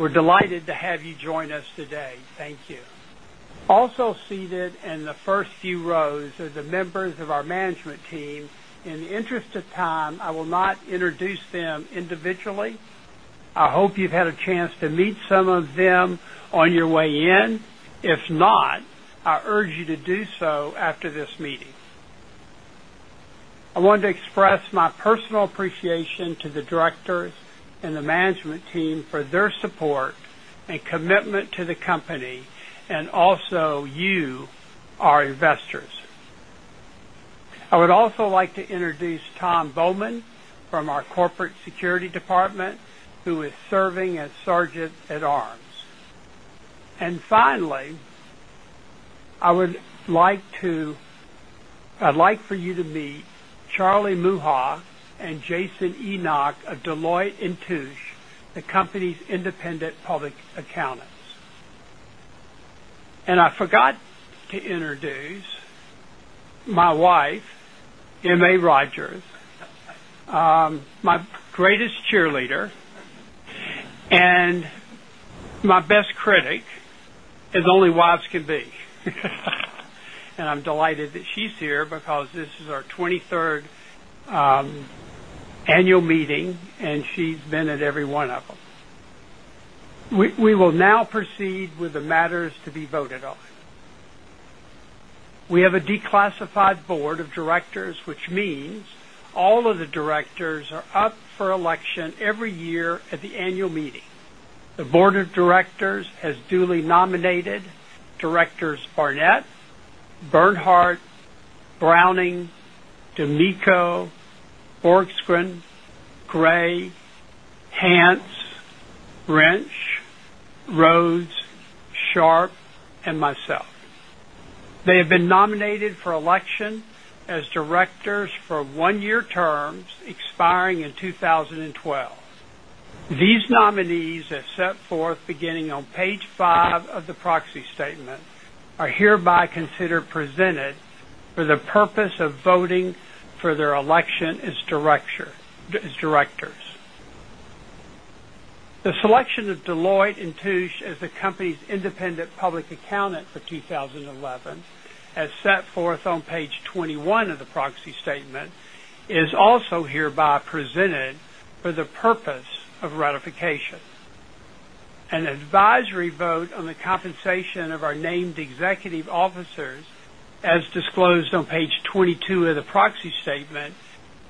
We're delighted to have you join us today. Thank you. Also seated in the first few rows are the members of our management team. In the interest of time, I will not introduce them individually. I hope you've had a chance to meet some of them on your way in. If not, I urge you to do so after this meeting. I want to express my personal appreciation to the directors and the management team for their support and commitment to the company, and also you, our investors. I would also like to introduce Tom Bowman from our Corporate Security Department, who is serving as Sergeant at Arms. Finally, I would like for you to meet Charlie Muha and Jason Enoch of Deloitte & Touche, the company's independent public accountant. I forgot to introduce my wife, Emma Rogers, my greatest cheerleader, and my best critic, as only wives can be. I'm delighted that she's here because this is our 23rd annual meeting, and she's been at every one of them. We will now proceed with the matters to be voted on. We have a declassified board of directors, which means all of the directors are up for election every year at the annual meeting. The board of directors has duly nominated Directors Barnett, Bernhard, Browning, DiMicco, Forsgren, Gray, Hanks, Brinch, Rose, Sharpe, and myself. They have been nominated for election as directors for one-year terms expiring in 2012. These nominees, except for beginning on page five of the proxy statement, are hereby considered presented for the purpose of voting for their election as directors. The selection of Deloitte & Touche as the company's independent public accountant for 2011, as set forth on page 21 of the proxy statement, is also hereby presented for the purpose of ratification. An advisory vote on the compensation of our named executive officers, as disclosed on page 22 of the proxy statement,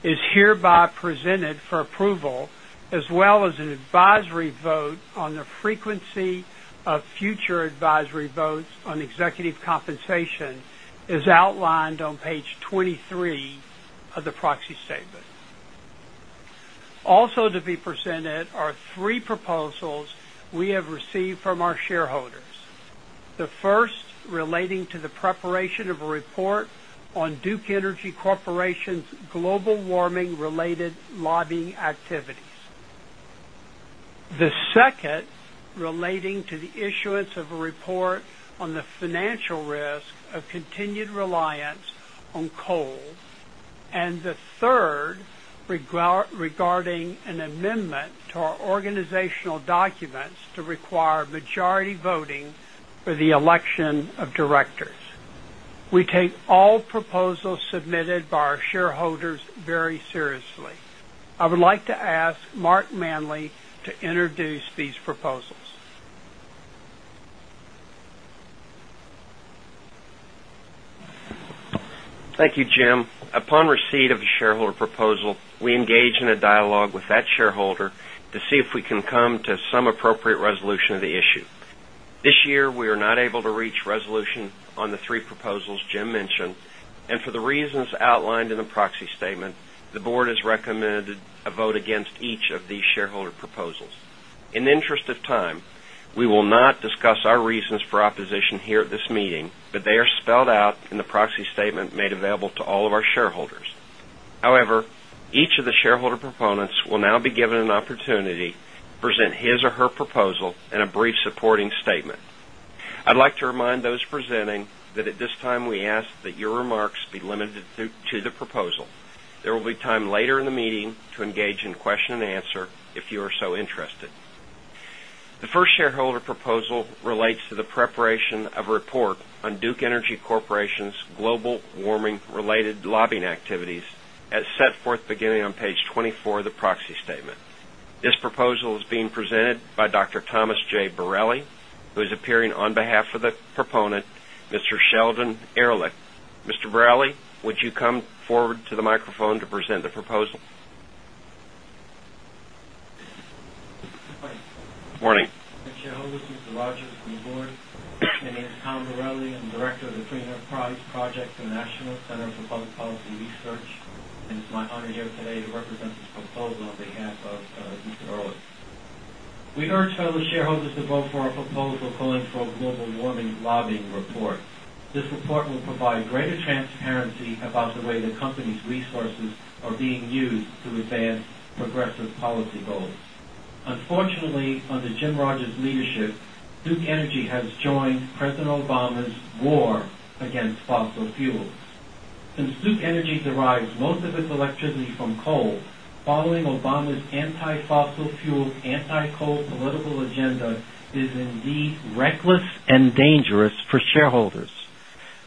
is hereby presented for approval, as well as an advisory vote on the frequency of future advisory votes on executive compensation, as outlined on page 23 of the proxy statement. Also to be presented are three proposals we have received from our shareholders. The first relating to the preparation of a report on Duke Energy's global warming-related lobbying activities. The second relating to the issuance of a report on the financial risk of continued reliance on coal, and the third regarding an amendment to our organizational documents to require majority voting for the election of directors. We take all proposals submitted by our shareholders very seriously. I would like to ask Marc Manly to introduce these proposals. Thank you, Jim. Upon receipt of a shareholder proposal, we engage in a dialogue with that shareholder to see if we can come to some appropriate resolution of the issue. This year, we were not able to reach resolution on the three proposals Jim mentioned, and for the reasons outlined in the proxy statement, the board has recommended a vote against each of these shareholder proposals. In the interest of time, we will not discuss our reasons for opposition here at this meeting, but they are spelled out in the proxy statement made available to all of our shareholders. However, each of the shareholder proponents will now be given an opportunity to present his or her proposal and a brief supporting statement. I'd like to remind those presenting that at this time we ask that your remarks be limited to the proposal. There will be time later in the meeting to engage in question and answer if you are so interested. The first shareholder proposal relates to the preparation of a report on Duke Energy's global warming-related lobbying activities, as set forth beginning on page 24 of the proxy statement. This proposal is being presented by Dr. Thomas J. Borelli, who is appearing on behalf of the proponent, Mr. Shelton Ehrlich. Mr. Borelli, would you come forward to the microphone to present the proposal? Morning. Shareholders, Mr. Rogers, the Board. My name is Dr. Thomas J. Borelli. I'm the Director of the Freedom of Pride Projects, National Center for Public Policy Research. It is my honor here today to represent our proposal on behalf of Mr. Shelton Ehrlich. We dare to tell the shareholders to vote for our proposal calling for a global warming lobbying report. This report will provide greater transparency about the way the company's resources are being used to within progressive policy goals. Unfortunately, under Jim Rogers' leadership, Duke Energy has joined President Obama's war against fossil fuels. Since Duke Energy derives most of its electricity from coal, following Obama's anti-fossil fuel, anti-coal political agenda is indeed reckless and dangerous for shareholders.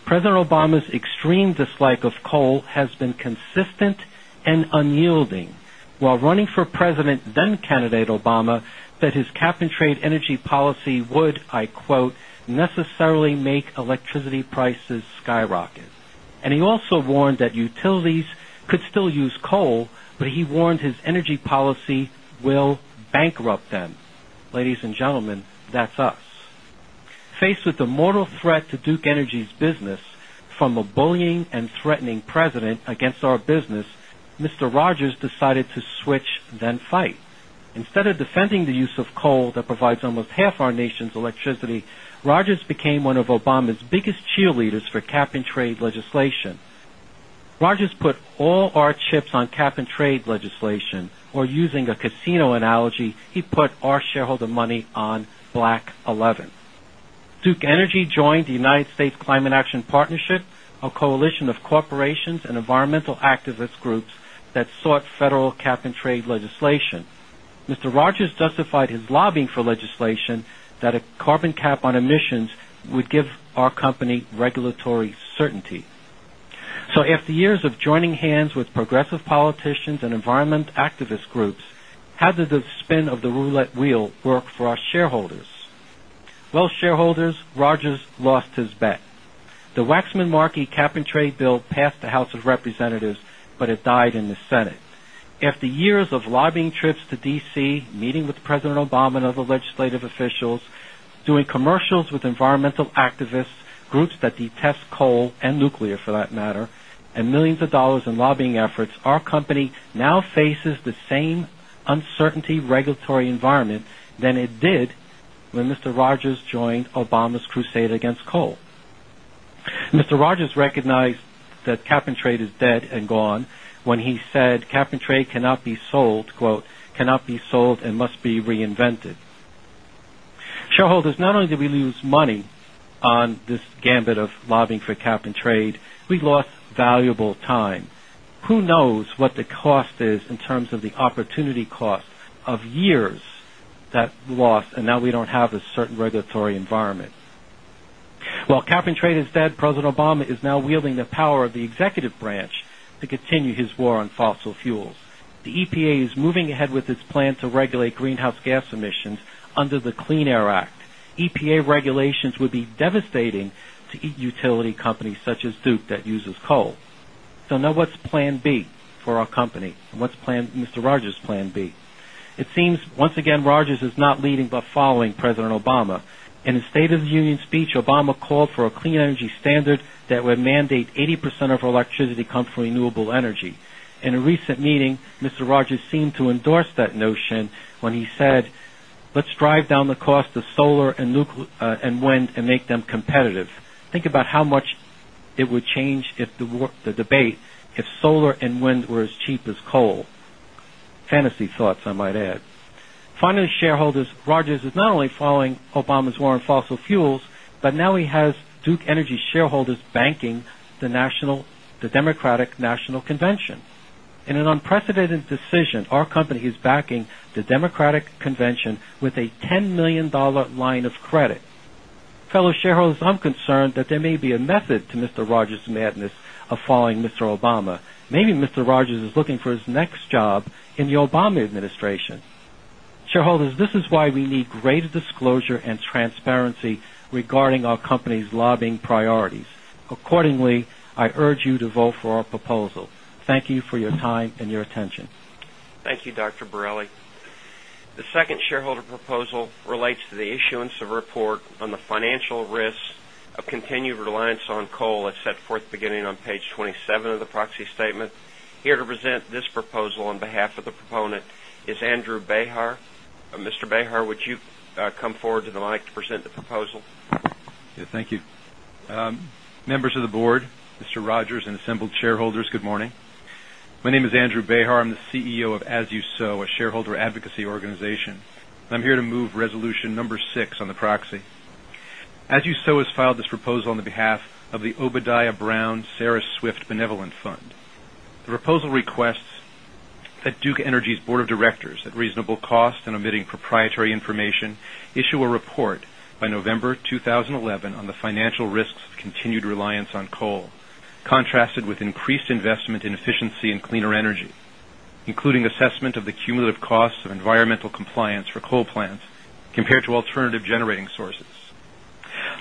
President Obama's extreme dislike of coal has been consistent and unyielding. While running for president, then candidate Obama said his cap-and-trade energy policy would, I quote, "necessarily make electricity prices skyrocket." He also warned that utilities could still use coal, but he warned his energy policy will bankrupt them. Ladies and gentlemen, that's us. Faced with the mortal threat to Duke Energy's business from a bullying and threatening president against our business, Mr. Rogers decided to switch then fight. Instead of defending the use of coal that provides almost half our nation's electricity, Rogers became one of Obama's biggest cheerleaders for cap-and-trade legislation. Rogers put all our chips on cap-and-trade legislation, or using a casino analogy, he put our shareholder money on Black 11. Duke Energy joined the United States Climate Action Partnership, a coalition of corporations and environmental activist groups that sought federal cap-and-trade legislation. Mr. Rogers justified his lobbying for legislation that a carbon cap on emissions would give our company regulatory certainty. After years of joining hands with progressive politicians and environmental activist groups, how did the spin of the roulette wheel work for our shareholders? Rogers lost his bet. The Waxman-Markey cap-and-trade bill passed the House of Representatives, but it died in the Senate. After years of lobbying trips to D.C., meeting with President Obama and other legislative officials, doing commercials with environmental activists, groups that detest coal and nuclear for that matter, and millions of dollars in lobbying efforts, our company now faces the same uncertain regulatory environment that it did when Mr. Rogers joined Obama's crusade against coal. Mr. Rogers recognized that cap-and-trade is dead and gone when he said cap-and-trade cannot be sold, quote, "cannot be sold and must be reinvented." Shareholders, not only did we lose money on this gambit of lobbying for cap-and-trade, we lost valuable time. Who knows what the cost is in terms of the opportunity cost of years that lost, and now we don't have a certain regulatory environment. While cap-and-trade is dead, President Obama is now wielding the power of the executive branch to continue his war on fossil fuels. The EPA is moving ahead with its plan to regulate greenhouse gas emissions under the Clean Air Act. EPA regulations would be devastating to utility companies such as Duke that use coal. Now what's plan B for our company? What's plan, Mr. Rogers, plan B? It seems once again Rogers is not leading, but following President Obama. In his State of the Union speech, Obama called for a clean energy standard that would mandate 80% of our electricity comes from renewable energy. In a recent meeting, Mr. Rogers seemed to endorse that notion when he said, "Let's drive down the cost of solar and wind and make them competitive." Think about how much it would change if the debate, if solar and wind were as cheap as coal. Fantasy thoughts, I might add. Finally, shareholders, Rogers is not only following Obama's war on fossil fuels, but now he has Duke Energy shareholders banking the Democratic National Convention. In an unprecedented decision, our company is backing the Democratic Convention with a $10 million line of credit. Fellow shareholders, I'm concerned that there may be a method to Mr. Rogers' madness of following Mr. Obama. Maybe Mr. Rogers is looking for his next job in the Obama administration. Shareholders, this is why we need greater disclosure and transparency regarding our company's lobbying priorities. Accordingly, I urge you to vote for our proposal. Thank you for your time and your attention. Thank you, Dr. Borelli. The second shareholder proposal relates to the issuance of a report on the financial risks of continued reliance on coal as set forth beginning on page 27 of the proxy statement. Here to present this proposal on behalf of the proponent is Andrew Behar. Mr. Behar, would you come forward to the mic to present the proposal? Yeah, thank you. Members of the Board, Mr. Rogers, and assembled shareholders, good morning. My name is Andrew Behar. I'm the CEO of As You Sow, a shareholder advocacy organization. I'm here to move resolution number six on the proxy. As You Sow has filed this proposal on behalf of the Obadiah Brown, Sarah Swift Benevolent Fund. The proposal requests that Duke Energy's Board of Directors, at reasonable cost and omitting proprietary information, issue a report by November 2011 on the financial risks of continued reliance on coal, contrasted with increased investment in efficiency and cleaner energy, including assessment of the cumulative costs of environmental compliance for coal plants compared to alternative generating sources.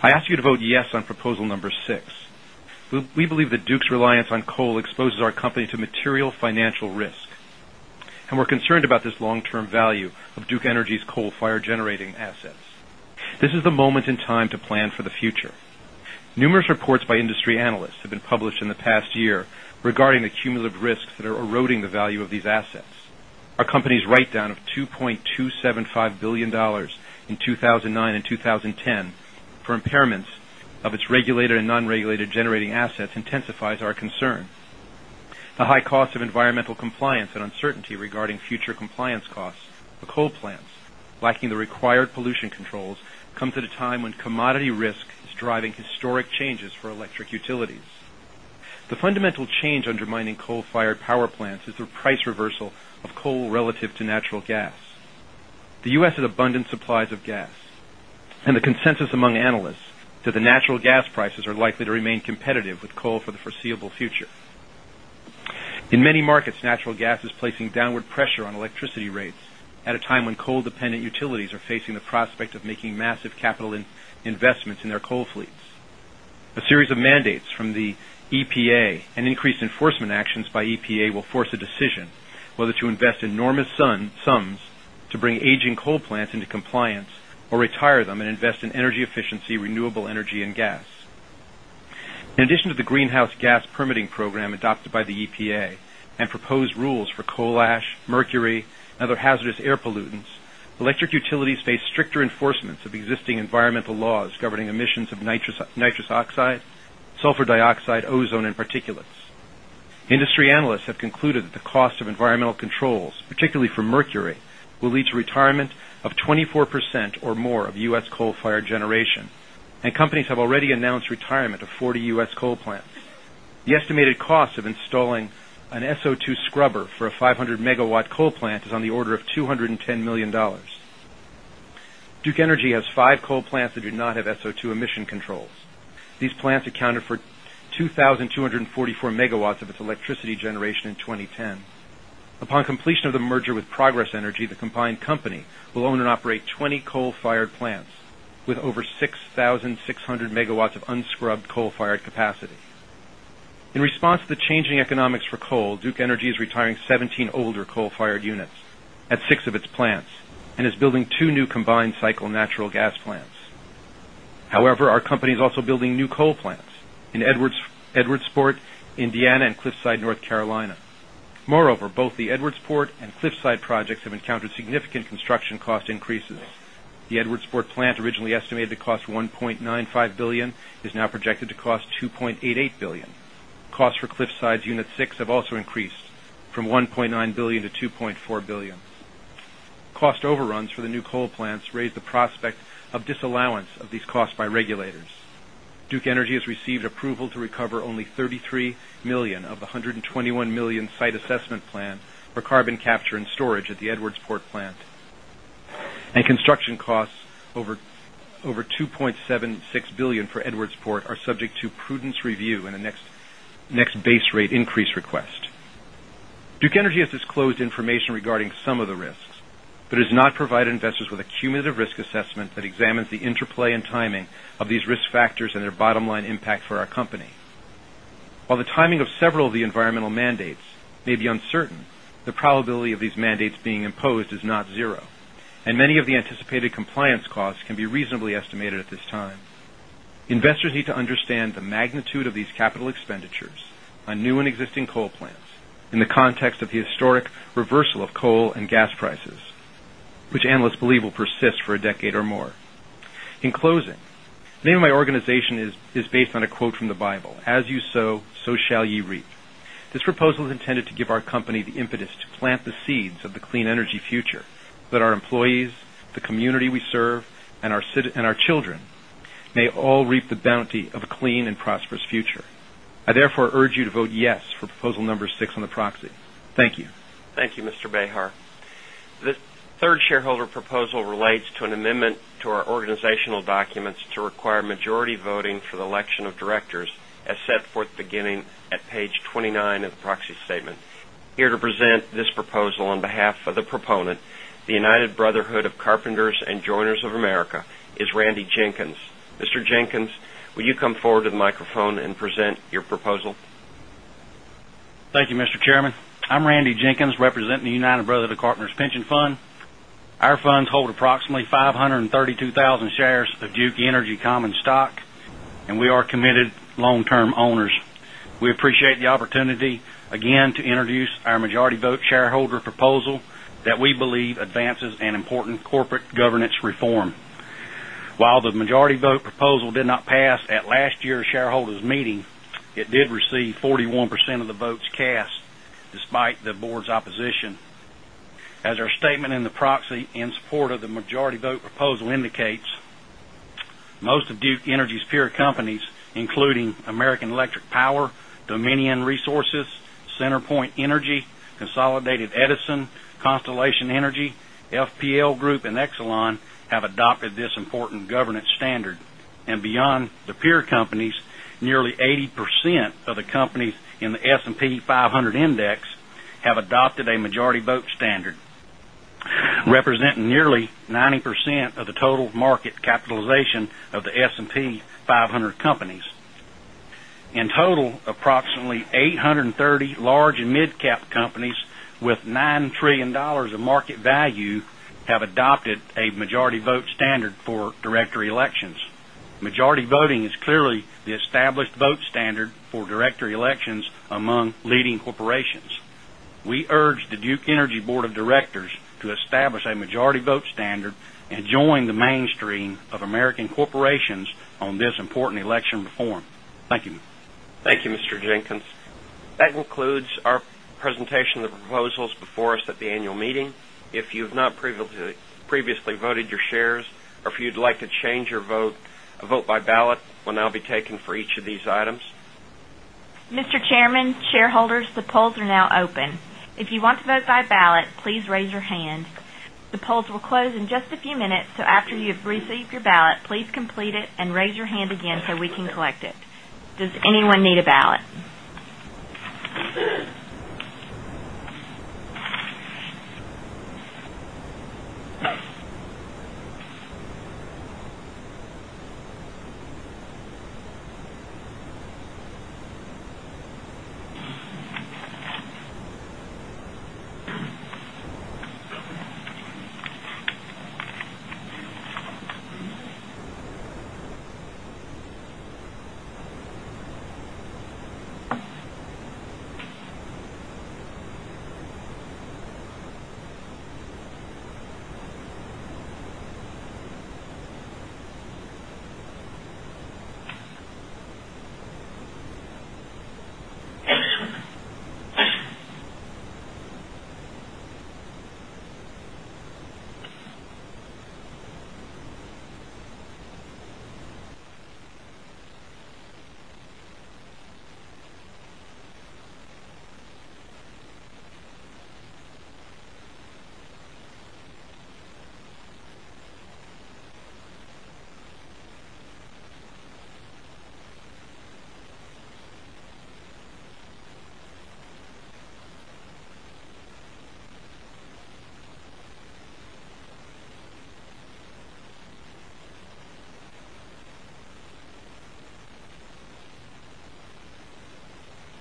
I ask you to vote yes on proposal number six. We believe that Duke's reliance on coal exposes our company to material financial risk, and we're concerned about this long-term value of Duke Energy's coal-fired generating assets. This is the moment in time to plan for the future. Numerous reports by industry analysts have been published in the past year regarding the cumulative risks that are eroding the value of these assets. Our company's write-down of $2.275 billion in 2009 and 2010 for impairments of its regulated and non-regulated generating assets intensifies our concern. The high cost of environmental compliance and uncertainty regarding future compliance costs of coal plants, lacking the required pollution controls, come at a time when commodity risk is driving historic changes for electric utilities. The fundamental change undermining coal-fired power plants is the price reversal of coal relative to natural gas. The U.S. has abundant supplies of gas, and the consensus among analysts is that natural gas prices are likely to remain competitive with coal for the foreseeable future. In many markets, natural gas is placing downward pressure on electricity rates at a time when coal-dependent utilities are facing the prospect of making massive capital investments in their coal fleets. A series of mandates from the EPA and increased enforcement actions by EPA will force a decision whether to invest enormous sums to bring aging coal plants into compliance or retire them and invest in energy efficiency, renewable energy, and gas. In addition to the greenhouse gas permitting program adopted by the EPA and proposed rules for coal ash, mercury, and other hazardous air pollutants, electric utilities face stricter enforcements of existing environmental laws governing emissions of nitrous oxide, sulfur dioxide, ozone, and particulates. Industry analysts have concluded that the cost of environmental controls, particularly for mercury, will lead to the retirement of 24% or more of U.S. coal-fired generation, and companies have already announced the retirement of 40 U.S. coal plants. The estimated cost of installing an SO2 scrubber for a 500 MW coal plant is on the order of $210 million. Duke Energy has five coal plants that do not have SO2 emission controls. These plants accounted for 2,244 MW of its electricity generation in 2010. Upon completion of the merger with Progress Energy, the combined company will own and operate 20 coal-fired plants with over 6,600 MW of unscrubbed coal-fired capacity. In response to the changing economics for coal, Duke Energy is retiring 17 older coal-fired units at six of its plants and is building two new combined cycle natural gas plants. However, our company is also building new coal plants in Edwardsport, Indiana, and Cliffside, North Carolina. Moreover, both the Edwardsport and Cliffside projects have encountered significant construction cost increases. The Edwardsport plant, originally estimated to cost $1.95 billion, is now projected to cost $2.88 billion. Costs for Cliffside's unit six have also increased from $1.9 billion to $2.4 billion. Cost overruns for the new coal plants raise the prospect of disallowance of these costs by regulators. Duke Energy has received approval to recover only $33 million of the $121 million site assessment plan for carbon capture and storage at the Edwardsport plant, and construction costs over $2.76 billion for Edwardsport are subject to prudence review in the next base rate increase request. Duke Energy has disclosed information regarding some of the risks, but has not provided investors with a cumulative risk assessment that examines the interplay and timing of these risk factors and their bottom-line impact for our company. While the timing of several of the environmental mandates may be uncertain, the probability of these mandates being imposed is not zero, and many of the anticipated compliance costs can be reasonably estimated at this time. Investors need to understand the magnitude of these capital expenditures on new and existing coal plants in the context of the historic reversal of coal and gas prices, which analysts believe will persist for a decade or more. In closing, the name of my organization is based on a quote from the Bible: "As you sow, so shall ye reap." This proposal is intended to give our company the impetus to plant the seeds of the clean energy future, that our employees, the community we serve, and our children may all reap the bounty of a clean and prosperous future. I therefore urge you to vote yes for proposal number six on the proxy. Thank you. Thank you, Mr. Behar. The third shareholder proposal relates to an amendment to our organizational documents to require majority voting for the election of directors, as set forth beginning at page 29 of the proxy statement. Here to present this proposal on behalf of the proponent, the United Brotherhood of Carpenters and Joiners of America, is Randy Jenkins. Mr. Jenkins, will you come forward to the microphone and present your proposal? Thank you, Mr. Chairman. I'm Randy Jenkins, representing the United Brotherhood of Carpenters Pension Fund. Our funds hold approximately 532,000 shares of Duke Energy common stock, and we are committed long-term owners. We appreciate the opportunity, again, to introduce our majority vote shareholder proposal that we believe advances an important corporate governance reform. While the majority vote proposal did not pass at last year's shareholders' meeting, it did receive 41% of the votes cast despite the board's opposition. As our statement in the proxy in support of the majority vote proposal indicates, most of Duke Energy's peer companies, including American Electric Power, Dominion Resources, CenterPoint Energy, Consolidated Edison, Constellation Energy, FPL Group, and Exelon, have adopted this important governance standard. Beyond the peer companies, nearly 80% of the companies in the S&P 500 index have adopted a majority vote standard, representing nearly 90% of the total market capitalization of the S&P 500 companies. In total, approximately 830 large and mid-cap companies with $9 trillion of market value have adopted a majority vote standard for director elections. Majority voting is clearly the established vote standard for director elections among leading corporations. We urge the Duke Energy Board of Directors to establish a majority vote standard and join the mainstream of American corporations on this important election reform. Thank you. Thank you, Mr. Jenkins. That concludes our presentation of the proposals before us at the annual meeting. If you have not previously voted your shares or if you'd like to change your vote, a vote by ballot will now be taken for each of these items. Mr. Chairman, shareholders, the polls are now open. If you want to vote by ballot, please raise your hand. The polls will close in just a few minutes. After you've received your ballot, please complete it and raise your hand again so we can collect it. Does anyone need a ballot?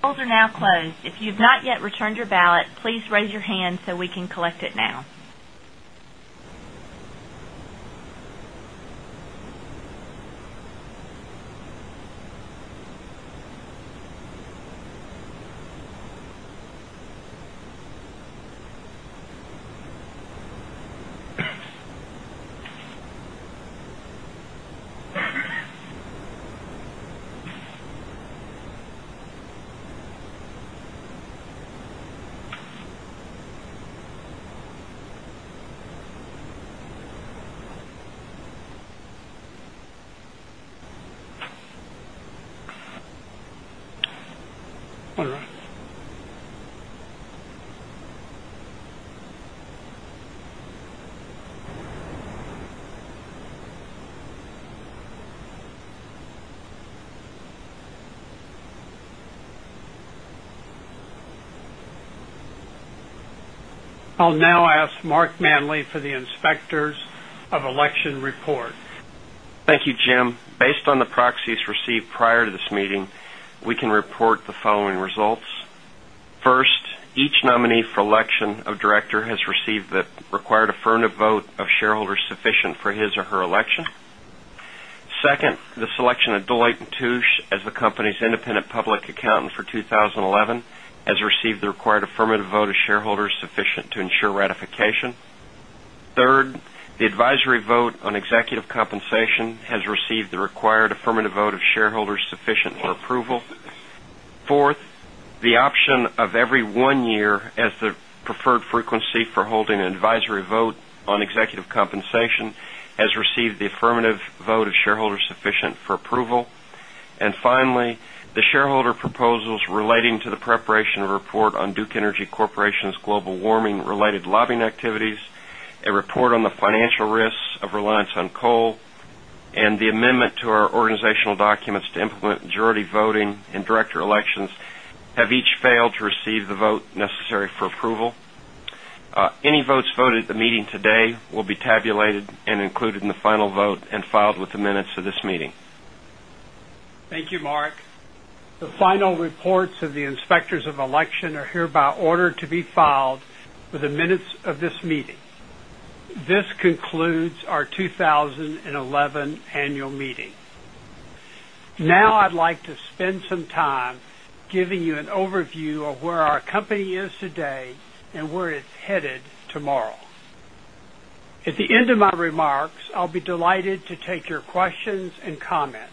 Polls are now closed. If you have not yet returned your ballot, please raise your hand so we can collect it now. I'll now ask Marc Manly for the Inspectors of Election report. Thank you, Jim. Based on the proxies received prior to this meeting, we can report the following results. First, each nominee for election of director has received the required affirmative vote of shareholders sufficient for his or her election. Second, the selection of Deloitte & Touche as the company's independent public accountant for 2011 has received the required affirmative vote of shareholders sufficient to ensure ratification. Third, the advisory vote on executive compensation has received the required affirmative vote of shareholders sufficient for approval. Fourth, the option of every one year as the preferred frequency for holding an advisory vote on executive compensation has received the affirmative vote of shareholders sufficient for approval. Finally, the shareholder proposals relating to the preparation of a report on Duke Energy Corporation's global warming-related lobbying activities, a report on the financial risks of reliance on coal, and the amendment to our organizational documents to implement majority voting in director elections have each failed to receive the vote necessary for approval. Any votes voted at the meeting today will be tabulated and included in the final vote and filed with the minutes of this meeting. Thank you, Marc. The final reports of the inspectors of election are hereby ordered to be filed with the minutes of this meeting. This concludes our 2011 annual meeting. Now I'd like to spend some time giving you an overview of where our company is today and where it's headed tomorrow. At the end of my remarks, I'll be delighted to take your questions and comments.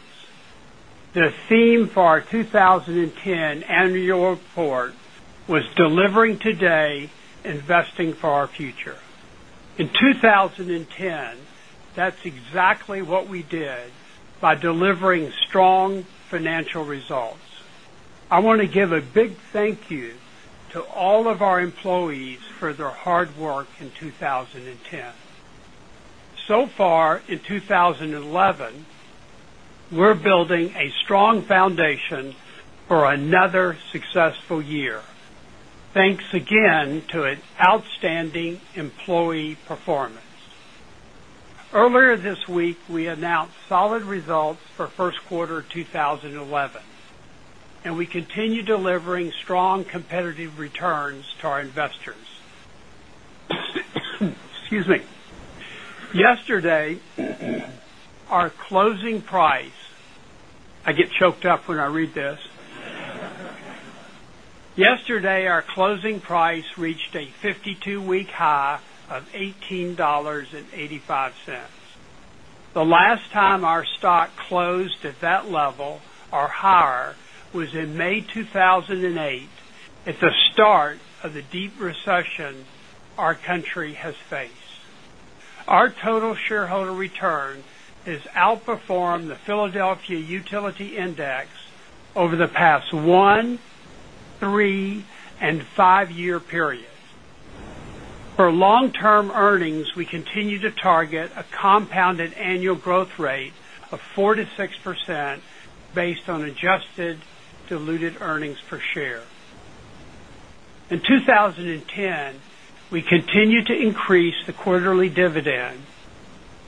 The theme for our 2010 annual report was delivering today, investing for our future. In 2010, that's exactly what we did by delivering strong financial results. I want to give a big thank you to all of our employees for their hard work in 2010. So far, in 2011, we're building a strong foundation for another successful year. Thanks again to an outstanding employee performance. Earlier this week, we announced solid results for first quarter of 2011, and we continue delivering strong competitive return to our investors. Excuse me. Yesterday, our closing price, I get choked up when I read this. Yesterday, our closing price reached a 52-week high of $18.85. The last time our stock closed at that level or higher was in May 2008. It's the start of the deep recession our country has faced. Our total shareholder return has outperformed the Philadelphia Utility Index over the past one, three, and five-year periods. For long-term earnings, we continue to target a compounded annual growth rate of 4%-6% based on adjusted diluted earnings per share. In 2010, we continued to increase the quarterly dividend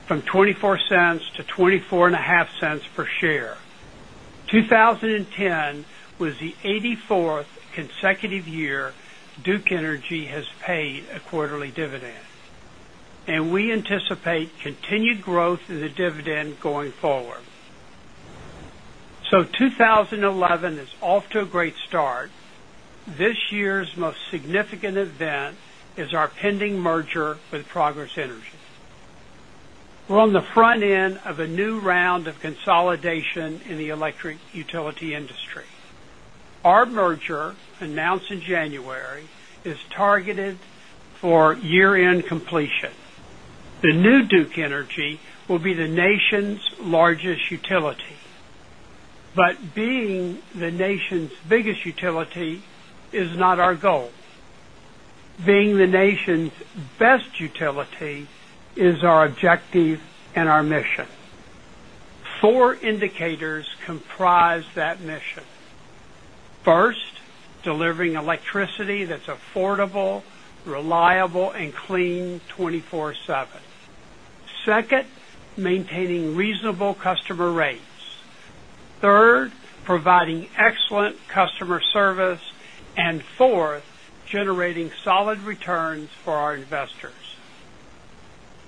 from $0.24-$0.2450 per share. 2010 was the 84th consecutive year Duke Energy has paid a quarterly dividend, and we anticipate continued growth in the dividend going forward. 2011 is off to a great start. This year's most significant event is our pending merger with Progress Energy. We're on the front end of a new round of consolidation in the electric utility industry. Our merger, announced in January, is targeted for year-end completion. The new Duke Energy will be the nation's largest utility, but being the nation's biggest utility is not our goal. Being the nation's best utility is our objective and our mission. Four indicators comprise that mission. First, delivering electricity that's affordable, reliable, and clean 24/7. Second, maintaining reasonable customer rates. Third, providing excellent customer service. Fourth, generating solid returns for our investors.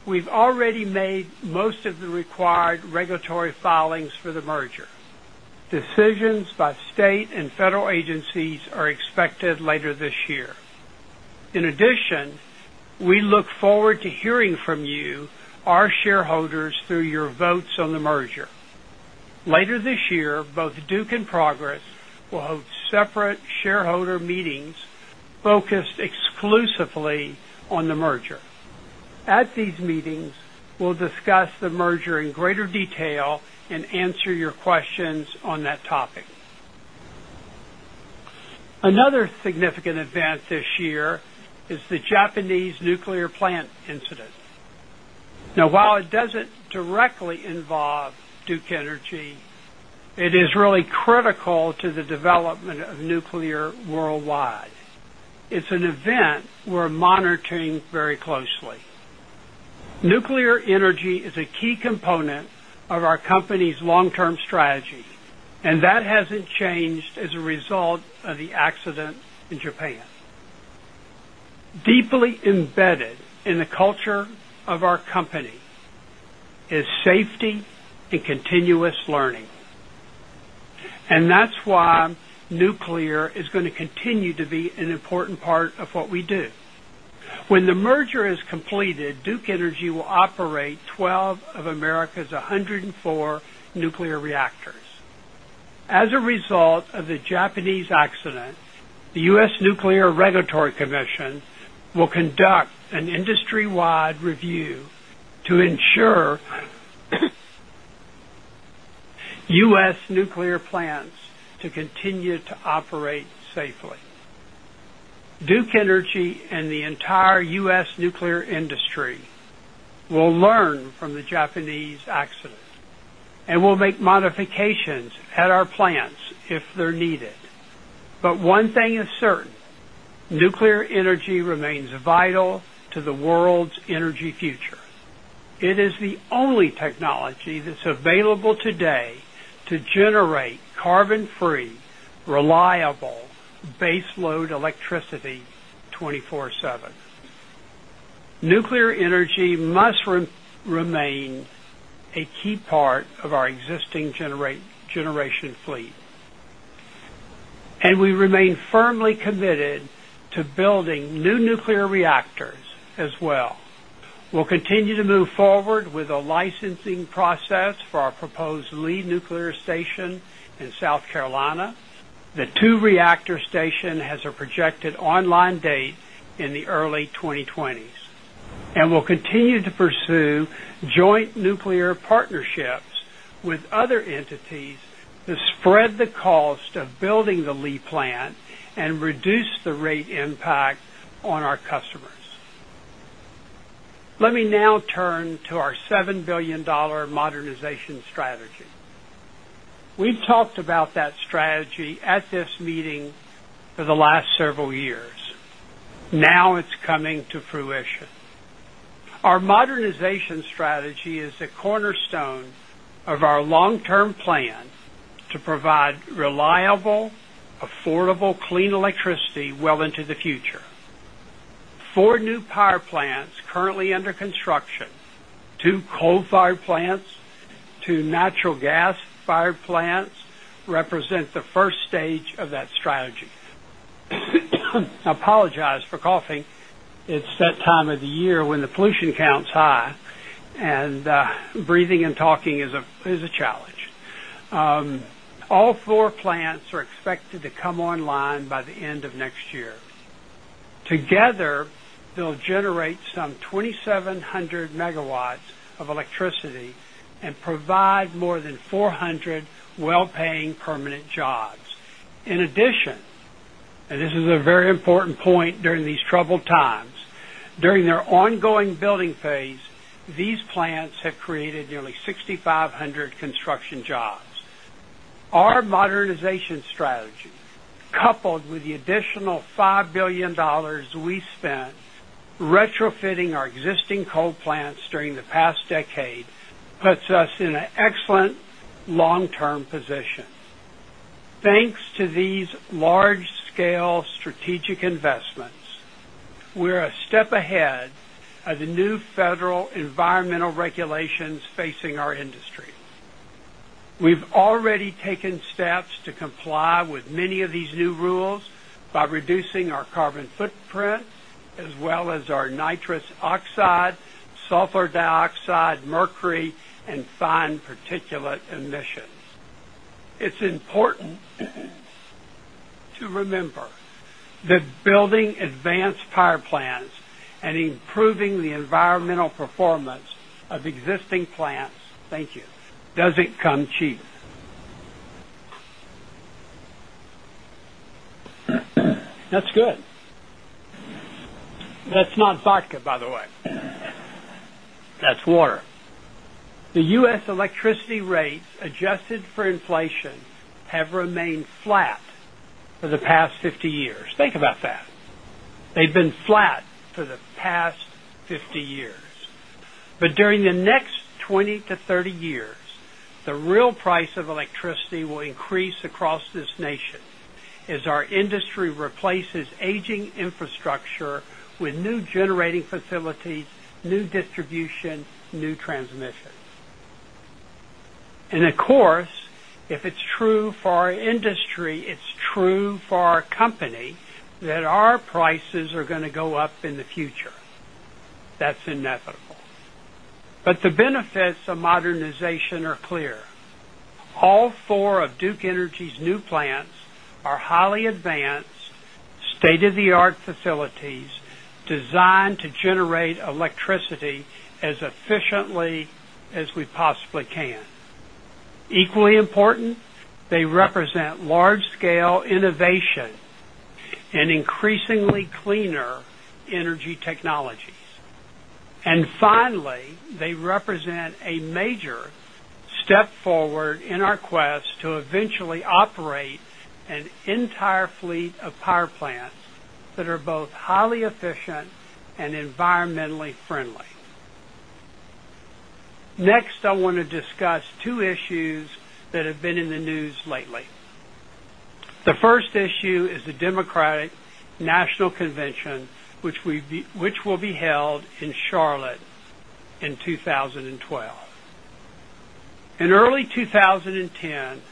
We've already made most of the required regulatory filings for the merger. Decisions by state and federal agencies are expected later this year. In addition, we look forward to hearing from you, our shareholders, through your votes on the merger. Later this year, both Duke and Progress will have separate shareholder meetings focused exclusively on the merger. At these meetings, we'll discuss the merger in greater detail and answer your questions on that topic. Another significant event this year is the Japanese nuclear plant incident. Now, while it doesn't directly involve Duke Energy, it is really critical to the development of nuclear worldwide. It's an event we're monitoring very closely. Nuclear energy is a key component of our company's long-term strategy, and that hasn't changed as a result of the accidents in Japan. Deeply embedded in the culture of our company is safety and continuous learning. That's why nuclear is going to continue to be an important part of what we do. When the merger is completed, Duke Energy will operate 12 of America's 104 nuclear reactors. As a result of the Japanese accident, the U.S. Nuclear Regulatory Commission will conduct an industry-wide review to ensure U.S. nuclear plants continue to operate safely. Duke Energy and the entire U.S. nuclear industry will learn from the Japanese accidents and will make modifications at our plants if they're needed. One thing is certain: nuclear energy remains vital to the world's energy future. It is the only technology that's available today to generate carbon-free, reliable baseload electricity 24/7. Nuclear energy must remain a key part of our existing generation fleet. We remain firmly committed to building new nuclear reactors as well. We'll continue to move forward with a licensing process for our proposed Lee Nuclear Station in South Carolina. The two-reactor station has a projected online date in the early 2020s. We'll continue to pursue joint nuclear partnerships with other entities to spread the cost of building the Lee plant and reduce the rate impact on our customers. Let me now turn to our $7 billion modernization strategy. We've talked about that strategy at this meeting for the last several years. Now it's coming to fruition. Our modernization strategy is the cornerstone of our long-term plans to provide reliable, affordable, clean electricity well into the future. Four new power plants currently under construction, two coal-fired plants, two natural gas-fired plants, represent the first stage of that strategy. I apologize for coughing. It's that time of the year when the pollution count's high, and breathing and talking is a challenge. All four plants are expected to come online by the end of next year. Together, they'll generate some 2,700 MW of electricity and provide more than 400 well-paying permanent jobs. In addition, and this is a very important point during these troubled times, during their ongoing building phase, these plants have created nearly 6,500 construction jobs. Our modernization strategy, coupled with the additional $5 billion we spent retrofitting our existing coal plants during the past decade, puts us in an excellent long-term position. Thanks to these large-scale strategic investments, we're a step ahead of the new federal environmental regulations facing our industries. We've already taken steps to comply with many of these new rules by reducing our carbon footprints, as well as our nitrous oxide, sulfur dioxide, mercury, and fine particulate emissions. It's important to remember that building advanced power plants and improving the environmental performance of existing plants, thank you, doesn't come cheap. That's good. That's not vodka, by the way. That's water. The U.S. electricity rates adjusted for inflation have remained flat for the past 50 years. Think about that. They've been flat for the past 50 years. During the next 20-30 years, the real price of electricity will increase across this nation as our industry replaces aging infrastructure with new generating facilities, new distribution, new transmissions. Of course, if it's true for our industry, it's true for our companies that our prices are going to go up in the future. That's inevitable. The benefits of modernization are clear. All four of Duke Energy's new plants are highly advanced, state-of-the-art facilities designed to generate electricity as efficiently as we possibly can. Equally important, they represent large-scale innovation and increasingly cleaner energy technologies. Finally, they represent a major step forward in our quest to eventually operate an entire fleet of power plants that are both highly efficient and environmentally friendly. Next, I want to discuss two issues that have been in the news lately. The first issue is the Democratic National Convention, which will be held in Charlotte in 2012. In early 2010,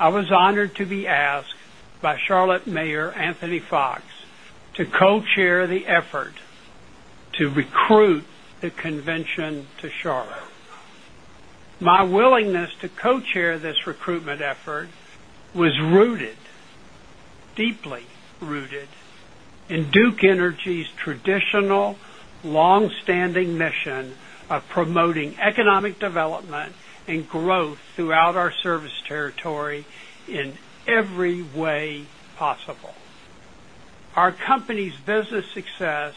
I was honored to be asked by Charlotte Mayor Anthony Foxx to co-chair the effort to recruit the convention to Charlotte. My willingness to co-chair this recruitment effort was rooted, deeply rooted in Duke Energy's traditional longstanding mission of promoting economic development and growth throughout our service territory in every way possible. Our company's business success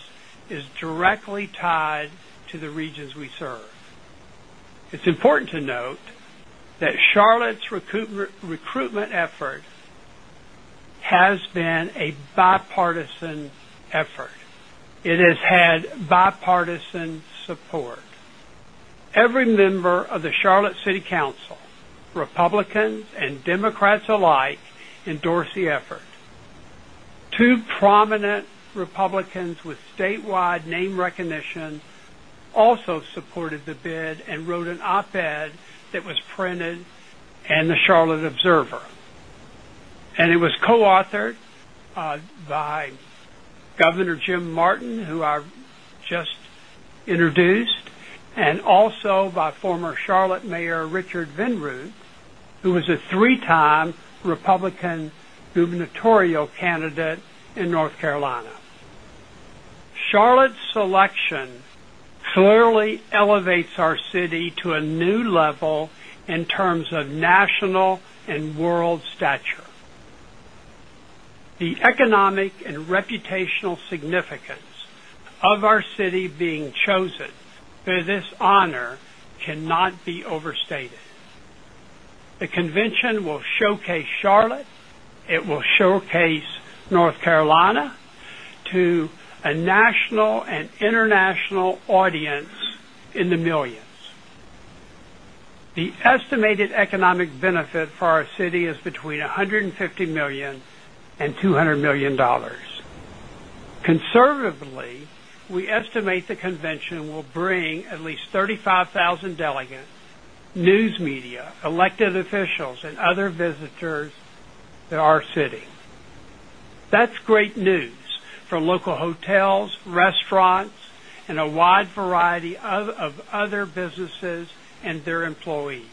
is directly tied to the regions we serve. It's important to note that Charlotte's recruitment efforts have been a bipartisan effort. It has had bipartisan support. Every member of the Charlotte City Council, Republicans, and Democrats alike, endorsed the effort. Two prominent Republicans with statewide name recognition also supported the bid and wrote an op-ed that was printed in the Charlotte Observer. It was co-authored by Governor Jim Martin, who I just introduced, and also by former Charlotte Mayor Richard Vinroot, who was a three-time Republican gubernatorial candidate in North Carolina. Charlotte's selection clearly elevates our city to a new level in terms of national and world stature. The economic and reputational significance of our city being chosen for this honor cannot be overstated. The convention will showcase Charlotte. It will showcase North Carolina to a national and international audience in the millions. The estimated economic benefit for our city is between $150 million and $200 million. Conservatively, we estimate the convention will bring at least 35,000 delegates, news media, elected officials, and other visitors to our city. That's great news for local hotels, restaurants, and a wide variety of other businesses and their employees.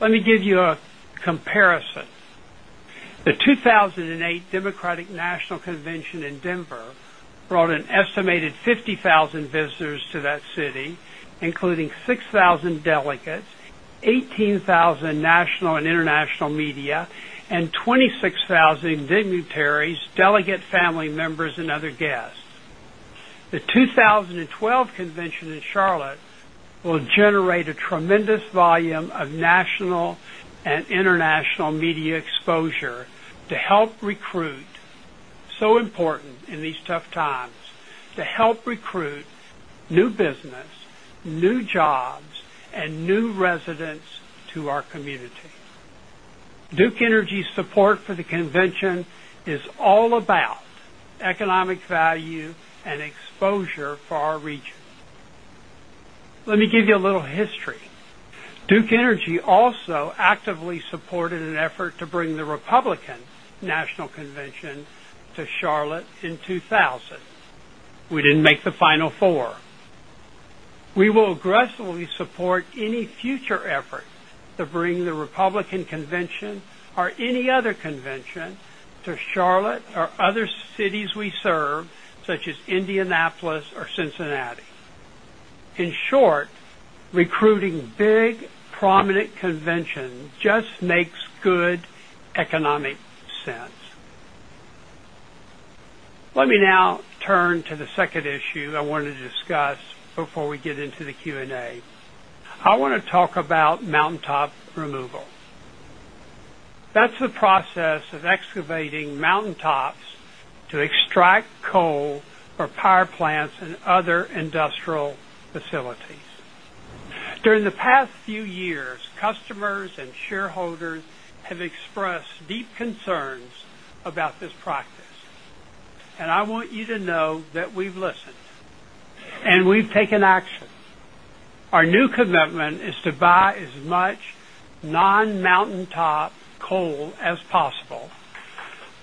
Let me give you a comparison. The 2008 Democratic National Convention in Denver brought an estimated 50,000 visitors to that city, including 6,000 delegates, 18,000 national and international media, and 26,000 dignitaries, delegate family members, and other guests. The 2012 convention in Charlotte will generate a tremendous volume of national and international media exposure to help recruit, so important in these tough times, to help recruit new business, new jobs, and new residents to our community. Duke Energy's support for the convention is all about economic value and exposure for our region. Let me give you a little history. Duke Energy also actively supported an effort to bring the Republican National Convention to Charlotte in 2000. We didn't make the final four. We will aggressively support any future effort to bring the Republican Convention or any other convention to Charlotte or other cities we serve, such as Indianapolis or Cincinnati. In short, recruiting big, prominent conventions just makes good economic sense. Let me now turn to the second issue I wanted to discuss before we get into the Q&A. I want to talk about mountaintop removal. That's the process of excavating mountaintops to extract coal for power plants and other industrial facilities. During the past few years, customers and shareholders have expressed deep concerns about this process. I want you to know that we've listened and we've taken action. Our new commitment is to buy as much non-mountaintop coal as possible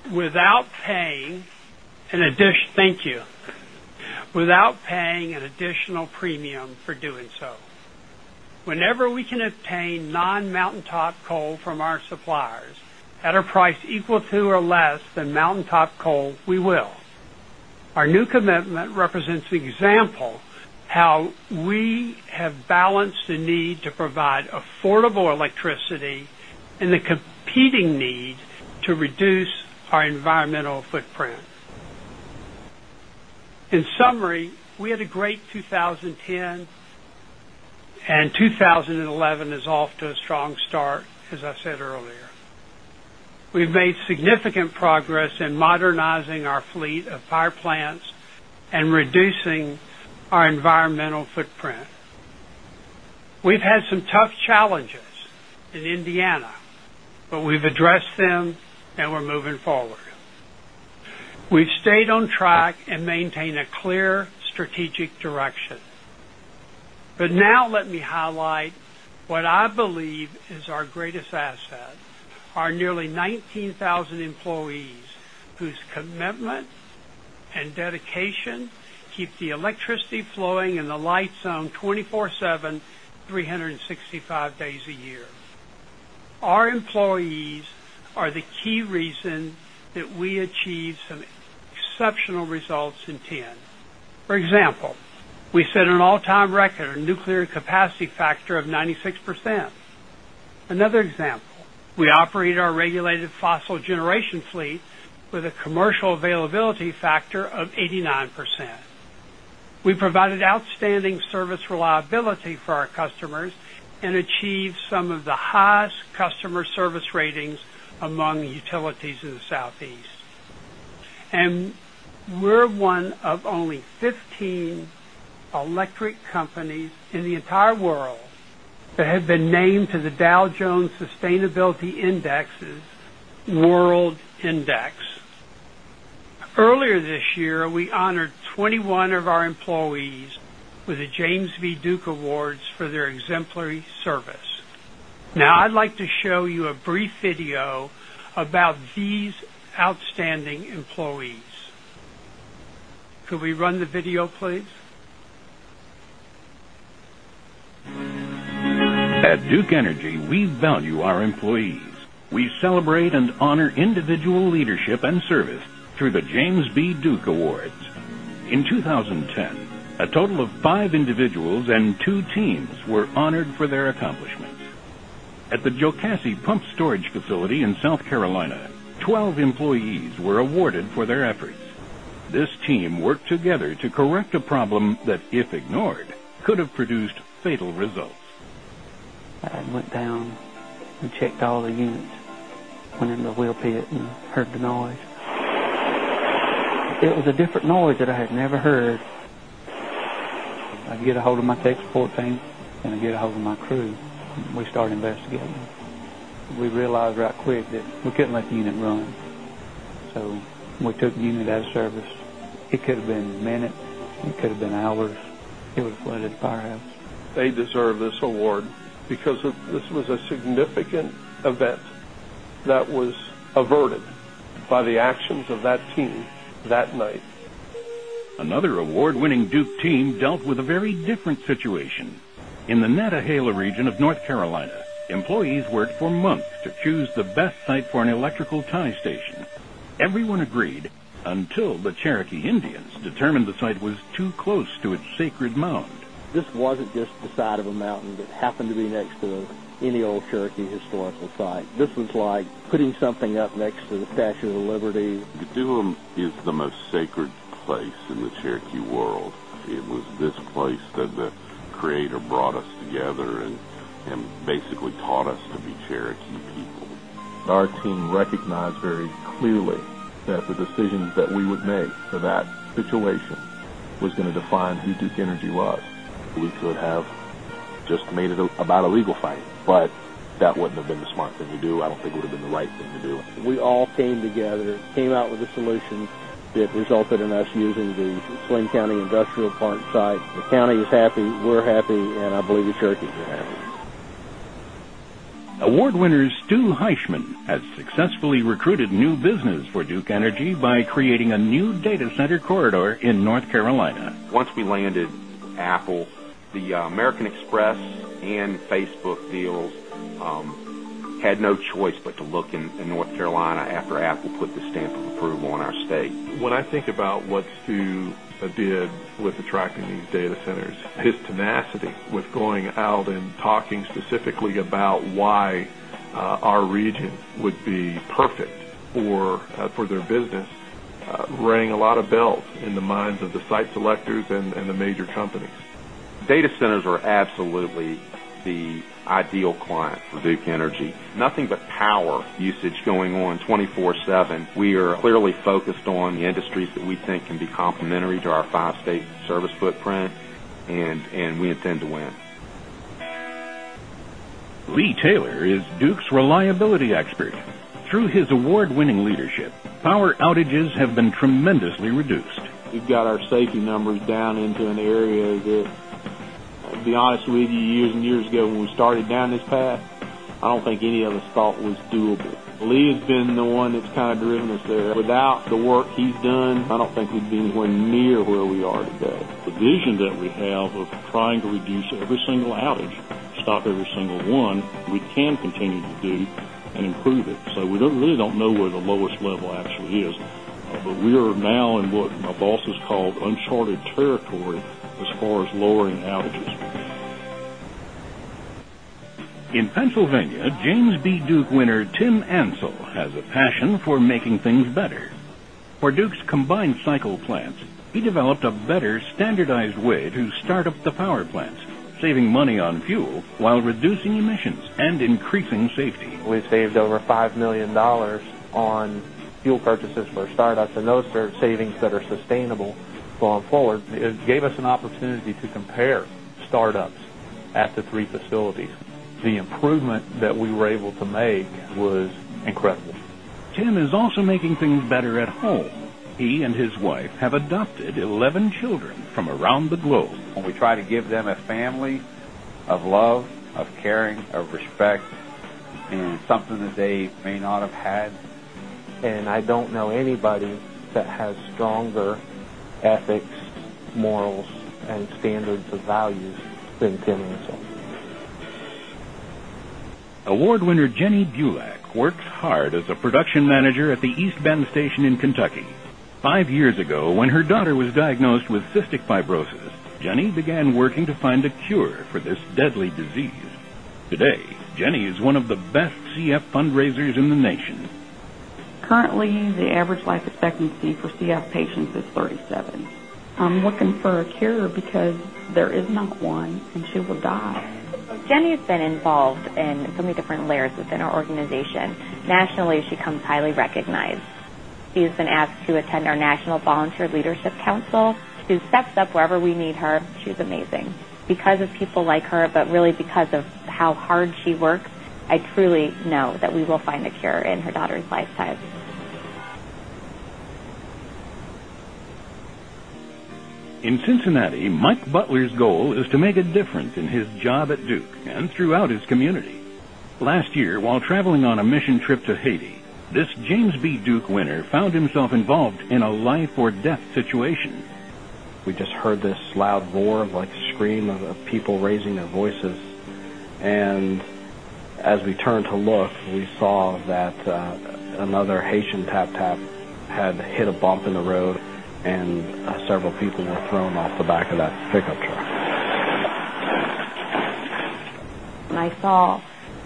without paying an additional premium for doing so. Whenever we can obtain non-mountaintop coal from our suppliers at a price equal to or less than mountaintop coal, we will. Our new commitment represents an example of how we have balanced the need to provide affordable electricity and the competing need to reduce our environmental footprint. In summary, we had a great 2010, and 2011 is off to a strong start, as I said earlier. We've made significant progress in modernizing our fleet of power plants and reducing our environmental footprint. We've had some tough challenges in Indiana, but we've addressed them and we're moving forward. We've stayed on track and maintained a clear strategic direction. Now let me highlight what I believe is our greatest asset: our nearly 19,000 employees whose commitment and dedication keep the electricity flowing in the light zone 24/7, 365 days a year. Our employees are the key reason that we achieved some exceptional results in 2010. For example, we set an all-time record in nuclear capacity factor of 96%. Another example, we operated our regulated fossil generation fleet with a commercial availability factor of 89%. We provided outstanding service reliability for our customers and achieved some of the highest customer service ratings among utilities in the Southeast. We're one of only 15 electric companies in the entire world that have been named to the Dow Jones Sustainability Index's World Index. Earlier this year, we honored 21 of our employees with the James V. Duke Awards for their exemplary service. Now, I'd like to show you a brief video about these outstanding employees. Could we run the video, please? At Duke Energy, we value our employees. We celebrate and honor individual leadership and service through the James B. Duke Awards. In 2010, a total of five individuals and two teams were honored for their accomplishments. At the Jocassee Pumped-Storage Facility in South Carolina, 12 employees were awarded for their efforts. This team worked together to correct a problem that, if ignored, could have produced fatal results. I looked down and checked all the units. I went in the wheel pit and heard the noise. It was a different noise that I had never heard. I get a hold of my tech support team, and I get a hold of my crew. We started investigating. We realized right quick that we couldn't let the unit run, so we took the unit out of service. It could have been minutes. It could have been hours. It would have flooded the power house. They deserve this award because this was a significant event that was averted by the actions of that team that night. Another award-winning Duke team dealt with a very different situation. In the Netta-Haylor region of North Carolina, employees worked for months to choose the best site for an electrical tie station. Everyone agreed until the Cherokee Indians determined the site was too close to its sacred mound. This wasn't just the side of a mountain that happened to be next to any old Cherokee historical site. This was like putting something up next to the Statue of Liberty. The Dune is the most sacred place in the Cherokee world. It was this place that the Creator brought us together and basically taught us to be Cherokee people. Our team recognized very clearly that the decision that we would make for that situation was going to define who Duke Energy was. We could have just made it about a legal fight, but that wouldn't have been the smart thing to do. I don't think it would have been the right thing to do. We all came together, came out with the solutions that resulted in us using the Flint County industrial plant site. The county is happy. We're happy. I believe the Cherokees are happy. Award winner Stu Heichmann has successfully recruited new business for Duke Energy by creating a new data center corridor in North Carolina. Once we landed Apple, the American Express and Facebook deals had no choice but to look in North Carolina after Apple put the stamp of approval on our state. When I think about what Stu did with attracting these data centers, his tenacity with going out and talking specifically about why our region would be perfect for their business rang a lot of bells in the minds of the site selectors and the major companies. Data centers are absolutely the ideal client for Duke Energy. Nothing but power usage going on 24/7. We are clearly focused on the industries that we think can be complementary to our five-state service footprint, and we intend to win. Lee Taylor is Duke Energy's reliability expert. Through his award-winning leadership, power outages have been tremendously reduced. He got our safety numbers down into an area that, to be honest with you, years and years ago when we started down this path, I don't think any of us thought was doable. Lee has been the one that's kind of driven us there. Without the work he's done, I don't think we'd be anywhere near where we are today. The vision that we have of trying to reduce every single outage, stop every single one, we can continue to do and improve it. We really don't know where the lowest level actually is, but we are now in what my bosses call uncharted territory as far as lowering outages. In Pennsylvania, James B. Duke winner Tim Ansel has a passion for making things better. For Duke Energy's combined cycle plants, he developed a better, standardized way to start up the power plants, saving money on fuel while reducing emissions and increasing safety. We saved over $5 million on fuel purchases for startups, and those were savings that are sustainable. Going forward, it gave us an opportunity to compare startups at the three facilities. The improvement that we were able to make was incredible. Tim is also making things better at home. He and his wife have adopted 11 children from around the globe. When we try to give them a family of love, of caring, of respect, and something that they may not have had. I don't know anybody that had stronger ethics, morals, and standards of value than Tim and myself. Award winner Jenny Bulak works hard as a Production Manager at the East Bend Station in Kentucky. Five years ago, when her daughter was diagnosed with cystic fibrosis, Jenny began working to find a cure for this deadly disease. Today, Jenny is one of the best CF fundraisers in the nation. Currently, the average life expectancy for CF patients is 37. I'm looking for a cure because there is not one, and she will die. Jenny has been involved in so many different layers within our organization. Nationally, she comes highly recognized. She has been asked to attend our National Volunteer Leadership Council. She steps up wherever we need her. She's amazing. Because of people like her, but really because of how hard she works, I truly know that we will find a cure in her daughter's lifetime. In Cincinnati, Mike Butler's goal is to make a difference in his job at Duke Energy and throughout his community. Last year, while traveling on a mission trip to Haiti, this James B. Duke winner found himself involved in a life-or-death situation. We just heard this loud roar, like a scream of people raising their voices. As we turned to look, we saw that another Haitian tap-tap had hit a bump in the road, and several people were thrown off the back of that pickup truck. I saw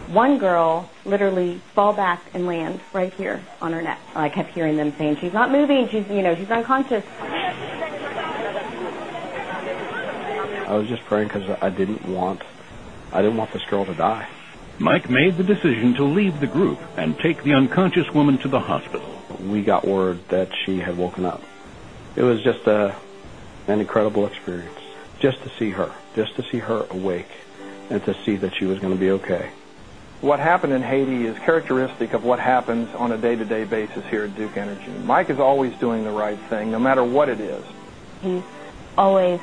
one girl literally fall back and land right here on her neck. I kept hearing them saying, "She's not moving. She's unconscious. I was just praying because I didn't want this girl to die. Mike made the decision to leave the group and take the unconscious woman to the hospital. We got word that she had woken up. It was just an incredible experience to see her, to see her awake and to see that she was going to be okay. What happened in Haiti is characteristic of what happens on a day-to-day basis here at Duke Energy. Mike is always doing the right thing, no matter what it is. He's always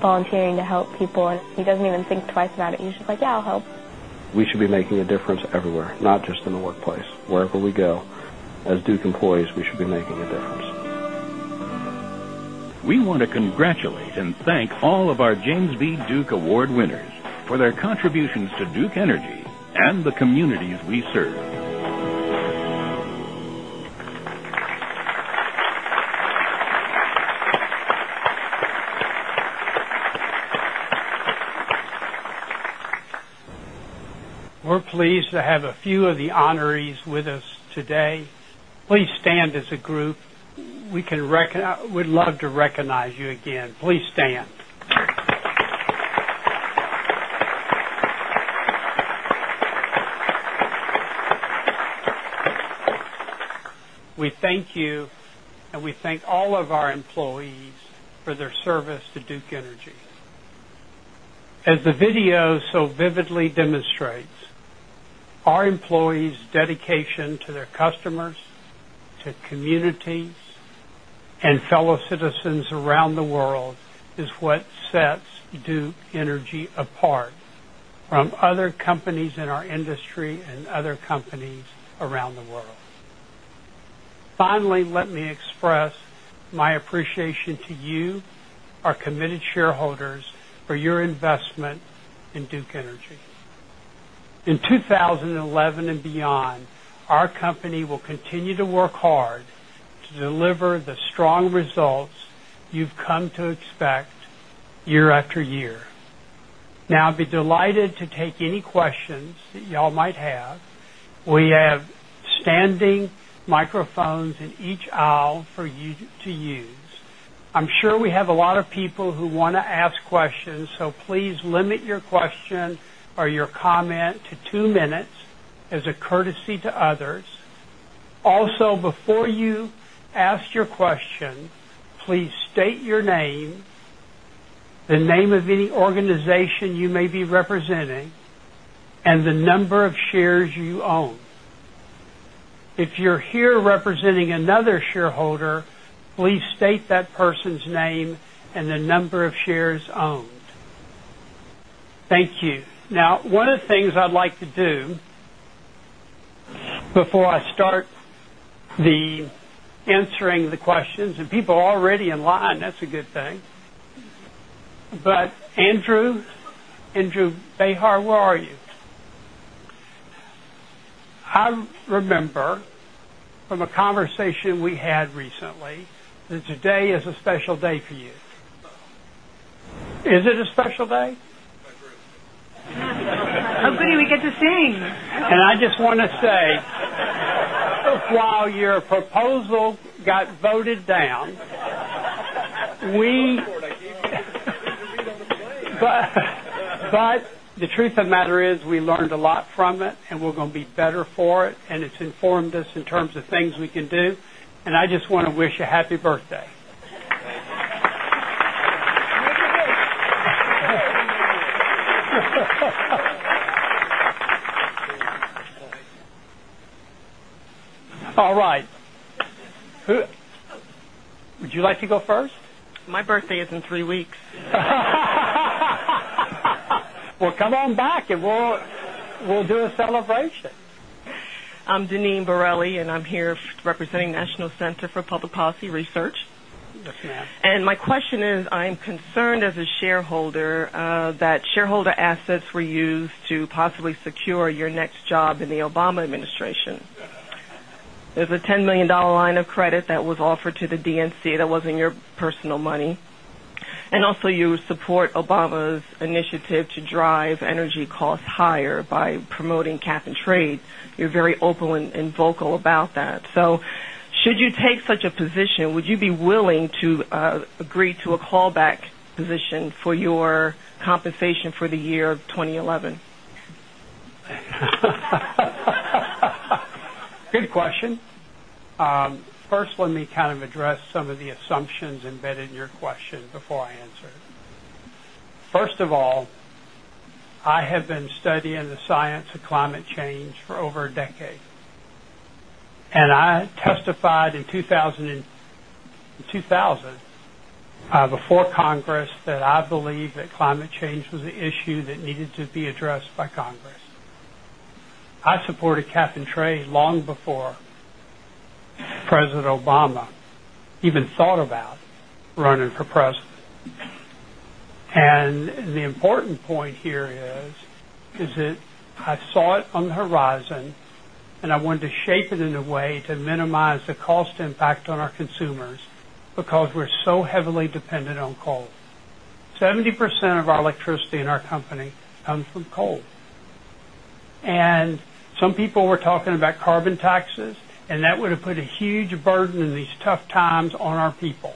volunteering to help people, and he doesn't even think twice about it. He's just like, "Yeah, I'll help. We should be making a difference everywhere, not just in the workplace. Wherever we go as Duke employees, we should be making a difference. We want to congratulate and thank all of our James B. Duke Award winners for their contributions to Duke Energy and the communities we serve. We're pleased to have a few of the honorees with us today. Please stand as a group. We'd love to recognize you again. Please stand. We thank you, and we thank all of our employees for their service to Duke Energy. As the video so vividly demonstrates, our employees' dedication to their customers, to communities, and fellow citizens around the world is what sets Duke Energy apart from other companies in our industry and other companies around the world. Finally, let me express my appreciation to you, our committed shareholders, for your investments in Duke Energy. In 2011 and beyond, our company will continue to work hard to deliver the strong results you've come to expect year after year. Now, I'd be delighted to take any questions that y'all might have. We have standing microphones in each aisle for you to use. I'm sure we have a lot of people who want to ask questions, so please limit your question or your comment to two minutes as a courtesy to others. Also, before you ask your question, please state your name, the name of any organization you may be representing, and the number of shares you own. If you're here representing another shareholder, please state that person's name and the number of shares owned. Thank you. Now, one of the things I'd like to do before I start answering the questions, and people are already in line, that's a good thing. Andrew, Andrew Behar, where are you? I remember from a conversation we had recently that today is a special day for you. Is it a special day? I'm pretty weak at the same. I just want to say, while your proposal got voted down, we appreciate your engagement. The truth of the matter is we learned a lot from it, and we're going to be better for it. It's informed us in terms of things we can do. I just want to wish you a happy birthday. All right. Would you like to go first? My birthday is in three weeks. Come on back, and we'll do a celebration. I'm Denene Borelli, and I'm here representing National Center for Public Policy Research. Yes, ma'am. I am concerned as a shareholder that shareholder assets were used to possibly secure your next job in the Obama administration. There's a $10 million line of credit that was offered to the DNC that wasn't your personal money. You also support Obama's initiative to drive energy costs higher by promoting cap and trade. You're very open and vocal about that. Should you take such a position, would you be willing to agree to a callback position for your compensation for the year of 2011? Good question. First, let me kind of address some of the assumptions embedded in your question before I answer it. First of all, I have been studying the science of climate change for over a decade. I testified in 2000 before Congress that I believe that climate change was an issue that needed to be addressed by Congress. I supported cap and trade long before President Obama even thought about running for president. The important point here is that I thought on the horizon, and I wanted to shape it in a way to minimize the cost impact on our consumers because we're so heavily dependent on coal. 70% of our electricity in our company comes from coal. Some people were talking about carbon taxes, and that would have put a huge burden in these tough times on our people.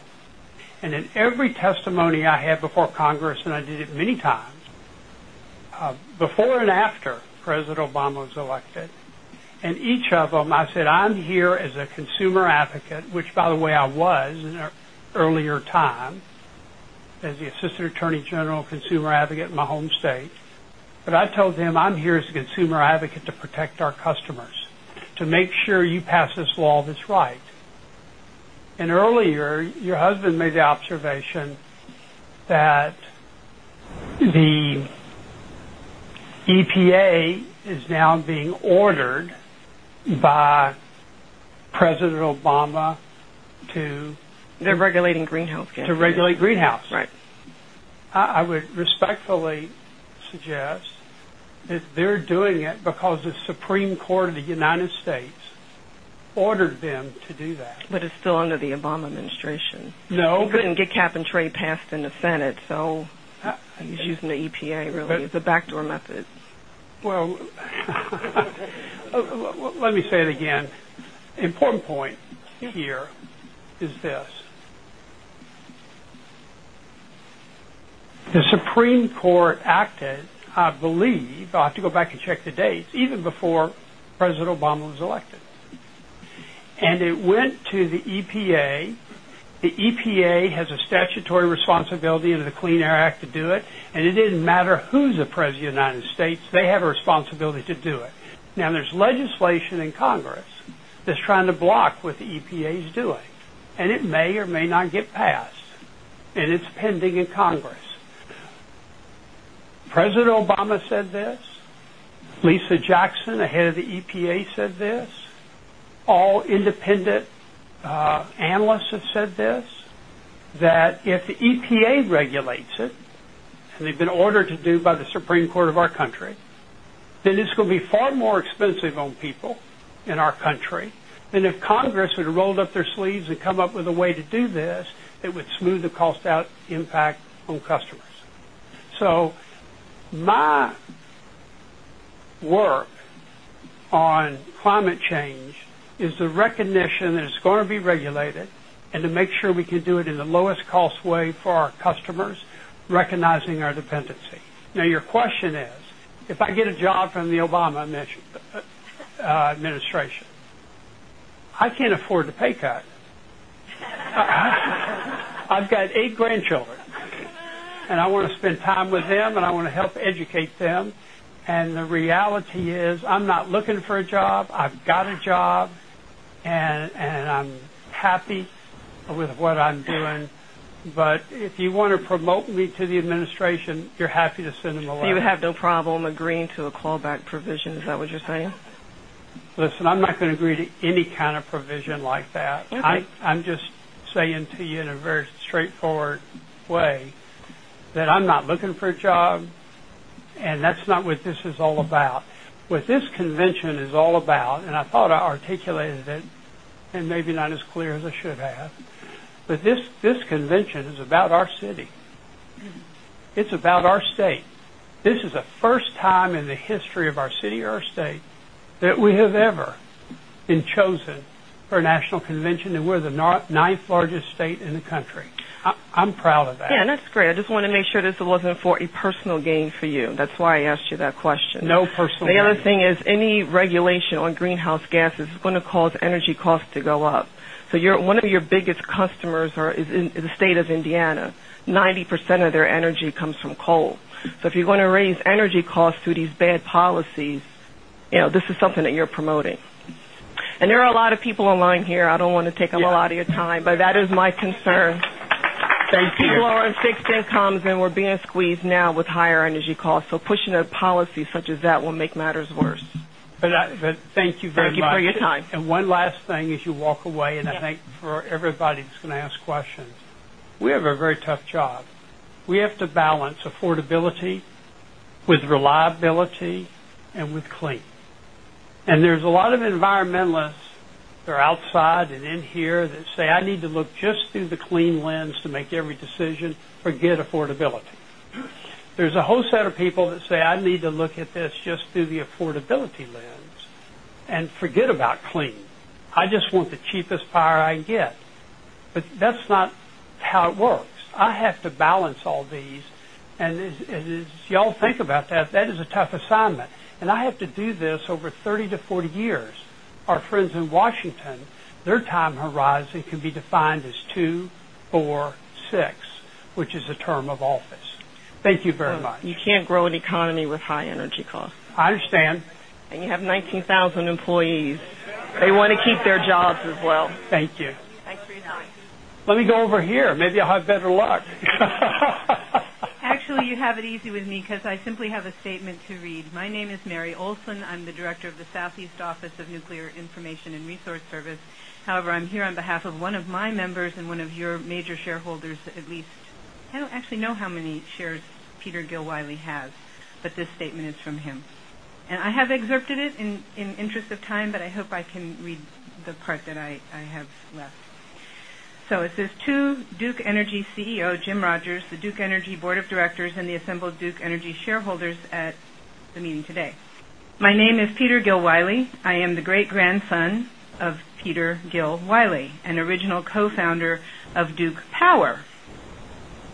In every testimony I had before Congress, and I did it many times, before and after President Obama was elected, in each of them, I said, "I'm here as a consumer advocate," which, by the way, I was in an earlier time as the Assistant Attorney General Consumer Advocate in my home state. I told them, "I'm here as a consumer advocate to protect our customers, to make sure you pass this law that's right." Earlier, your husband made the observation that the EPA is now being ordered by President Obama to. They're regulating greenhouses. To regulate greenhouses. Right. I would respectfully suggest that they're doing it because the Supreme Court of the U.S. ordered them to do that. It is still under the Obama administration. No. They didn't get cap and trade passed in the Senate, so he's using the EPA really as a backdoor method. The important point here is this: the Supreme Court acted, I believe, I have to go back and check the dates, even before President Obama was elected. It went to the EPA. The EPA has a statutory responsibility under the Clean Air Act to do it. It didn't matter who's the President of the United States. They have a responsibility to do it. Now, there's legislation in Congress that's trying to block what the EPA is doing. It may or may not get passed. It's pending in Congress. President Obama said this. Lisa Jackson, the head of the EPA, said this. All independent analysts have said this, that if the EPA regulates it, and they've been ordered to do it by the Supreme Court of our country, then it's going to be far more expensive on people in our country than if Congress would have rolled up their sleeves and come up with a way to do this that would smooth the cost out impact on customers. My work on climate change is the recognition that it's going to be regulated and to make sure we can do it in the lowest cost way for our customers, recognizing our dependency. Now, your question is, if I get a job from the Obama administration, I can't afford the pay cut. I've got eight grandchildren, and I want to spend time with them, and I want to help educate them. The reality is, I'm not looking for a job. I've got a job, and I'm happy with what I'm doing. If you want to promote me to the administration, you're happy to send them a letter. Do you have no problem agreeing to a callback provision? Is that what you're saying? Listen, I'm not going to agree to any kind of provision like that. I'm just saying to you in a very straightforward way that I'm not looking for a job, and that's not what this is all about. What this convention is all about, and I thought I articulated it, maybe not as clear as I should have, but this convention is about our city. It's about our state. This is the first time in the history of our city or our state that we have ever been chosen for a national convention, and we're the ninth largest state in the country. I'm proud of that. Yeah, that's great. I just want to make sure this wasn't for a personal gain for you. That's why I asked you that question. No personal gain. The other thing is, any regulation on greenhouse gases is going to cause energy costs to go up. One of your biggest customers is the state of Indiana. 90% of their energy comes from coal. If you're going to raise energy costs through these bad policies, you know this is something that you're promoting. There are a lot of people online here. I don't want to take up a lot of your time, but that is my concern. Thank you. People on fixed incomes, and we're being squeezed now with higher energy costs. Pushing a policy such as that will make matters worse. Thank you very much. Thank you for your time. One last thing as you walk away, and I thank you for everybody that's going to ask questions. We have a very tough job. We have to balance affordability with reliability and with clean. There are a lot of environmentalists that are outside and in here that say, "I need to look just through the clean lens to make every decision," forget affordability. There is a whole set of people that say, "I need to look at this just through the affordability lens and forget about clean. I just want the cheapest power I can get." That is not how it works. I have to balance all these. As y'all think about that, that is a tough assignment. I have to do this over 30-40 years. Our friends in Washington, their time horizon can be defined as two, four, six, which is the term of office. Thank you very much. You can't grow an economy with high energy costs. I understand. You have 19,000 employees. They want to keep their jobs as well. Thank you. Thanks for your time. Let me go over here. Maybe I'll have better luck. Actually, you have it easy with me because I simply have a statement to read. My name is Mary Olson. I'm the Director of the Southeast Office of Nuclear Information and Resource Service. However, I'm here on behalf of one of my members and one of your major shareholders, at least. I don't actually know how many shares Peter Gill Wiley has, but this statement is from him. I have excerpted it in the interest of time, but I hope I can read the part that I have left. It says, "To Duke Energy CEO James Rogers, the Duke Energy Board of Directors, and the assembled Duke Energy shareholders at the meeting today. My name is Peter Gill Wiley. I am the great-grandson of Peter Gill Wiley, an original co-founder of Duke Power.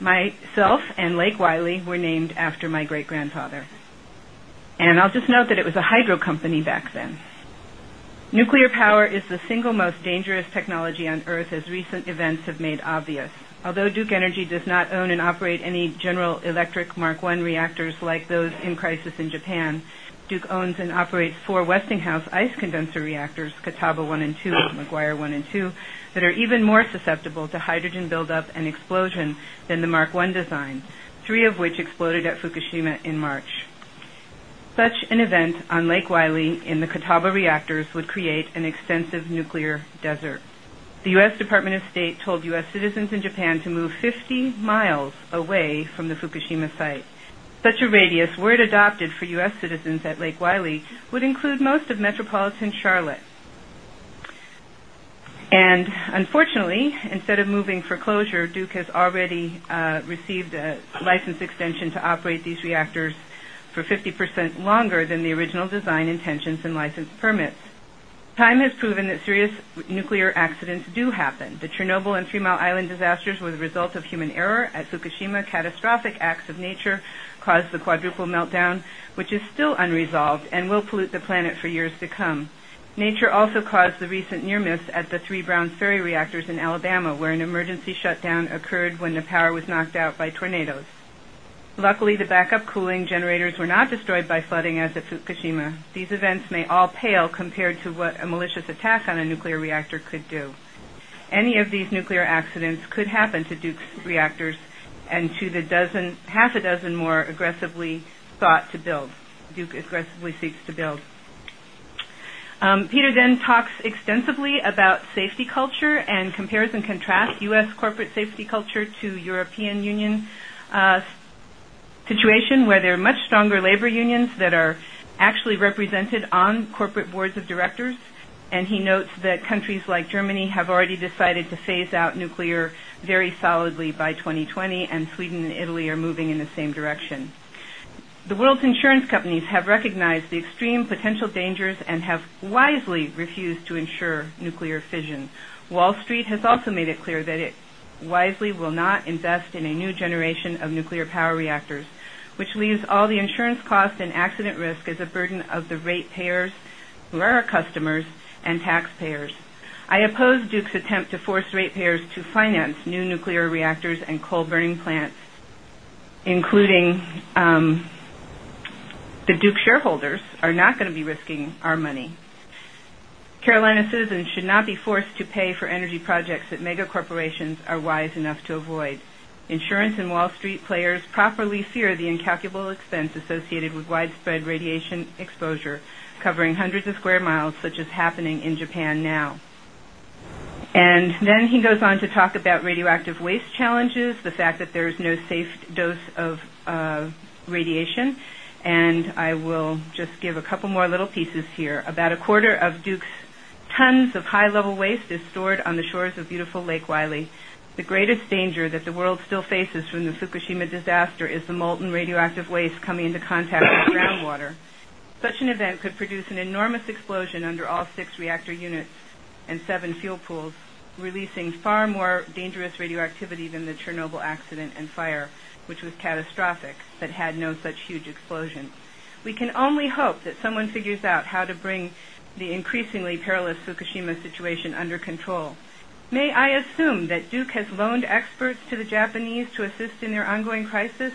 Myself and Lake Wiley were named after my great-grandfather. I'll just note that it was a hydro company back then. Nuclear power is the single most dangerous technology on Earth, as recent events have made obvious. Although Duke Energy does not own and operate any General Electric Mark I reactors like those in crisis in Japan, Duke owns and operates four Westinghouse ice condenser reactors, Catawba I and II, McGuire I and II, that are even more susceptible to hydrogen buildup and explosion than the Mark I design, three of which exploded at Fukushima in March. Such an event on Lake Wiley in the Catawba reactors would create an extensive nuclear desert. The U.S. Department of State told U.S. citizens in Japan to move 50 miles away from the Fukushima site. If such a radius were adopted for U.S. citizens at Lake Wiley, it would include most of metropolitan Charlotte. Unfortunately, instead of moving for closure, Duke has already received a license extension to operate these reactors for 50% longer than the original design intentions and license permits. Time has proven that serious nuclear accidents do happen. The Chernobyl and Three Mile Island disasters were the result of human error. At Fukushima, catastrophic acts of nature caused the quadruple meltdown, which is still unresolved and will pollute the planet for years to come. Nature also caused the recent near-miss at the three Browns Ferry reactors in Alabama, where an emergency shutdown occurred when the power was knocked out by tornadoes. Luckily, the backup cooling generators were not destroyed by flooding as at Fukushima. These events may all pale compared to what a malicious attack on a nuclear reactor could do." Any of these nuclear accidents could happen to Duke's reactors and to the half a dozen more Duke aggressively seeks to build. Peter then talks extensively about safety culture and compares and contrasts U.S. corporate safety culture to the European Union situation, where there are much stronger labor unions that are actually represented on corporate boards of directors. He notes that countries like Germany have already decided to phase out nuclear very solidly by 2020, and Sweden and Italy are moving in the same direction. The world's insurance companies have recognized the extreme potential dangers and have wisely refused to insure nuclear fission. Wall Street has also made it clear that it wisely will not invest in a new generation of nuclear power reactors, which leaves all the insurance cost and accident risk as a burden of the ratepayers who are our customers and taxpayers. I oppose Duke's attempt to force ratepayers to finance new nuclear reactors and coal burning plants, including the Duke shareholders are not going to be risking our. Turning. Carolina citizens should not be forced to pay for energy projects that mega-corporations are wise enough to avoid. Insurance and Wall Street players properly fear the incalculable expense associated with widespread radiation exposure, covering hundreds of square miles, such as happening in Japan now. He goes on to talk about radioactive waste challenges, the fact that there is no safe dose of radiation. I will just give a couple more little pieces here. About a quarter of Duke's tons of high-level waste is stored on the shores of beautiful Lake Wylie. The greatest danger that the world still faces from the Fukushima disaster is the molten radioactive waste coming into contact with groundwater. Such an event could produce an enormous explosion under all six reactor units and seven fuel pools, releasing far more dangerous radioactivity than the Chernobyl accident and fire, which was catastrophic, that had no such huge explosion. We can only hope that someone figures out how to bring the increasingly perilous Fukushima situation under control. May I assume that Duke has loaned experts to the Japanese to assist in their ongoing crisis,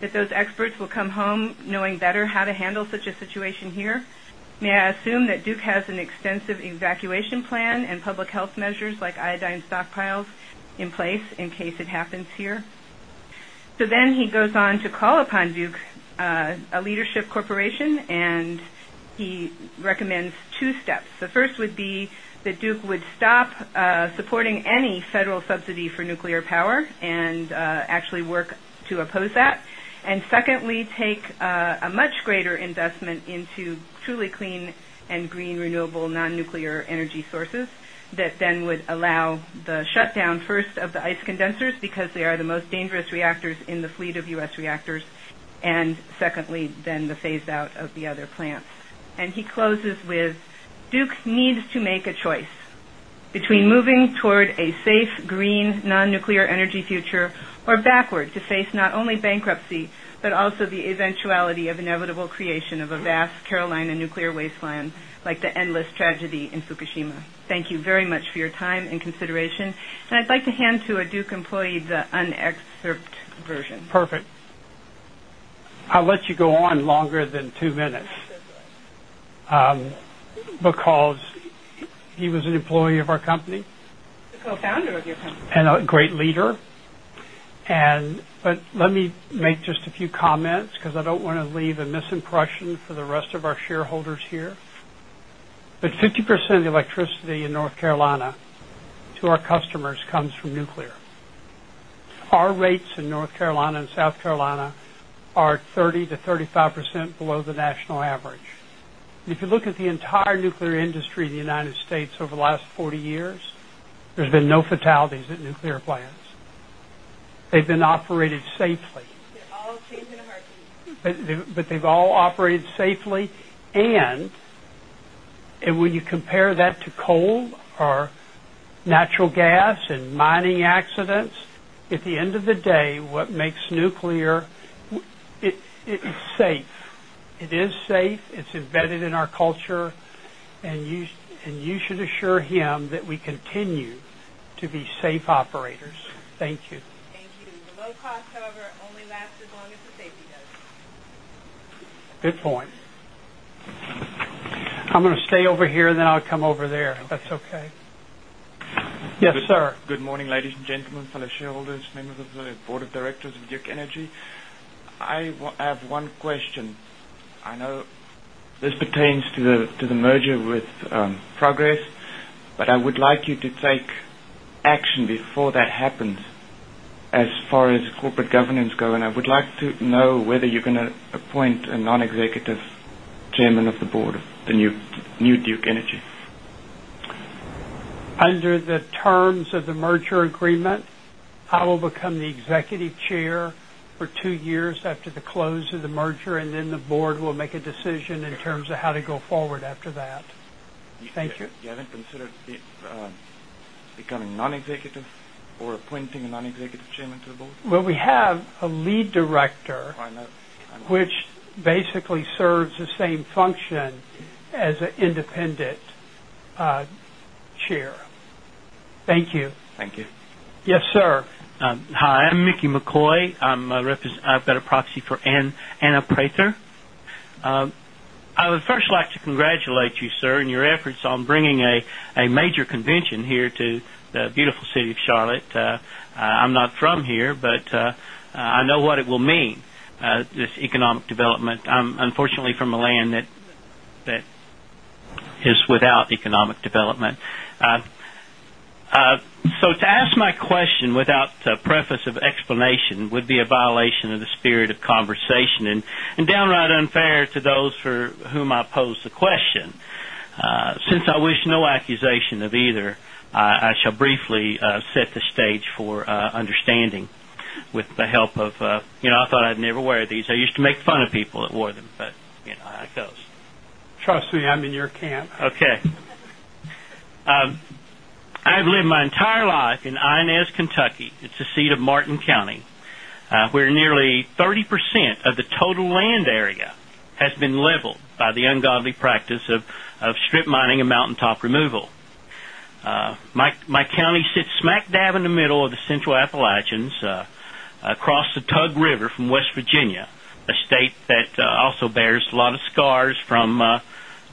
that those experts will come home knowing better how to handle such a situation here? May I assume that Duke has an extensive evacuation plan and public health measures like iodine stockpiles in place in case it happens here? He goes on to call upon Duke, a leadership corporation, and he recommends two steps. The first would be that Duke would stop supporting any federal subsidy for nuclear power and actually work to oppose that. Secondly, take a much greater investment into truly clean and green renewable non-nuclear energy sources that then would allow the shutdown first of the ICE condensers because they are the most dangerous reactors in the fleet of U.S. reactors. Secondly, then the phase-out of the other plants. He closes with, Duke needs to make a choice between moving toward a safe, green, non-nuclear energy future or backward to face not only bankruptcy but also the eventuality of inevitable creation of a vast Carolina nuclear wasteland like the endless tragedy in Fukushima. Thank you very much for your time and consideration. I'd like to hand to a Duke employee the unexcerpted version. Perfect. I'll let you go on longer than two minutes because he was an employee of our company. A founder of your company. A great leader. Let me make just a few comments because I don't want to leave a misimpression for the rest of our shareholders here. 50% of the electricity in North Carolina to our customers comes from nuclear. Our rates in North Carolina and South Carolina are 30% -35% below the national average. If you look at the entire nuclear industry in the United States over the last 40 years, there's been no fatalities at nuclear plants. They've been operated safely. All teams in a heartbeat. They've all operated safely. When you compare that to coal or natural gas and mining accidents, at the end of the day, what makes nuclear safe? It is safe. It's embedded in our culture. You should assure him that we continue to be safe operators. Thank you. Thank you. The low cost, however, only lasts as long as the safety does. Good point. I'm going to stay over here and then I'll come over there, if that's OK. Yes, sir. Good morning, ladies and gentlemen, fellow shareholders, members of the Board of Directors of Duke Energy. I have one question. I know this pertains to the merger with Progress, but I would like you to take action before that happens as far as corporate governance goes. I would like to know whether you're going to appoint a non-executive Chairman of the Board of the new Duke Energy. Under the terms of the merger agreement, I will become the Executive Chair for two years after the close of the merger, and then the board will make a decision in terms of how to go forward after that. You haven't considered becoming non-executive or appointing a non-executive Chairman to the board? We have a lead director, which basically serves the same function as an independent chair. Thank you. Thank you. Yes, sir. Hi, I'm Mickey McCoy. I've got a proxy for Anna Prather. I would first like to congratulate you, sir, on your efforts on bringing a major convention here to the beautiful city of Charlotte. I'm not from here, but I know what it will mean, this economic development. I'm unfortunately from a land that is without economic development. To ask my question without a preface of explanation would be a violation of the spirit of conversation and downright unfair to those for whom I posed the question. Since I wish no accusation of either, I shall briefly set the stage for understanding with the help of, you know, I thought I'd never wear these. I used to make fun of people that wore them, but you know, I close. Trust me, I'm in your camp. OK. I've lived my entire life in Inez, Kentucky. It's a seat of Martin County, where nearly 30% of the total land area has been leveled by the ungodly practice of strip mining and mountaintop removal. My county sits smack dab in the middle of the Central Appalachians, across the Tug River from West Virginia, a state that also bears a lot of scars from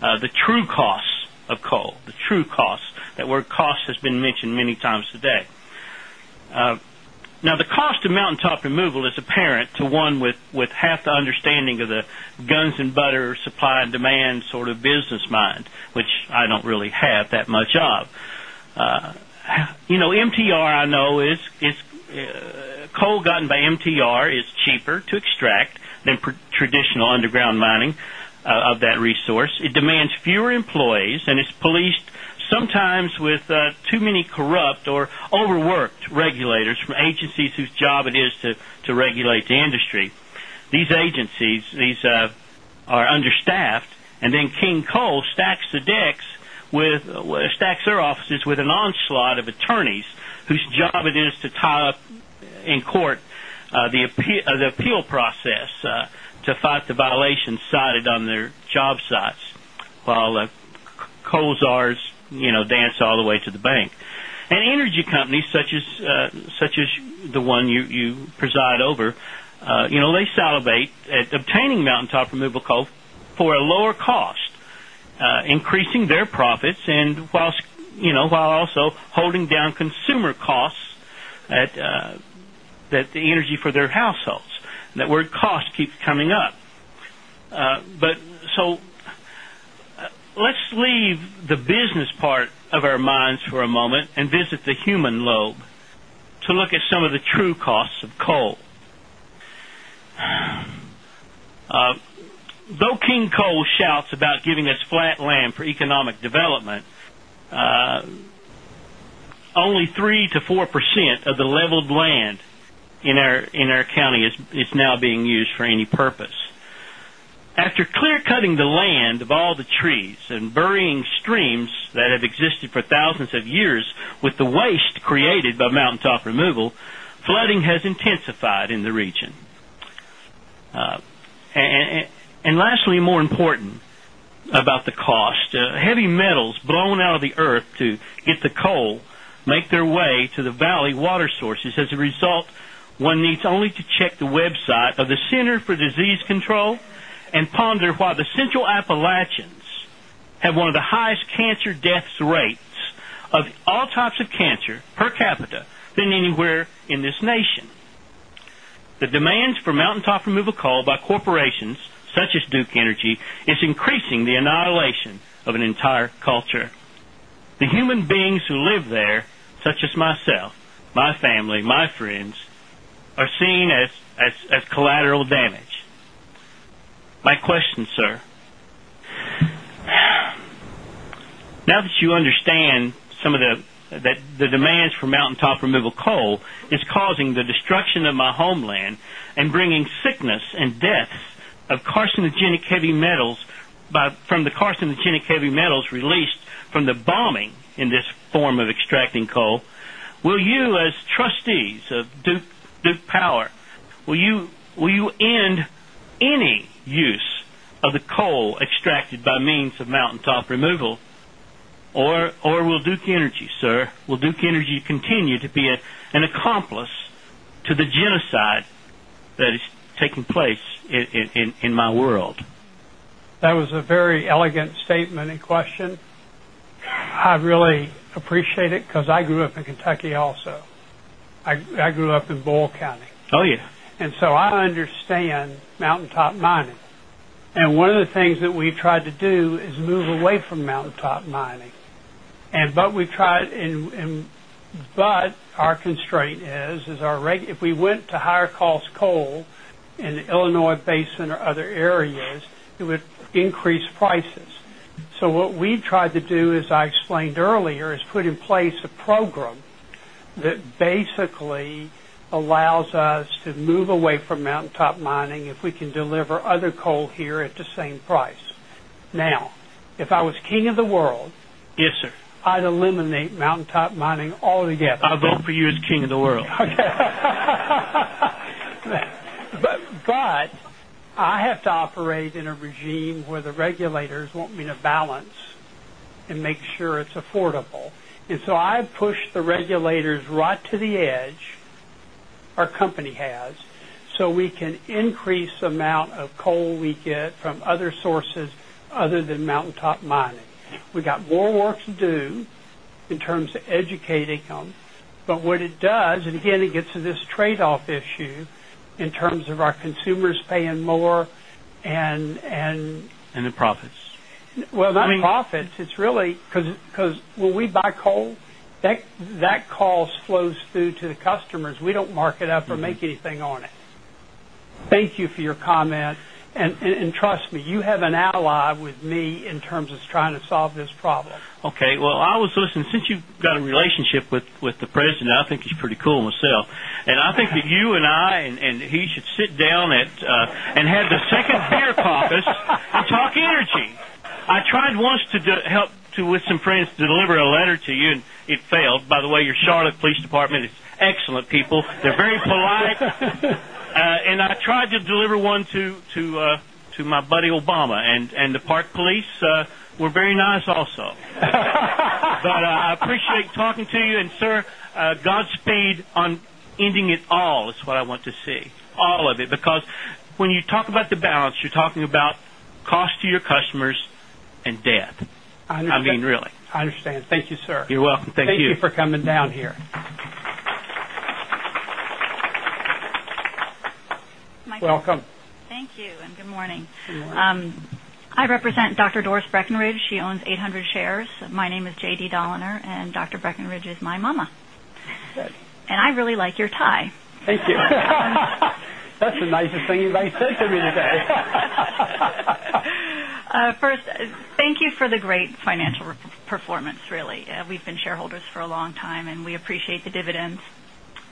the true costs of coal, the true costs. That word cost has been mentioned many times today. Now, the cost of mountaintop removal is apparent to one with half the understanding of the guns and butter supply and demand sort of business mind, which I don't really have that much of. You know, MTR, I know, is coal gotten by MTR is cheaper to extract than traditional underground mining of that resource. It demands fewer employees and is policed sometimes with too many corrupt or overworked regulators from agencies whose job it is to regulate the industry. These agencies are understaffed. King Coal stacks their offices with an onslaught of attorneys whose job it is to tie up in court the appeal process to fight the violations cited on their job sites, while coal czars, you know, dance all the way to the bank. Energy companies, such as the one you preside over, you know, they salivate at obtaining mountaintop removal coal for a lower cost, increasing their profits, whilst also holding down consumer costs at the energy for their households. That word cost keeps coming up. Let's leave the business part of our minds for a moment and visit the human lobe to look at some of the true costs of coal. Though King Coal shouts about giving us flat land for economic development, only 3%-4% of the leveled land in our county is now being used for any purpose. After clear-cutting the land of all the trees and burying streams that have existed for thousands of years with the waste created by mountaintop removal, flooding has intensified in the region. Lastly, more important about the cost, heavy metals blown out of the earth to get the coal make their way to the valley water sources. As a result, one needs only to check the website of the Center for Disease Control and ponder why the Central Appalachians have one of the highest cancer death rates of all types of cancer per capita than anywhere in this nation. The demands for mountaintop removal coal by corporations such as Duke Energy is increasing the annihilation of an entire culture. The human beings who live there, such as myself, my family, my friends, are seen as collateral damage. My question, sir, now that you understand some of the demands for mountaintop removal coal is causing the destruction of my homeland and bringing sickness and death of carcinogenic heavy metals from the carcinogenic heavy metals released from the bombing in this form of extracting coal, will you, as trustees of Duke Power, will you end any use of the coal extracted by means of mountaintop removal? Or will Duke Energy, sir, will Duke Energy continue to be an accomplice to the genocide that is taking place in my world? That was a very elegant statement and question. I really appreciate it because I grew up in Kentucky also. I grew up in Boyle County. Oh, yeah. I understand mountaintop mining. One of the things that we've tried to do is move away from mountaintop mining. Our constraint is, if we went to higher cost coal in the Illinois Basin or other areas, it would increase prices. What we tried to do, as I explained earlier, is put in place a program that basically allows us to move away from mountaintop mining if we can deliver other coal here at the same price. If I was king of the world, yes, sir, I'd eliminate mountaintop mining altogether. I vote for you as king of the world. OK. I have to operate in a regime where the regulators want me to balance and make sure it's affordable. I push the regulators right to the edge, our company has, so we can increase the amount of coal we get from other sources other than mountaintop mining. We have more work to do in terms of educating them. What it does, again, it gets to this trade-off issue in terms of our consumers paying more. Profits. It’s not the profits. It’s really because when we buy coal, that cost flows through to the customers. We don’t mark it up or make anything on it. Thank you for your comment. Trust me, you have an ally with me in terms of trying to solve this problem. OK. I was listening. Since you've got a relationship with the President, I think he's pretty cool myself. I think that you and I and he should sit down and have the second fair conference and talk energy. I tried once to help with some friends to deliver a letter to you, and it failed. By the way, your Charlotte Police Department is excellent people. They're very polite. I tried to deliver one to my buddy Obama, and the Park Police were very nice also. I appreciate talking to you. Sir, Godspeed on ending it all is what I want to see, all of it. Because when you talk about the balance, you're talking about cost to your customers and death. I mean, really. I understand. Thank you, sir. You're welcome. Thank you. Thank you for coming down here. Welcome. Thank you, and good morning. Good morning. I represent Dr. Doris Breckenridge. She owns 800 shares. My name is JD Doliner, and Dr. Breckenridge is my mama. Good. I really like your tie. Thank you. That's the nicest thing anybody said to me today. First, thank you for the great financial performance, really. We've been shareholders for a long time, and we appreciate the dividends.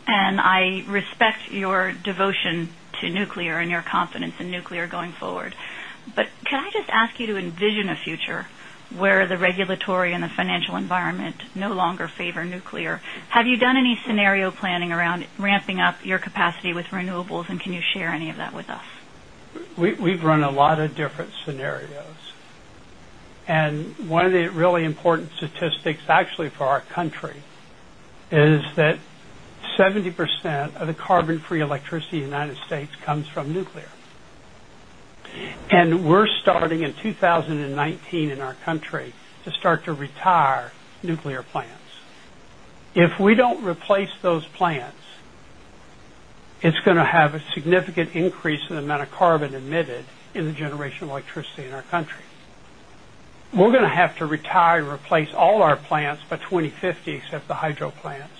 I respect your devotion to nuclear and your confidence in nuclear going forward. Can I just ask you to envision a future where the regulatory and the financial environment no longer favor nuclear? Have you done any scenario planning around ramping up your capacity with renewables, and can you share any of that with us? We've run a lot of different scenarios. One of the really important statistics, actually, for our country is that 70% of the carbon-free electricity in the United States comes from nuclear. We're starting in 2019 in our country to start to retire nuclear plants. If we don't replace those plants, it's going to have a significant increase in the amount of carbon emitted in the generation of electricity in our country. We're going to have to retire and replace all our plants by 2050, except the hydro plants.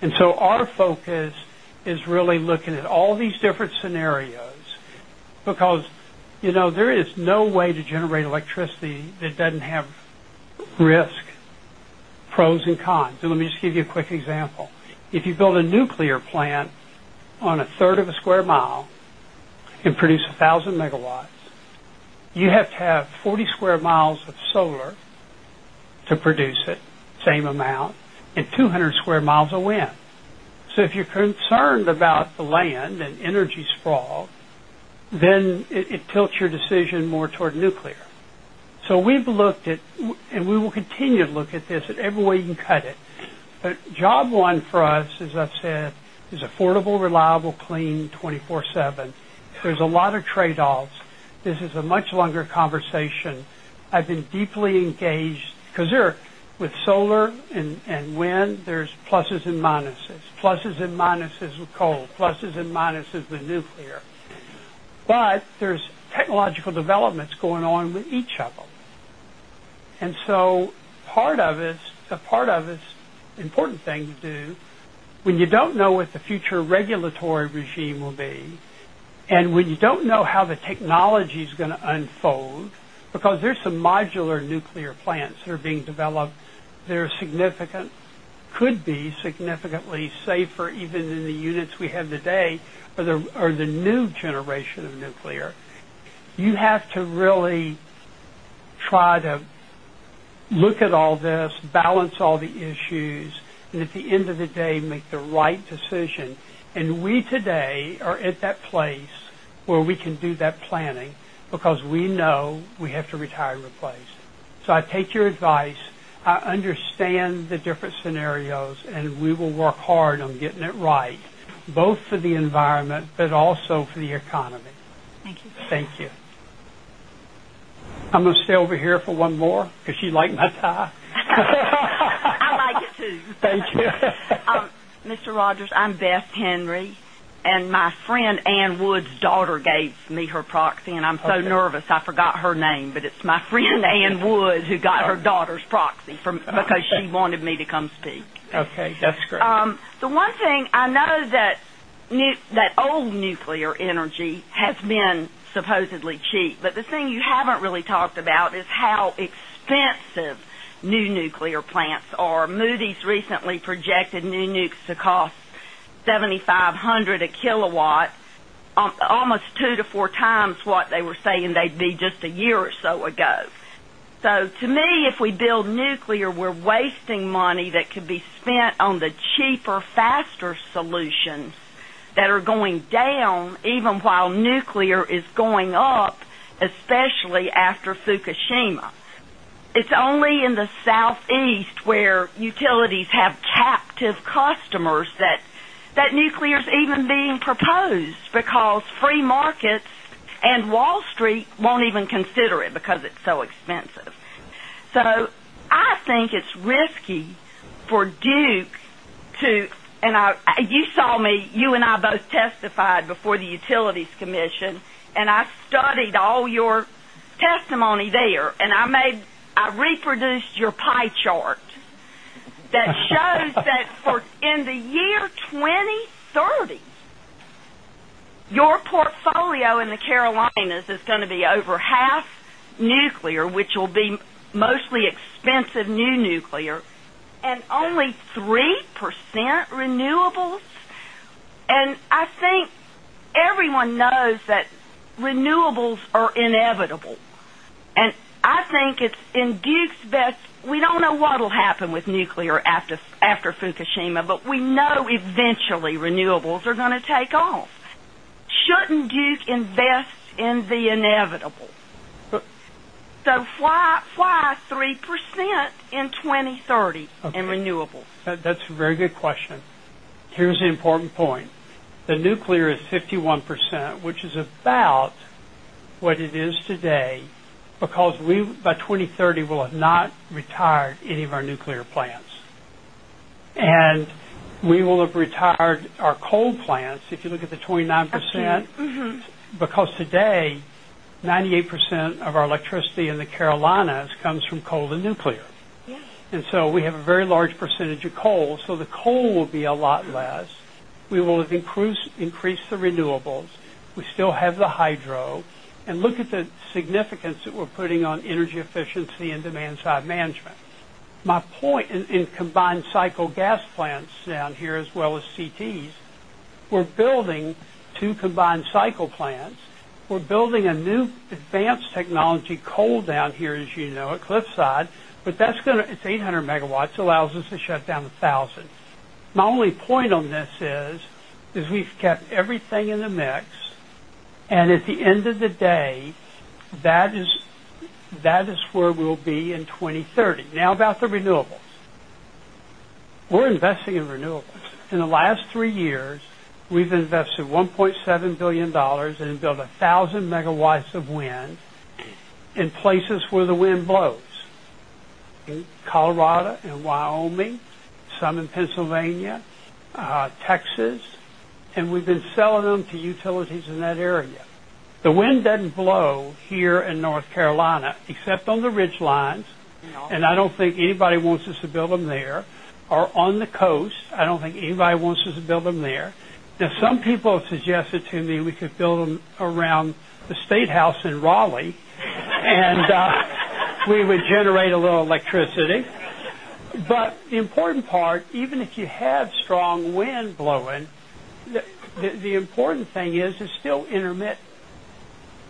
Our focus is really looking at all these different scenarios because there is no way to generate electricity that doesn't have risk, pros, and cons. Let me just give you a quick example. If you build a nuclear plant on a third of a square mile and produce 1,000 MW, you have to have 40 sq mi of solar to produce the same amount, and 200 sq mi of wind. If you're concerned about the land and energy sprawl, then it tilts your decision more toward nuclear. We've looked at, and we will continue to look at this in every way you can cut it. Job one for us, as I said, is affordable, reliable, clean, 24/7. There's a lot of trade-offs. This is a much longer conversation. I've been deeply engaged because with solar and wind, there's pluses and minuses, pluses and minuses with coal, pluses and minuses with nuclear. There's technological developments going on with each of them. Part of it is a part of this important thing you do when you don't know what the future regulatory regime will be and when you don't know how the technology is going to unfold because there are some modular nuclear plants that are being developed that are significant, could be significantly safer even than the units we have today, or the new generation of nuclear. You have to really try to look at all this, balance all the issues, and at the end of the day, make the right decision. We today are at that place where we can do that planning because we know we have to retire and replace. I take your advice. I understand the different scenarios, and we will work hard on getting it right, both for the environment but also for the economy. Thank you. Thank you. I'm going to stay over here for one more because you like my tie. I like it too. Thank you. Mr. Rogers, I'm Beth Henry. My friend Ann Wood's daughter gave me her proxy. I'm so nervous, I forgot her name. It's my friend Ann Wood who got her daughter's proxy because she wanted me to come speak. OK, that's great. The one thing I know is that old nuclear energy has been supposedly cheap, but the thing you haven't really talked about is how expensive new nuclear plants are. Moody's recently projected new nukes to cost $7,500 a kilowatt, almost two to four times what they were saying they'd be just a year or so ago. To me, if we build nuclear, we're wasting money that could be spent on the cheaper, faster solutions that are going down even while nuclear is going up, especially after Fukushima. It's only in the Southeast where utilities have captive customers that nuclear is even being proposed because free markets and Wall Street won't even consider it because it's so expensive. I think it's risky for Duke to, and you saw me, you and I both testified before the Utilities Commission. I studied all your testimony there. I reproduced your pie chart that shows that for the year 2030, your portfolio in the Carolinas is going to be over half nuclear, which will be mostly expensive new nuclear, and only 3% renewables. I think everyone knows that renewables are inevitable. I think it's in Duke's best, we don't know what will happen with nuclear after Fukushima, but we know eventually renewables are going to take off. Shouldn't Duke invest in the inevitable? Why 3% in 2030 in renewables? That's a very good question. Here's an important point. The nuclear is 51%, which is about what it is today because by 2030, we'll have not retired any of our nuclear plants. We will have retired our coal plants, if you look at the 29%, because today, 98% of our electricity in the Carolinas comes from coal and nuclear. Yes. We have a very large percentage of coal, so the coal will be a lot less. We will have increased the renewables. We still have the hydro. Look at the significance that we're putting on energy efficiency and demand side management. My point in combined cycle gas plants down here, as well as CTs, we're building two combined cycle plants. We're building a new advanced technology coal down here, as you know, at Cliffside. That's going to, it's 800 MW, allows us to shut down 1,000 MW. My only point on this is we've kept everything in the mix. At the end of the day, that is where we'll be in 2030. Now, about the renewables, we're investing in renewables. In the last three years, we've invested $1.7 billion and built 1,000 MW of wind in places where the wind blows: Colorado and Wyoming, some in Pennsylvania, Texas. We've been selling them to utilities in that area. The wind doesn't blow here in North Carolina, except on the ridge lines. I don't think anybody wants us to build them there, or on the coast. I don't think anybody wants us to build them there. Some people have suggested to me we could build them around the statehouse in Raleigh, and we would generate a little electricity. The important part, even if you have strong wind blowing, the important thing is it's still intermittent.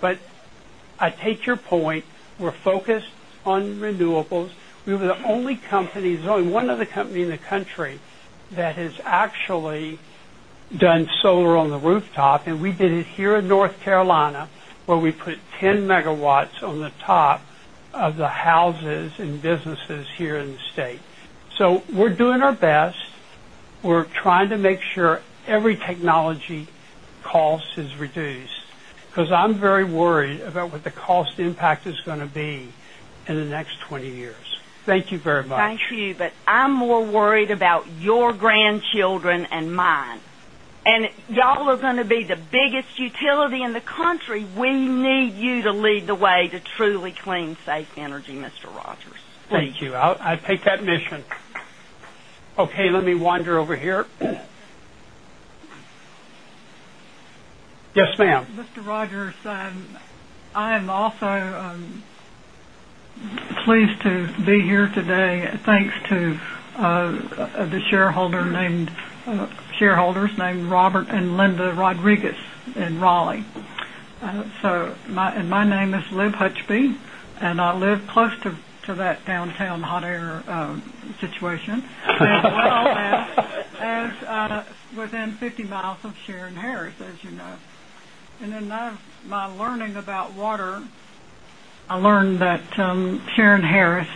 I take your point. We're focused on renewables. We were the only company, there's only one other company in the country that has actually done solar on the rooftop. We did it here in North Carolina, where we put 10 MW on the top of the houses and businesses here in the state. We're doing our best. We're trying to make sure every technology cost is reduced because I'm very worried about what the cost impact is going to be in the next 20 years. Thank you very much. Thank you. I'm more worried about your grandchildren and mine. You are going to be the biggest utility in the country. We need you to lead the way to truly clean, safe energy, Mr. Rogers. Thank you. I take that mission. OK, let me wander over here. Yes, ma'am. Mr. Rogers, I am also pleased to be here today, thanks to the shareholders named Robert and Linda Rodriguez in Raleigh. My name is Lib Hutchby. I live close to that downtown hot air situation, as well as within 50 mi of Sharon Harris, as you know. In my learning about water, I learned that Sharon Harris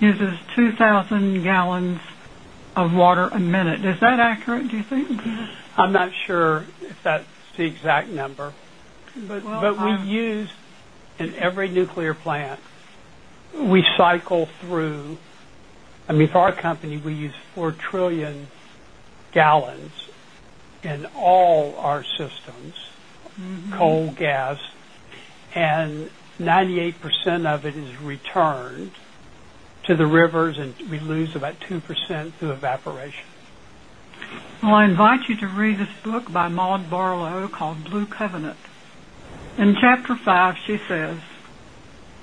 uses 2,000 gal of water a minute. Is that accurate, do you think? I'm not sure if that's the exact number. We use in every nuclear plant, we cycle through, I mean, for our company, we use 4 trillion gal in all our systems, coal, gas. 98% of it is returned to the rivers, and we lose about 2% through evaporation. I invite you to read this book by Maude Barlow called Blue Covenant. In chapter five, she says,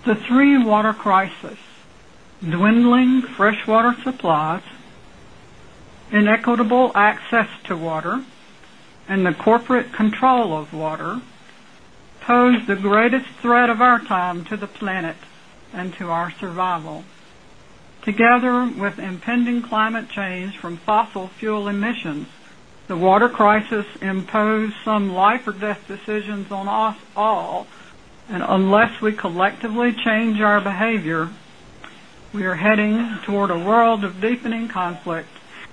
"The three water crises: dwindling freshwater supplies, inequitable access to water, and the corporate control of water pose the greatest threat of our time to the planet and to our survival. Together with impending climate change from fossil fuel emissions, the water crisis imposes some life or death decisions on us all. Unless we collectively change our behavior, we are heading toward a world of deepening conflict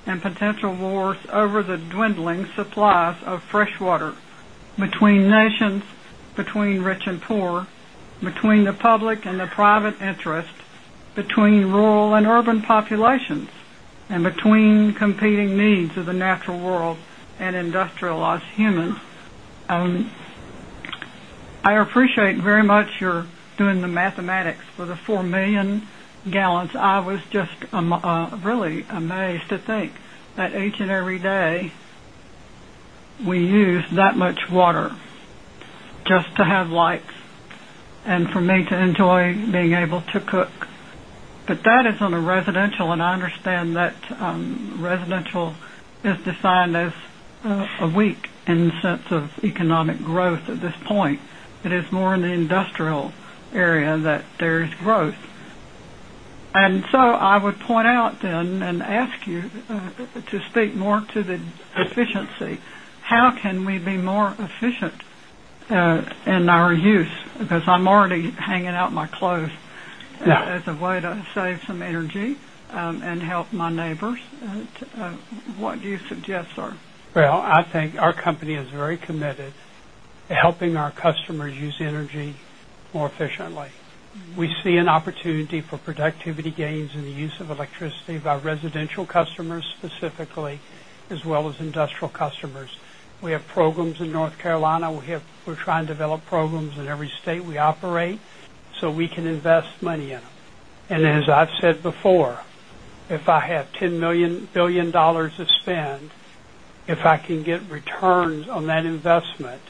and potential wars over the dwindling supplies of freshwater, between nations, between rich and poor, between the public and the private interest, between rural and urban populations, and between competing needs of the natural world and industrialized humans only." I appreciate very much your doing the mathematics for the 4 million gal. I was just really amazed to think that each and every day we use that much water just to have lights and for me to enjoy being able to cook. That is on a residential, and I understand that residential is defined as a weak in the sense of economic growth at this point. It is more in the industrial area that there is growth. I would point out then and ask you to speak more to the efficiency. How can we be more efficient in our use? I'm already hanging out my clothes as a way to save some energy and help my neighbors. What do you suggest, sir? I think our company is very committed to helping our customers use energy more efficiently. We see an opportunity for productivity gains in the use of electricity by residential customers specifically, as well as industrial customers. We have programs in North Carolina. We're trying to develop programs in every state we operate so we can invest money in them. As I've said before, if I have $10 billion to spend, if I can get returns on that investment,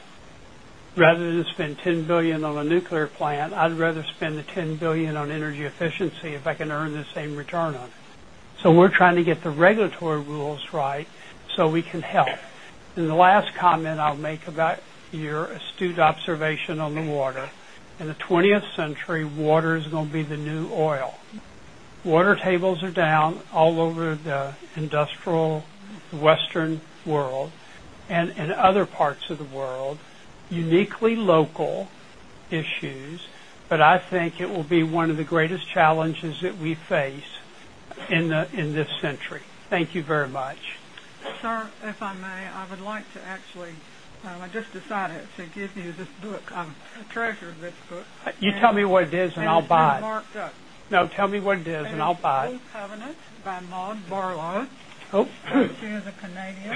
rather than spend $10 billion on a nuclear plant, I'd rather spend the $10 billion on energy efficiency if I can earn the same return on it. We're trying to get the regulatory rules right so we can help. The last comment I'll make about your astute observation on the water: in the 20th century, water is going to be the new oil. Water tables are down all over the industrial Western world and in other parts of the world, uniquely local issues. I think it will be one of the greatest challenges that we face in this century. Thank you very much. Sir, if I may, I would like to actually give you this book. I've treasured this book. You tell me what it is, and I'll buy it. It's marked up. No, tell me what it is, and I'll buy it. Blue Covenant by Maud Barlow. Who? She is a Canadian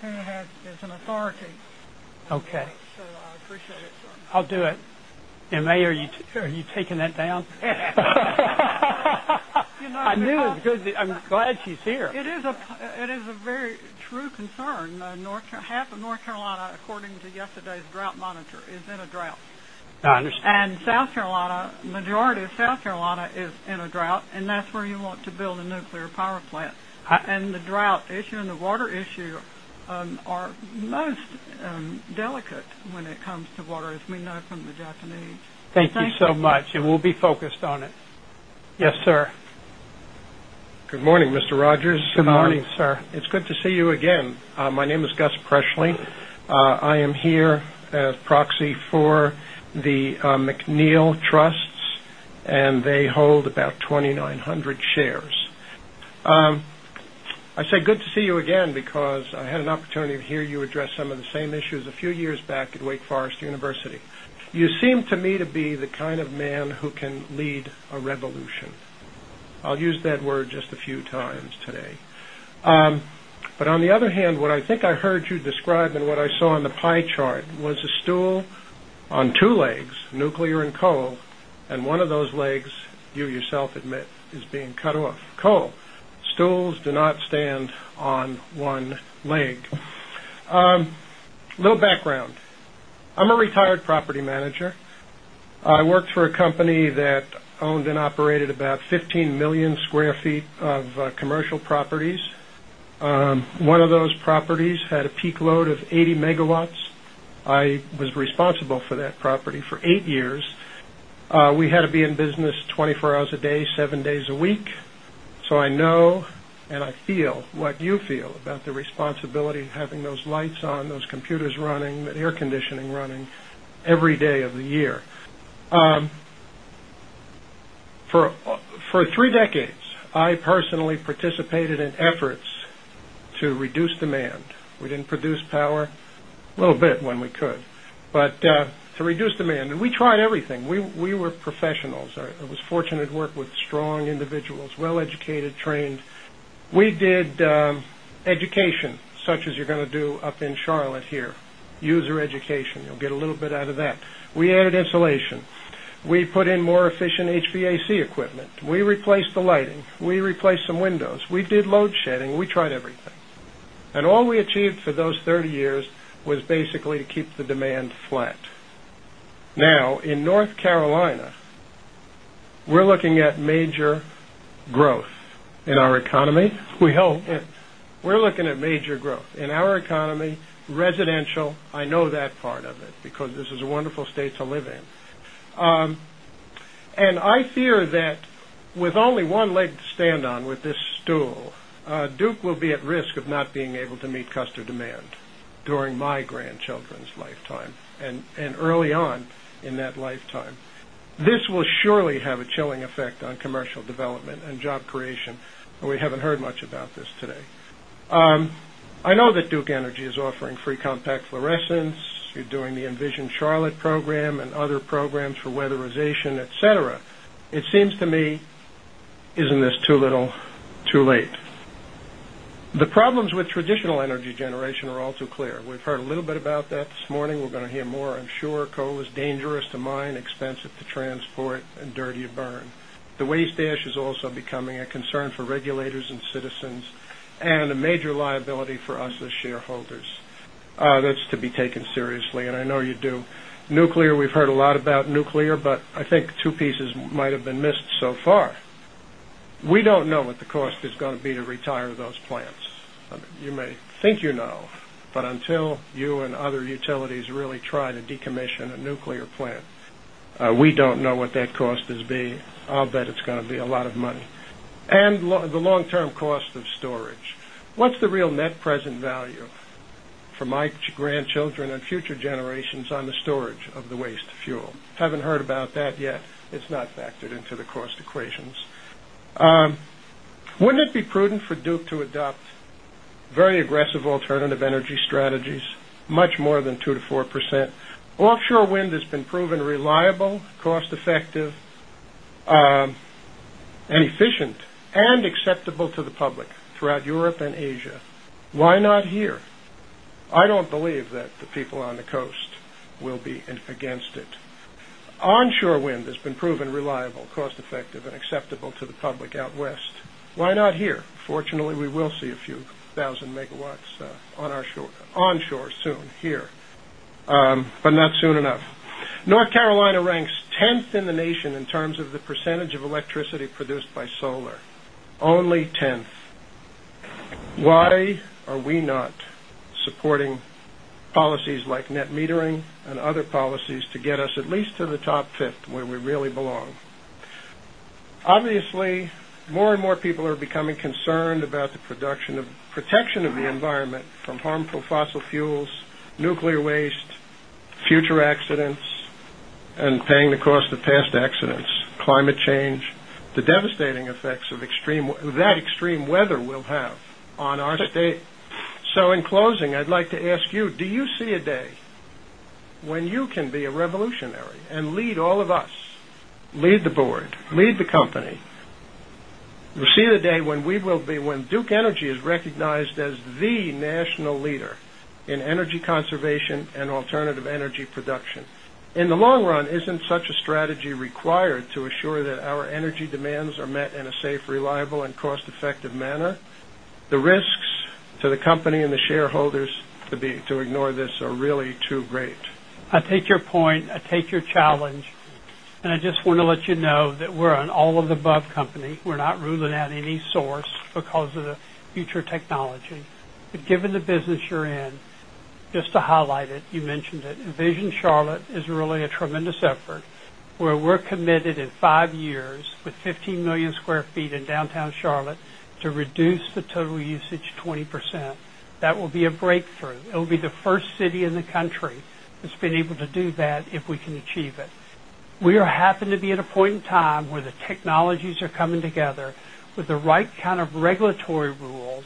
who has authority. OK. I appreciate it, sir. I'll do it. May I? Are you taking that down? I do. I'm glad she's here. It is a very true concern. Half of North Carolina, according to yesterday's drought monitor, is in a drought. I understand. The majority of South Carolina is in a drought. That's where you want to build a nuclear power plant. The drought issue and the water issue are most delicate when it comes to water, as we know from the Japanese. Thank you so much. We'll be focused on it. Yes, sir. Good morning, Mr. Rogers. Good morning, sir. It's good to see you again. My name is Gus Presley. I am here as proxy for the McNeil Trust, and they hold about 2,900 shares. I say good to see you again because I had an opportunity to hear you address some of the same issues a few years back at Wake Forest University. You seem to me to be the kind of man who can lead a revolution. I'll use that word just a few times today. On the other hand, what I think I heard you describe and what I saw on the pie chart was a stool on two legs, nuclear and coal. One of those legs, you yourself admit, is being cut off: coal. Stools do not stand on one leg. A little background. I'm a retired property manager. I worked for a company that owned and operated about 15 million sq ft of commercial properties. One of those properties had a peak load of 80 MW. I was responsible for that property for eight years. We had to be in business 24 hours a day, seven days a week. I know and I feel what you feel about the responsibility of having those lights on, those computers running, and air conditioning running every day of the year. For three decades, I personally participated in efforts to reduce demand. We didn't produce power, a little bit when we could, but to reduce demand. We tried everything. We were professionals. I was fortunate to work with strong individuals, well-educated, trained. We did education, such as you're going to do up in Charlotte here, user education. You'll get a little bit out of that. We added insulation. We put in more efficient HVAC equipment. We replaced the lighting. We replaced some windows. We did load shedding. We tried everything, and all we achieved for those 30 years was basically to keep the demand flat. Now, in North Carolina, we're looking at major growth in our economy. We hope. We're looking at major growth in our economy, residential. I know that part of it because this is a wonderful state to live in. I fear that with only one leg to stand on with this stool, Duke will be at risk of not being able to meet customer demand during my grandchildren's lifetime and early on in that lifetime. This will surely have a chilling effect on commercial development and job creation. We haven't heard much about this today. I know that Duke Energy is offering free compact fluorescents. You're doing the Envision Charlotte program and other programs for weatherization, etc. It seems to me, isn't this too little, too late? The problems with traditional energy generation are all too clear. We've heard a little bit about that this morning. We're going to hear more, I'm sure. Coal is dangerous to mine, expensive to transport, and dirty to burn. The waste ash is also becoming a concern for regulators and citizens and a major liability for us as shareholders. That's to be taken seriously. I know you do. Nuclear, we've heard a lot about nuclear, but I think two pieces might have been missed so far. We don't know what the cost is going to be to retire those plants. You may think you know, but until you and other utilities really try to decommission a nuclear plant, we don't know what that cost is going to be. I'll bet it's going to be a lot of money. The long-term cost of storage. What's the real net present value for my grandchildren and future generations on the storage of the waste fuel? Haven't heard about that yet. It's not factored into the cost equations. Wouldn't it be prudent for Duke to adopt very aggressive alternative energy strategies, much more than 2%-4%? Offshore wind has been proven reliable, cost-effective, and efficient, and acceptable to the public throughout Europe and Asia. Why not here? I don't believe that the people on the coast will be against it. Onshore wind has been proven reliable, cost-effective, and acceptable to the public out west. Why not here? Fortunately, we will see a few thousand megawatts onshore soon here, but not soon enough. North Carolina ranks 10th in the nation in terms of the percentage of electricity produced by solar, only 10th. Why are we not supporting policies like net metering and other policies to get us at least to the top fifth, where we really belong? Obviously, more and more people are becoming concerned about the protection of the environment from harmful fossil fuels, nuclear waste, future accidents, and paying the cost of past accidents, climate change, the devastating effects that extreme weather will have on our day. In closing, I'd like to ask you, do you see a day when you can be a revolutionary and lead all of us, lead the board, lead the company? Do you see a day when we will be, when Duke Energy is recognized as the national leader in energy conservation and alternative energy production? In the long run, isn't such a strategy required to assure that our energy demands are met in a safe, reliable, and cost-effective manner? The risks to the company and the shareholders to ignore this are really too great. I take your point. I take your challenge. I just want to let you know that we're an all-of-the-above company. We're not ruling out any source because of the future technology. Given the business you're in, just to highlight it, you mentioned that Envision Charlotte is really a tremendous effort where we're committed in five years, with 15 million square feet in downtown Charlotte, to reduce the total usage 20%. That will be a breakthrough. It will be the first city in the country that's been able to do that if we can achieve it. We are happening to be at a point in time where the technologies are coming together with the right kind of regulatory rules.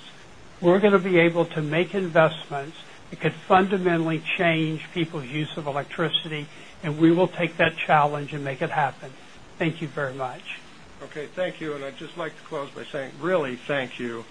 We're going to be able to make investments that could fundamentally change people's use of electricity. We will take that challenge and make it happen. Thank you very much. OK, thank you. I'd just like to close by saying really, thank you.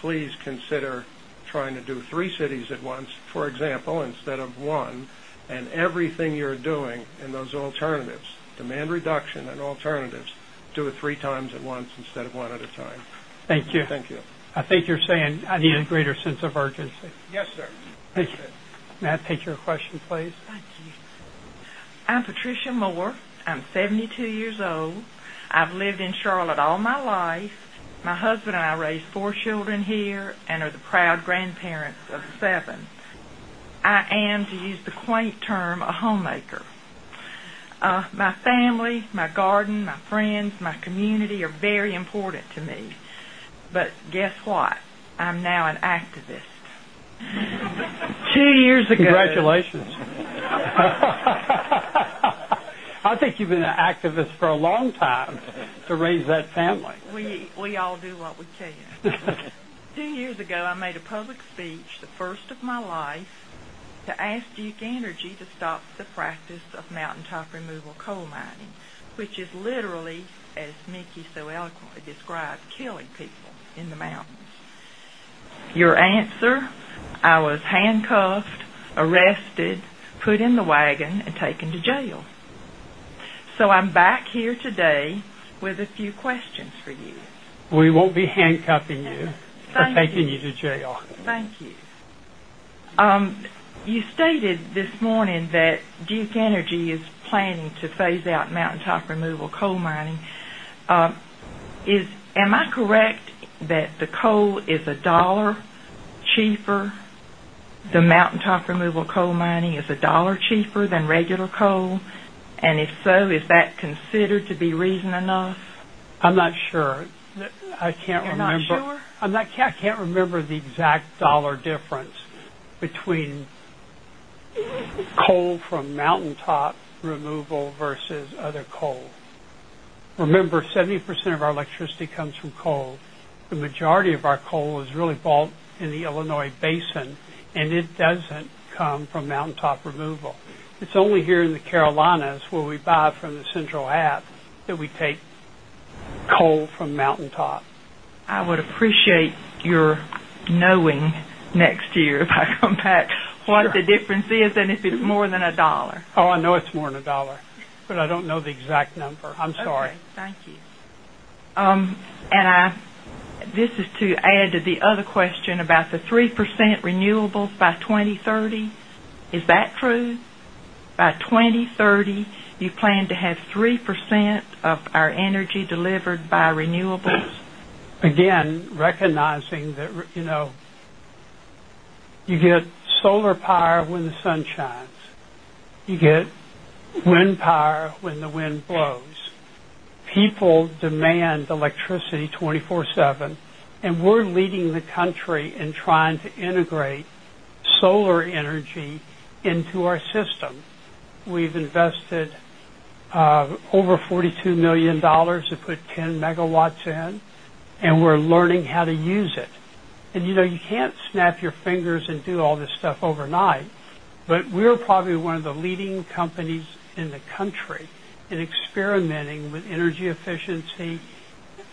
Please consider trying to do three cities at once, for example, instead of one. Everything you're doing in those alternatives, demand reduction and alternatives, do it three times at once instead of one at a time. Thank you. Thank you. I think you're saying I need a greater sense of urgency. Yes, sir. Thank you. Now, take your question, please. Thank you. I'm Patricia Moore. I'm 72 years old. I've lived in Charlotte all my life. My husband and I raised four children here and are the proud grandparents of seven. I am, to use the quaint term, a homemaker. My family, my garden, my friends, my community are very important to me. Guess what? I'm now an activist. Two years ago. Congratulations. I think you've been an activist for a long time to raise that family. We all do what we can. Two years ago, I made a public speech, the first of my life, to ask Duke Energy to stop the practice of mountaintop removal coal mining, which is literally, as Mickey so eloquently described, killing people in the mountains. Your answer? I was handcuffed, arrested, put in the wagon, and taken to jail. I'm back here today with a few questions for you. We won't be handcuffing you or taking you to jail. Thank you. You stated this morning that Duke Energy is planning to phase out mountaintop removal coal mining. Am I correct that the coal is a dollar cheaper? The mountaintop removal coal mining is a dollar cheaper than regular coal? If so, is that considered to be reason enough? I'm not sure. I can't remember. You're not sure? I can't remember the exact dollar difference between coal from mountaintop removal versus other coal. Remember, 70% of our electricity comes from coal. The majority of our coal is really vaulted in the Illinois Basin, and it doesn't come from mountaintop removal. It's only here in the Carolinas where we buy from the Central, that we take coal from mountaintop. I would appreciate your knowing next year if I come back what the difference is, and if it's more than $1. Oh, I know it's more than $1, but I don't know the exact number. I'm sorry. Thank you. This is to add to the other question about the 3% renewables by 2030. Is that true? By 2030, you plan to have 3% of our energy delivered by renewables? Again, recognizing that you know, you get solar power when the sun shines. You get wind power when the wind blows. People demand electricity 24/7. We're leading the country in trying to integrate solar energy into our system. We've invested over $42 million to put 10 megawatts in, and we're learning how to use it. You can't snap your fingers and do all this stuff overnight. We're probably one of the leading companies in the country in experimenting with energy efficiency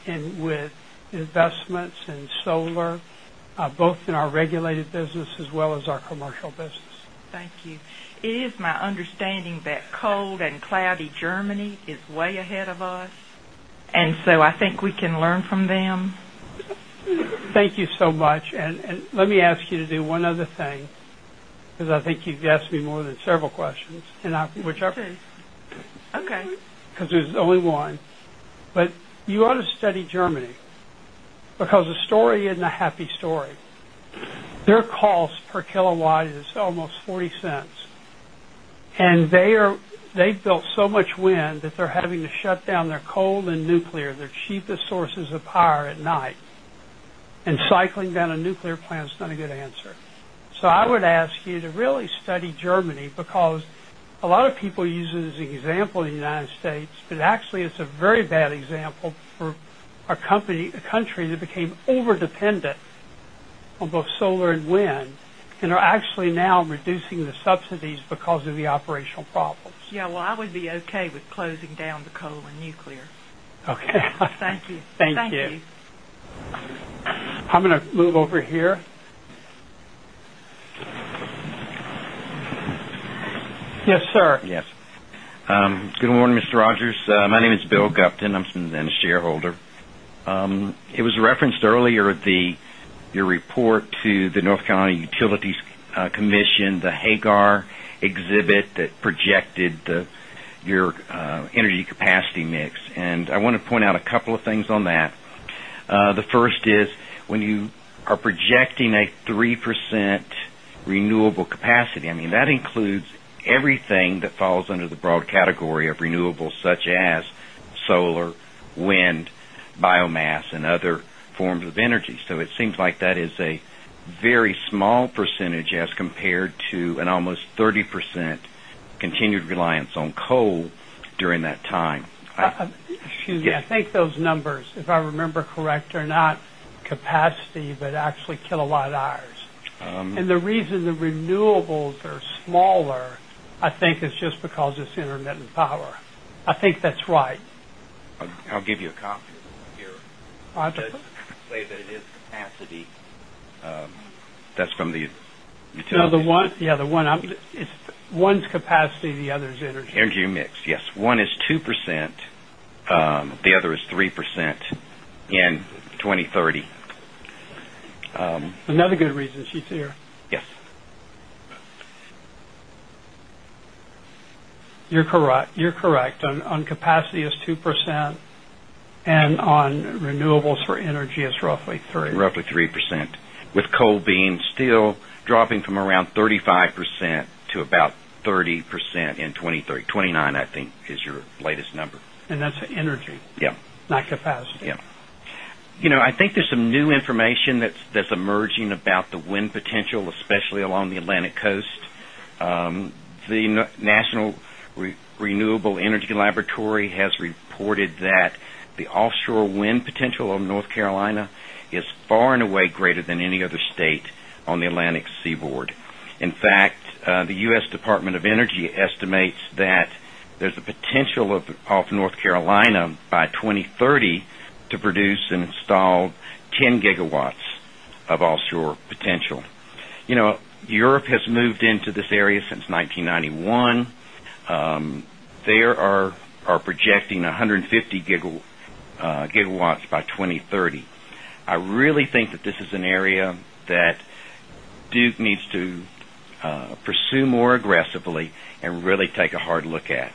and with investments in solar, both in our regulated business as well as our commercial business. Thank you. It is my understanding that cold and cloudy Germany is way ahead of us. I think we can learn from them. Thank you so much. Let me ask you to do one other thing because I think you've asked me more than several questions, which I appreciate. Please. OK. Because there's only one. You ought to study Germany because the story isn't a happy story. Their cost per kilowatt is almost $0.40. They've built so much wind that they're having to shut down their coal and nuclear, their cheapest sources of power at night. Cycling down a nuclear plant is not a good answer. I would ask you to really study Germany because a lot of people use it as an example in the U.S. Actually, it's a very bad example for a country that became overdependent on both solar and wind and are actually now reducing the subsidies because of the operational problems. Yeah, I would be OK with closing down the coal and nuclear. OK. Thank you. Thank you. Thank you. I'm going to move over here. Yes, sir. Yes. Good morning, Mr. Rogers. My name is Bill Gupton. I'm a shareholder. It was referenced earlier in your report to the North Carolina Utilities Commission, the Hagar exhibit that projected your energy capacity mix. I want to point out a couple of things on that. The first is when you are projecting a 3% renewable capacity, I mean, that includes everything that falls under the broad category of renewables, such as solar, wind, biomass, and other forms of energy. It seems like that is a very small percentage as compared to an almost 30% continued reliance on coal during that time. Yeah, I think those numbers, if I remember correct, are not capacity, but actually kilowatt hours. The reason the renewables are smaller, I think, is just because it's intermittent power. I think that's right. I'll give you a copy. I'll have to say that it is capacity. That's from the utility. Yeah, the one is one's capacity, the other's energy. Energy mix, yes. One is 2%. The other is 3% in 2030. Another good reason she's here. Yes. You're correct. On capacity, it's 2%. On renewables for energy, it's roughly 3%. Roughly 3%, with coal still dropping from around 35% to about 30% in 2030. 29%, I think, is your latest number. That's energy. Yeah. Not capacity. Yeah. I think there's some new information that's emerging about the wind potential, especially along the Atlantic coast. The National Renewable Energy Laboratory has reported that the offshore wind potential of North Carolina is far and away greater than any other state on the Atlantic seaboard. In fact, the U.S. Department of Energy estimates that there's the potential of North Carolina by 2030 to produce and install 10 gigawatts of offshore potential. Europe has moved into this area since 1991. They are projecting 150 gigawatts by 2030. I really think that this is an area that Duke Energy needs to pursue more aggressively and really take a hard look at.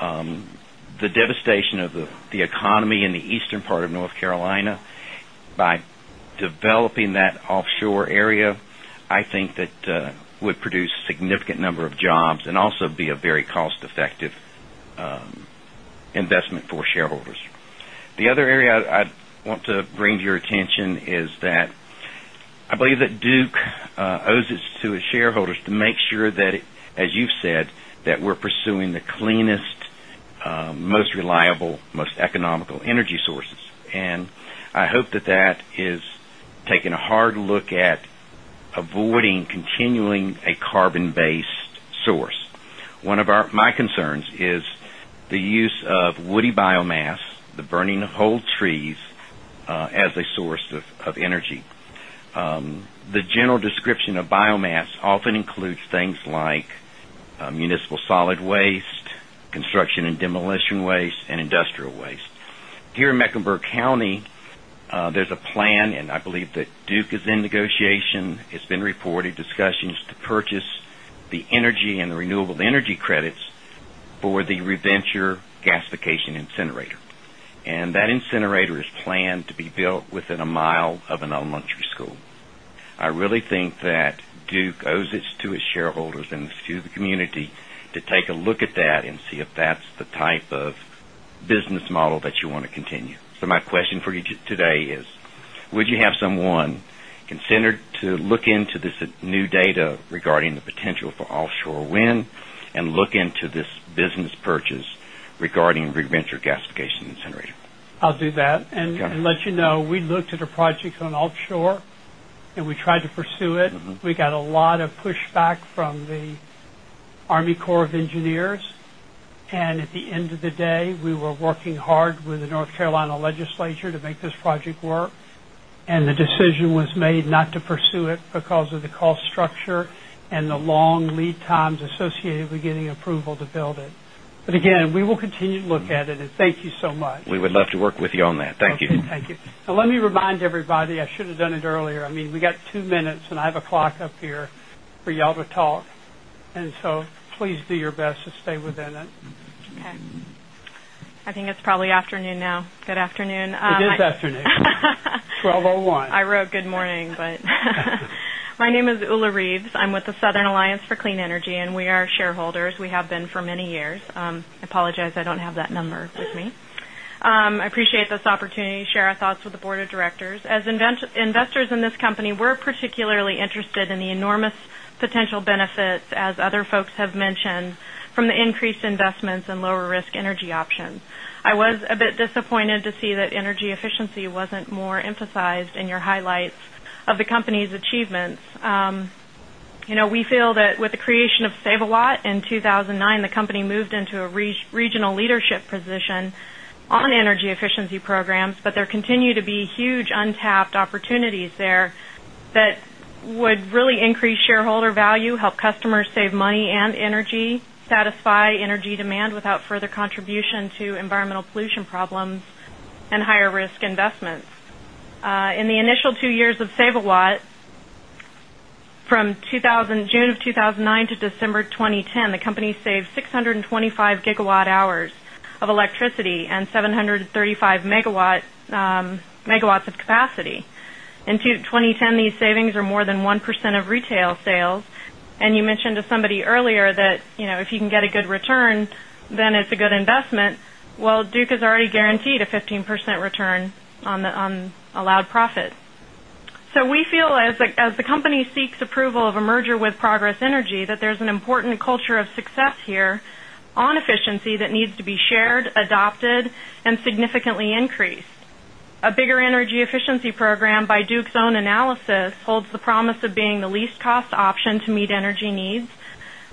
The devastation of the economy in the eastern part of North Carolina by developing that offshore area, I think, that would produce a significant number of jobs and also be a very cost-effective investment for shareholders. The other area I want to bring to your attention is that I believe that Duke Energy owes it to its shareholders to make sure that, as you've said, that we're pursuing the cleanest, most reliable, most economical energy sources. I hope that that is taking a hard look at avoiding continuing a carbon-based source. One of my concerns is the use of woody biomass, the burning of old trees, as a source of energy. The general description of biomass often includes things like municipal solid waste, construction and demolition waste, and industrial waste. Here in Mecklenburg County, there's a plan, and I believe that Duke Energy is in negotiation. It's been reported discussions to purchase the energy and the renewable energy credits for the Reventure Gasification Incinerator. That incinerator is planned to be built within a mile of an elementary school. I really think that Duke Energy owes it to its shareholders and to the community to take a look at that and see if that's the type of business model that you want to continue. My question for you today is, would you have someone consider to look into this new data regarding the potential for offshore wind and look into this business purchase regarding Reventure Gasification Incinerator? I'll do that. Let you know, we looked at a project on offshore, and we tried to pursue it. We got a lot of pushback from the Army Corps of Engineers. At the end of the day, we were working hard with the North Carolina legislature to make this project work. The decision was made not to pursue it because of the cost structure and the long lead times associated with getting approval to build it. Again, we will continue to look at it. Thank you so much. We would love to work with you on that. Thank you. OK, thank you. Let me remind everybody, I should have done it earlier. We got two minutes, and I have a clock up here for y'all to talk. Please do your best to stay within it. OK, I think it's probably afternoon now. Good afternoon. It is afternoon, 12:01 P.M. Good morning, my name is Ula Reeves. I'm with the Southern Alliance for Clean Energy, and we are shareholders. We have been for many years. I apologize, I don't have that number with me. I appreciate this opportunity to share our thoughts with the board of directors. As investors in this company, we're particularly interested in the enormous potential benefits, as other folks have mentioned, from the increased investments and lower risk energy options. I was a bit disappointed to see that energy efficiency wasn't more emphasized in your highlights of the company's achievements. We feel that with the creation of Save-A-Lot in 2009, the company moved into a regional leadership position on energy efficiency programs. There continue to be huge untapped opportunities there that would really increase shareholder value, help customers save money and energy, satisfy energy demand without further contribution to environmental pollution problems, and higher risk investments. In the initial two years of Save-A-Lot, from June 2009 to December 2010, the company saved 625 gigawatt hours of electricity and 735 megawatts of capacity. In 2010, these savings are more than 1% of retail sales. You mentioned to somebody earlier that if you can get a good return, then it's a good investment. Duke has already guaranteed a 15% return on allowed profit. We feel, as the company seeks approval of a merger with Progress Energy, that there's an important culture of success here on efficiency that needs to be shared, adopted, and significantly increased. A bigger energy efficiency program, by Duke's own analysis, holds the promise of being the least cost option to meet energy needs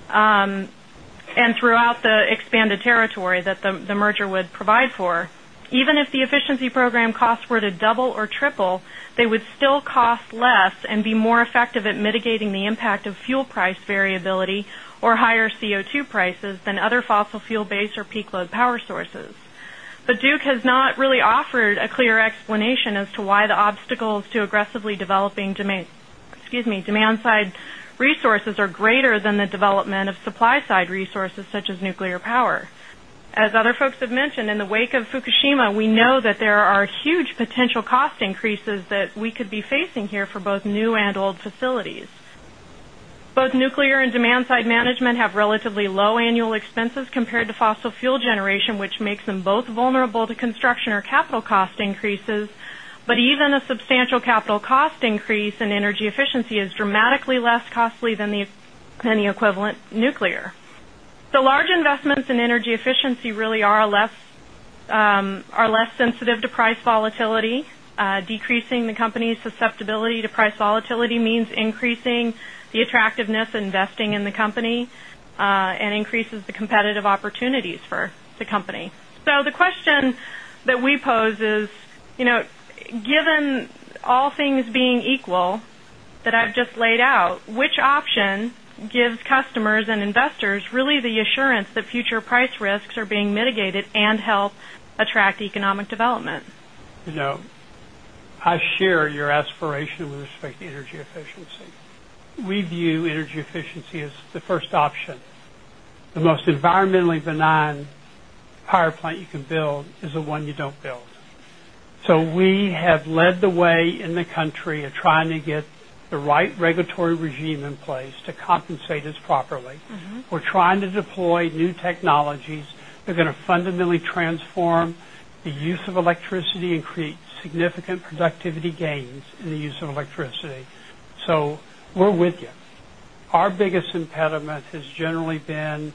throughout the expanded territory that the merger would provide for. Even if the efficiency program costs were to double or triple, they would still cost less and be more effective at mitigating the impact of fuel price variability or higher CO2 prices than other fossil fuel-based or peak load power sources. Duke has not really offered a clear explanation as to why the obstacles to aggressively developing demand side resources are greater than the development of supply side resources, such as nuclear power. As other folks have mentioned, in the wake of Fukushima, we know that there are huge potential cost increases that we could be facing here for both new and old facilities. Both nuclear and demand side management have relatively low annual expenses compared to fossil fuel generation, which makes them both vulnerable to construction or capital cost increases. Even a substantial capital cost increase in energy efficiency is dramatically less costly than the equivalent nuclear. The large investments in energy efficiency really are less sensitive to price volatility. Decreasing the company's susceptibility to price volatility means increasing the attractiveness of investing in the company and increases the competitive opportunities for the company. The question that we pose is, you know, given all things being equal that I've just laid out, which option gives customers and investors really the assurance that future price risks are being mitigated and help attract economic development? You know, I share your aspiration with respect to energy efficiency. We view energy efficiency as the first option. The most environmentally benign power plant you can build is the one you don't build. We have led the way in the country at trying to get the right regulatory regime in place to compensate us properly. We're trying to deploy new technologies that are going to fundamentally transform the use of electricity and create significant productivity gains in the use of electricity. We're with you. Our biggest impediment has generally been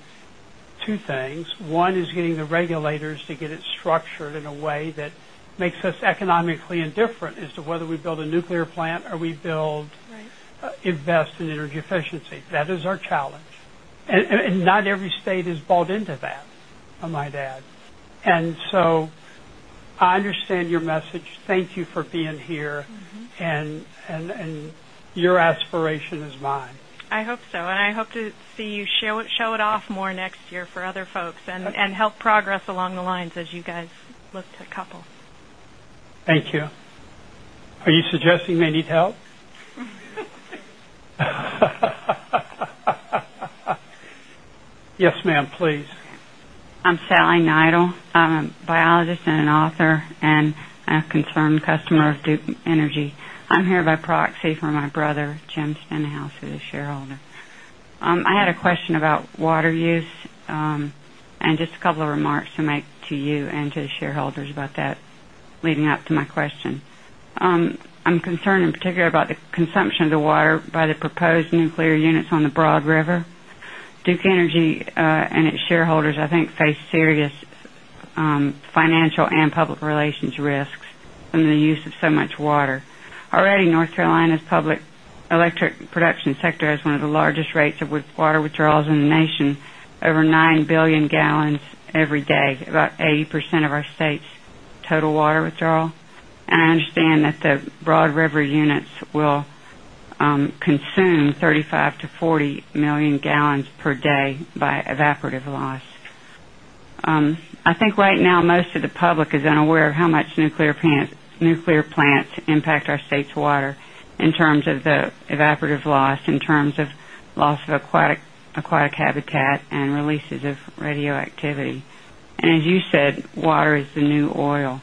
two things. One is getting the regulators to get it structured in a way that makes us economically indifferent as to whether we build a nuclear plant or we invest in energy efficiency. That is our challenge. Not every state is bought into that, I might add. I understand your message. Thank you for being here. Your aspiration is mine. I hope so. I hope to see you show it off more next year for other folks and help progress along the lines as you guys look to couples. Thank you. Are you suggesting they need help? Yes, ma'am, please. OK. I'm Sally Neidel, biologist and an author, and a confirmed customer of Duke Energy. I'm here by proxy for my brother, Jim Stenhouse, who's a shareholder. I had a question about water use and just a couple of remarks to make to you and to the shareholders about that leading up to my question. I'm concerned in particular about the consumption of the water by the proposed nuclear units on the Broad River. Duke Energy and its shareholders, I think, face serious financial and public relations risks from the use of so much water. Already, North Carolina's public electric production sector has one of the largest rates of water withdrawals in the nation, over 9 billion gallons every day, about 80% of our state's total water withdrawal. I understand that the Broad River units will consume 35 to 40 million gallons per day by evaporative loss. I think right now, most of the public is unaware of how much nuclear plants impact our state's water in terms of the evaporative loss, in terms of loss of aquatic habitat, and releases of radioactivity. As you said, water is the new oil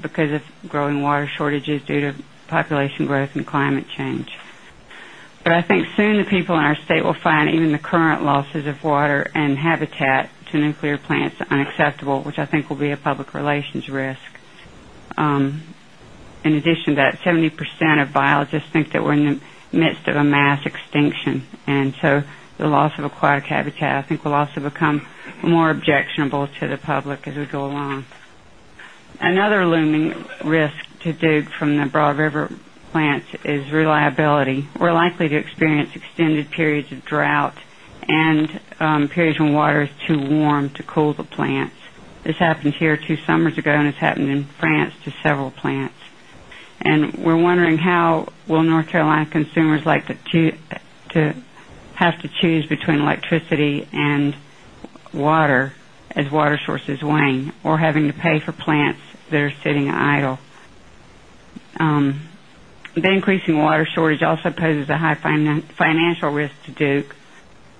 because of growing water shortages due to population growth and climate change. I think soon the people in our state will find even the current losses of water and habitat to nuclear plants unacceptable, which I think will be a public relations risk. In addition to that, 70% of biologists think that we're in the midst of a mass extinction. The loss of aquatic habitat, I think, will also become more objectionable to the public as we go along. Another looming risk to Duke Energy from the Broad River plants is reliability. We're likely to experience extended periods of drought and periods when water is too warm to cool the plants. This happened here two summers ago, and it's happened in France to several plants. We're wondering how will North Carolina consumers have to choose between electricity and water as water sources wane, or having to pay for plants that are sitting idle. The increasing water shortage also poses a high financial risk to Duke Energy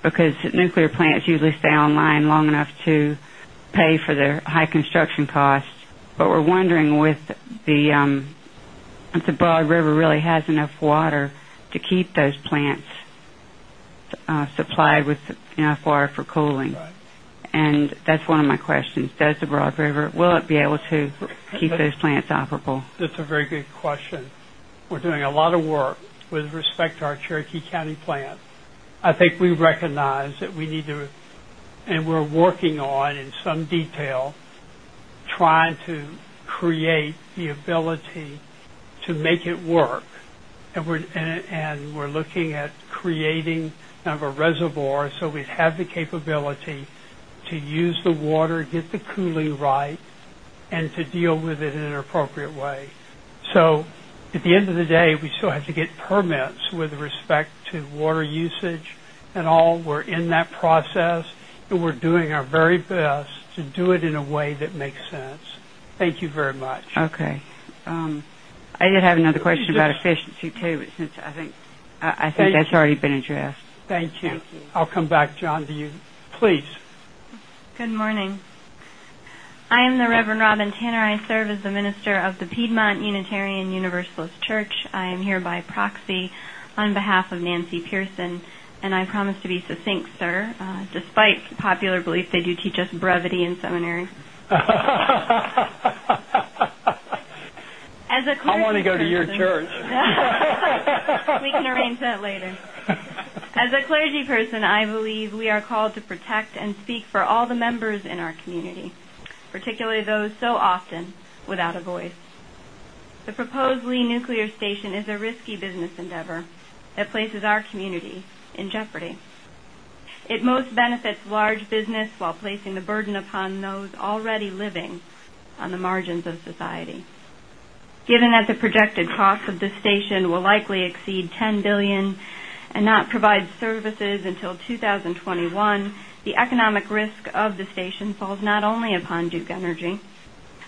because nuclear plants usually stay online long enough to pay for the high construction costs. We're wondering if the Broad River really has enough water to keep those plants supplied with enough water for cooling. That's one of my questions. Does the Broad River, will it be able to keep those plants operable? That's a very good question. We're doing a lot of work with respect to our Cherokee County plant. I think we recognize that we need to, and we're working on in some detail, trying to create the ability to make it work. We're looking at creating a reservoir so we have the capability to use the water, get the cooling right, and to deal with it in an appropriate way. At the end of the day, we still have to get permits with respect to water usage and all. We're in that process, and we're doing our very best to do it in a way that makes sense. Thank you very much. OK. I did have another question about efficiency too, but I think that's already been addressed. Thank you. Thank you. I'll come back, John, to you, please. Good morning. I am the Reverend Robin Tanner. I serve as the Minister of the Piedmont Unitarian Universalist Church. I am here by proxy on behalf of Nancy Pearson. I promise to be succinct, sir. Despite popular belief, they do teach us brevity in seminary. I want to go to your church. We can arrange that later. As a clergyperson, I believe we are called to protect and speak for all the members in our community, particularly those so often without a voice. The proposed Lee Nuclear Station is a risky business endeavor that places our community in jeopardy. It most benefits large business while placing the burden upon those already living on the margins of society. Given that the projected cost of the station will likely exceed $10 billion and not provide services until 2021, the economic risk of the station falls not only upon Duke Energy,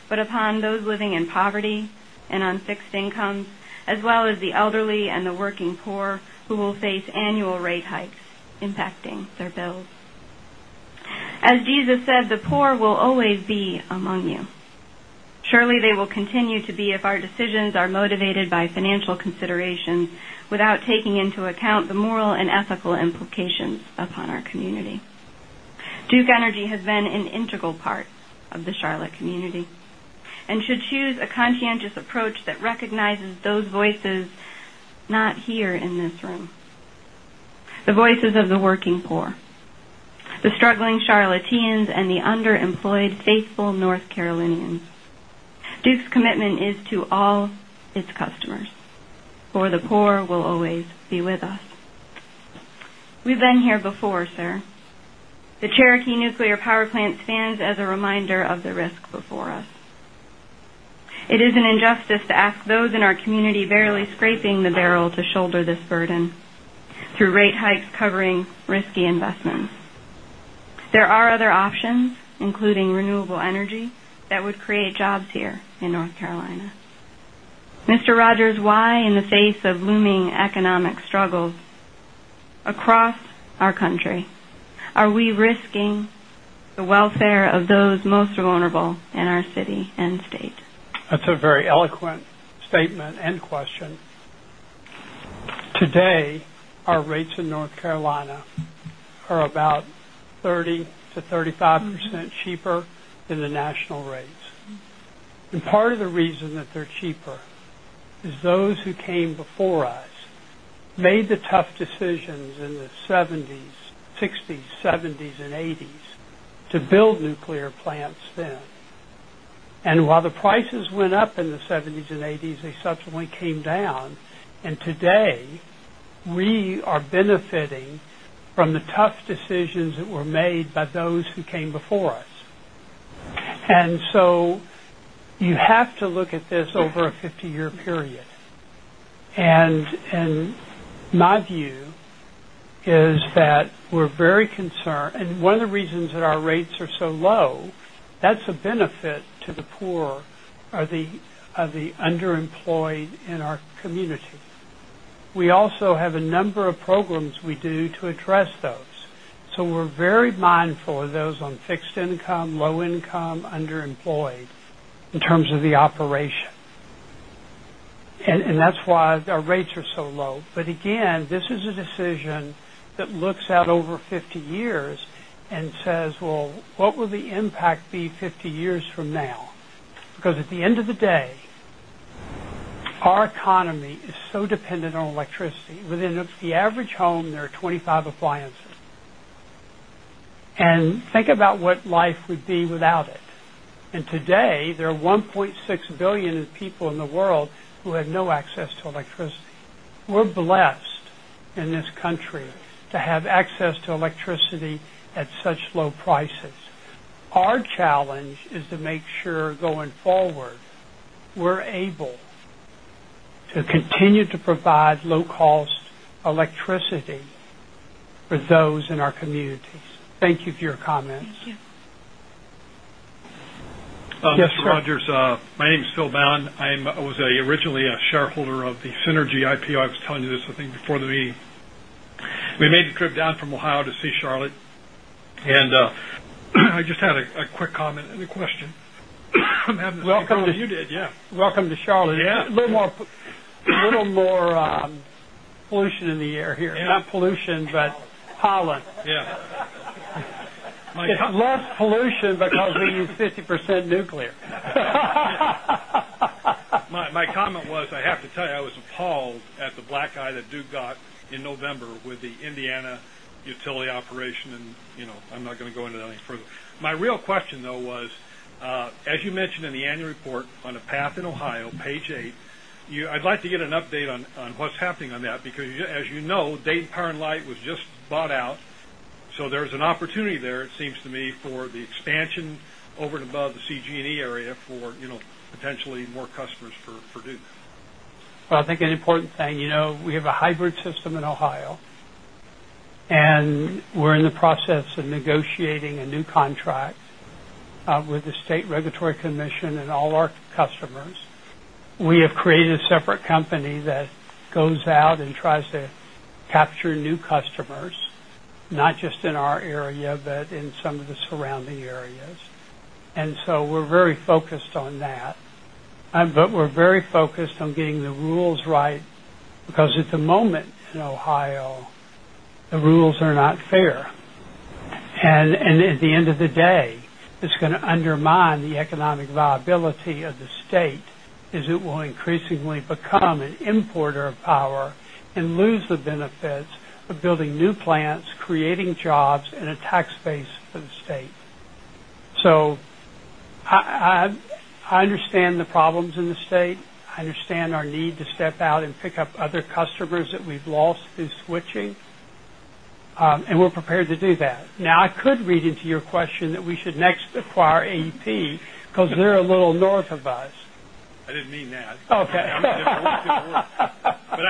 but upon those living in poverty and on fixed incomes, as well as the elderly and the working poor who will face annual rate hikes impacting their bills. As Jesus said, the poor will always be among you. Surely, they will continue to be if our decisions are motivated by financial consideration without taking into account the moral and ethical implications upon our community. Duke Energy has been an integral part of the Charlotte community and should choose a conscientious approach that recognizes those voices not here in this room, the voices of the working poor, the struggling Charlottes, and the underemployed faithful North Carolinians. Duke's commitment is to all its customers, for the poor will always be with us. We've been here before, sir. The Cherokee Nuclear Power Plant stands as a reminder of the risk before us. It is an injustice to ask those in our community barely scraping the barrel to shoulder this burden through rate hikes covering risky investments. There are other options, including renewable energy, that would create jobs here in North Carolina. Mr. Rogers, why in the face of looming economic struggles across our country are we risking the welfare of those most vulnerable in our city and state? That's a very eloquent statement and question. Today, our rates in North Carolina are about 30% to 35% cheaper than the national rates. Part of the reason that they're cheaper is those who came before us made the tough decisions in the 1960s, 1970s, and 1980s to build nuclear plants then. While the prices went up in the 1970s and 1980s, they subsequently came down. Today, we are benefiting from the tough decisions that were made by those who came before us. You have to look at this over a 50-year period. My view is that we're very concerned. One of the reasons that our rates are so low, that's a benefit to the poor or the underemployed in our community. We also have a number of programs we do to address those. We're very mindful of those on fixed income, low income, underemployed in terms of the operation. That's why our rates are so low. This is a decision that looks out over 50 years and says, what will the impact be 50 years from now? At the end of the day, our economy is so dependent on electricity. Within the average home, there are 25 appliances. Think about what life would be without it. Today, there are 1.6 billion people in the world who have no access to electricity. We're blessed in this country to have access to electricity at such low prices. Our challenge is to make sure, going forward, we're able to continue to provide low-cost electricity for those in our communities. Thank you for your comments. Thank you. Yes, Rogers. My name is Phil Brown. I was originally a shareholder of the Synergy IPO. I was telling you this, I think, before the meeting. We made the trip down from Ohio to see Charlotte. I just had a quick comment and a question. Welcome. As you did, yeah. Welcome to Charlotte. Yeah. A little more pollution in the air here, not pollution, but pollen. Yeah. Less pollution because we use 50% nuclear. My comment was, I have to tell you, I was appalled at the black eye that Duke got in November with the Indiana utility operation. I'm not going to go into that any further. My real question, though, was, as you mentioned in the annual report on A Path in Ohio, page 8, I'd like to get an update on what's happening on that because, as you know, Dayton Power & Light was just bought out. There's an opportunity there, it seems to me, for the expansion over and above the CG&E area for potentially more customers for Duke. I think an important thing, you know, we have a hybrid system in Ohio. We're in the process of negotiating a new contract with the state regulatory commission and all our customers. We have created a separate company that goes out and tries to capture new customers, not just in our area, but in some of the surrounding areas. We're very focused on that. We're very focused on getting the rules right because at the moment in Ohio, the rules are not fair. At the end of the day, it's going to undermine the economic viability of the state as it will increasingly become an importer of power and lose the benefits of building new plants, creating jobs, and a tax base for the state. I understand the problems in the state. I understand our need to step out and pick up other customers that we've lost through switching. We're prepared to do that. Now, I could read into your question that we should next acquire AP because they're a little north of us. I didn't mean that. OK. I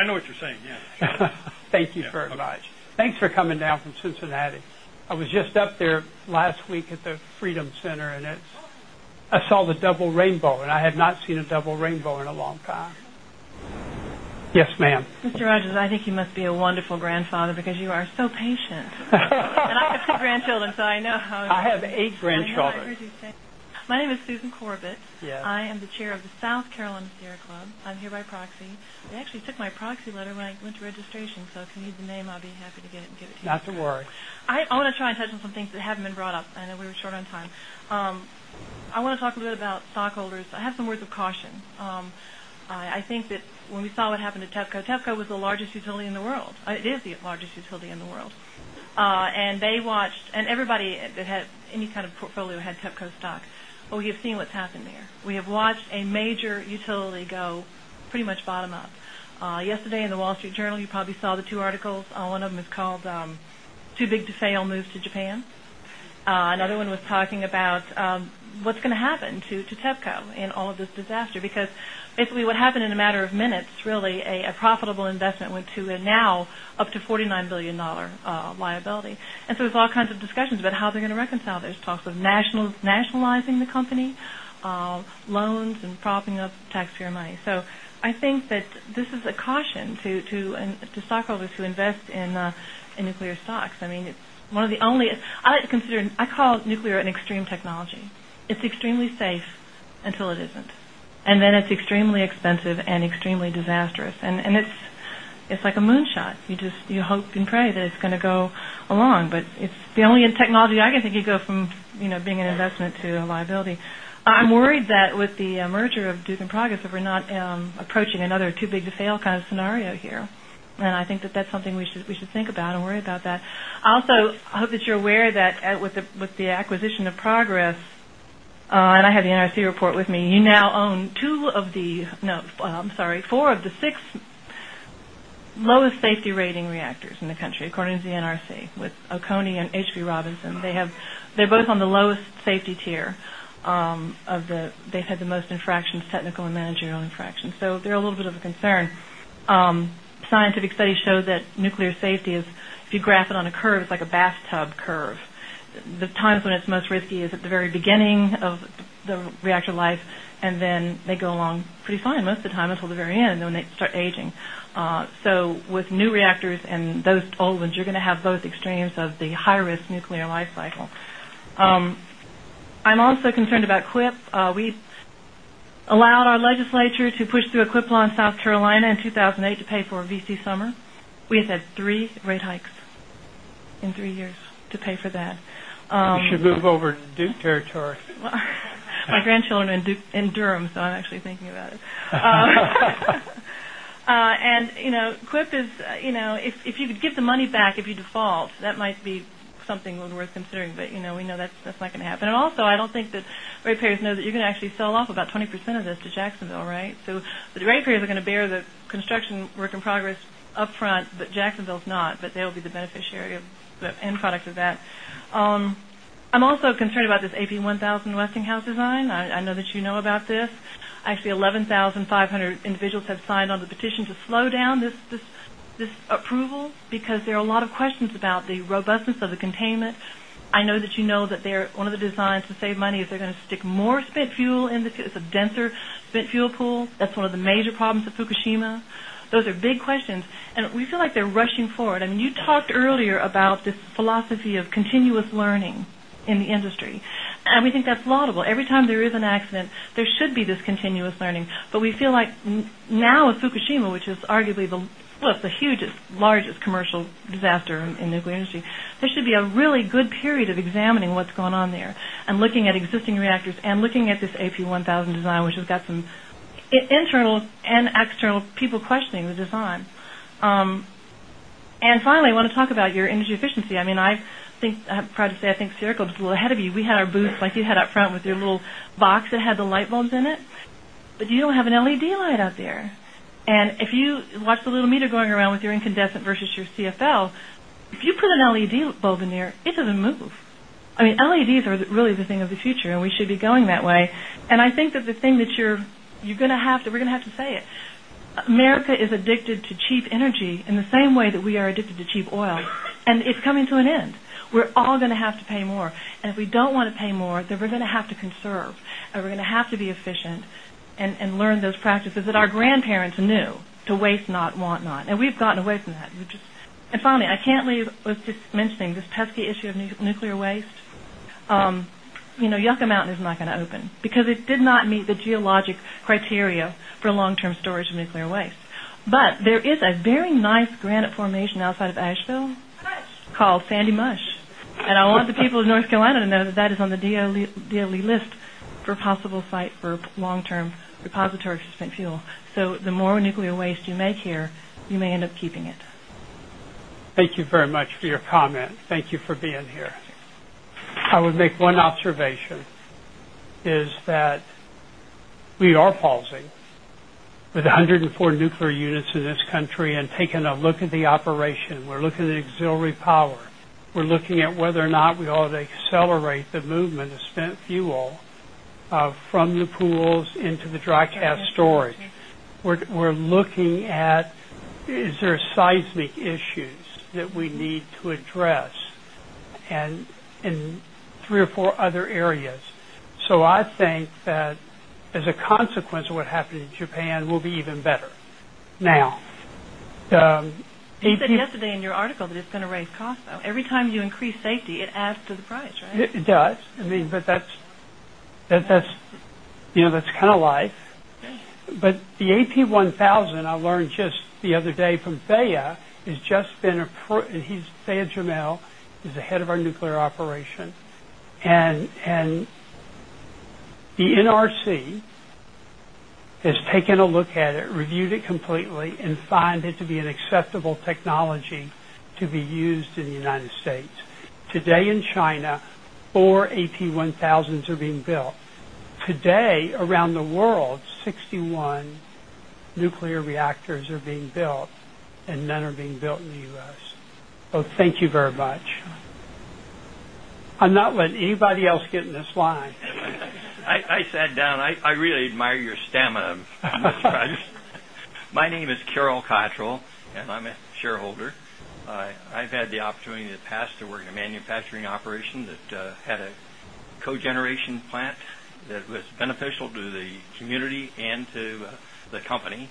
know what you're saying, yeah. Thank you very much. Thanks for coming down from Cincinnati. I was just up there last week at the Freedom Center. I saw the double rainbow. I had not seen a double rainbow in a long time. Yes, ma'am. Mr. Rogers, I think you must be a wonderful grandfather because you are so patient. I have two grandchildren, so I know. I have eight grandchildren. My name is Susan Corbett. I am the Chair of the South Carolina Sierra Club. I'm here by proxy. They actually took my proxy letter when I went to registration. If you need the name, I'll be happy to get it and give it to you. Not to worry. I want to try and touch on some things that haven't been brought up. I know we were short on time. I want to talk a little bit about stockholders. I have some words of caution. I think that when we saw what happened to TEPCO, TEPCO was the largest utility in the world. It is the largest utility in the world. They watched, and everybody that had any kind of portfolio had TEPCO stock. We have seen what's happened there. We have watched a major utility go pretty much bottom up. Yesterday in The Wall Street Journal, you probably saw the two articles. One of them is called "Too Big to Fail Moves to Japan." Another one was talking about what's going to happen to TEPCO in all of this disaster because basically what happened in a matter of minutes, really, a profitable investment went to a now up to $49 billion liability. There are all kinds of discussions about how they're going to reconcile. There are talks of nationalizing the company, loans, and propping up taxpayer money. I think that this is a caution to stockholders who invest in nuclear stocks. I mean, it's one of the only—I like to consider—I call nuclear an extreme technology. It's extremely safe until it isn't. Then it's extremely expensive and extremely disastrous. It's like a moonshot. You just hope and pray that it's going to go along. It's the only technology I can think of going from being an investment to a liability. I'm worried that with the merger of Duke Energy and Progress Energy, we're not approaching another too big to fail kind of scenario here. I think that that's something we should think about and worry about. Also, I hope that you're aware that with the acquisition of Progress Energy—and I have the NRC report with me—you now own four of the six lowest safety rating reactors in the country, according to the NRC, with Oconee and H.B. Robinson. They're both on the lowest safety tier. They've had the most infractions, technical and managerial infractions. They're a little bit of a concern. Scientific studies show that nuclear safety is, if you graph it on a curve, it's like a bathtub curve. The times when it's most risky is at the very beginning of the reactor life. They go along pretty fine most of the time until the very end, and then they start aging. With new reactors and those old ones, you're going to have both extremes of the high-risk nuclear life cycle. I'm also concerned about QUIP. We allowed our legislature to push through a QUIP law in South Carolina in 2008 to pay for V.C. Summer. We have had three rate hikes in three years to pay for that. You should move over to Duke territory. My grandchildren are in Durham, so I'm actually thinking about it. You know, QUIP is, you know, if you could give the money back if you default, that might be something worth considering. You know that's not going to happen. Also, I don't think that rate payers know that you're going to actually sell off about 20% of this to Jacksonville, right? The rate payers are going to bear the construction work in progress upfront, but Jacksonville is not. They'll be the beneficiary of the end product of that. I'm also concerned about this AP1000 Westinghouse design. I know that you know about this. Actually, 11,500 individuals have signed on the petition to slow down this approval because there are a lot of questions about the robustness of the containment. I know that you know that one of the designs to save money is they're going to stick more spent fuel in the field. It's a denser spent fuel pool. That's one of the major problems of Fukushima. Those are big questions, and we feel like they're rushing forward. You talked earlier about this philosophy of continuous learning in the industry, and we think that's laudable. Every time there is an accident, there should be this continuous learning. We feel like now with Fukushima, which is arguably the largest commercial disaster in the nuclear industry, there should be a really good period of examining what's going on there and looking at existing reactors and looking at this AP1000 design, which has got some internal and external people questioning the design. Finally, I want to talk about your energy efficiency. I think I'm proud to say I think Spherical blew ahead of you. We had our booths like you had up front with your little box that had the light bulbs in it, but you don't have an LED light out there. If you watch the little meter going around with your incandescent versus your CFL, if you put an LED bulb in there, it doesn't move. LEDs are really the thing of the future, and we should be going that way. I think that the thing that you're going to have to, we're going to have to say it, America is addicted to cheap energy in the same way that we are addicted to cheap oil, and it's coming to an end. We're all going to have to pay more. If we don't want to pay more, then we're going to have to conserve, and we're going to have to be efficient and learn those practices that our grandparents knew: to waste not, want not. We've gotten away from that. Finally, I can't leave without just mentioning this pesky issue of nuclear waste. You know, Yucca Mountain is not going to open because it did not meet the geologic criteria for long-term storage of nuclear waste. There is a very nice granite formation outside of Asheville called Sandy Mush, and I want the people of North Carolina to know that that is on the DOE list for a possible site for long-term repository of spent fuel. The more nuclear waste you make here, you may end up keeping it. Thank you very much for your comment. Thank you for being here. I would make one observation: we are pausing with 104 nuclear units in this country and taking a look at the operation. We're looking at auxiliary power. We're looking at whether or not we ought to accelerate the movement of spent fuel from the pools into the dry gas storage. We're looking at whether there are seismic issues that we need to address in three or four other areas. I think that as a consequence of what happened in Japan, we'll be even better now. You said yesterday in your article that it's going to raise costs, though. Every time you increase safety, it adds to the price, right? It does. I mean, that's kind of life. The AP1000, I learned just the other day from Dhiaa, has just been approved. He's Dhiaa Jamil, the head of our nuclear operation. The NRC has taken a look at it, reviewed it completely, and found it to be an acceptable technology to be used in the U.S. Today in China, four AP1000s are being built. Today around the world, 61 nuclear reactors are being built, and none are being built in the U.S. Thank you very much. I'm not letting anybody else get in this line. I sat down. I really admire your stamina. My name is Carol Cottrell, and I'm a shareholder. I've had the opportunity in the past to work in a manufacturing operation that had a cogeneration plant that was beneficial to the community and to the company.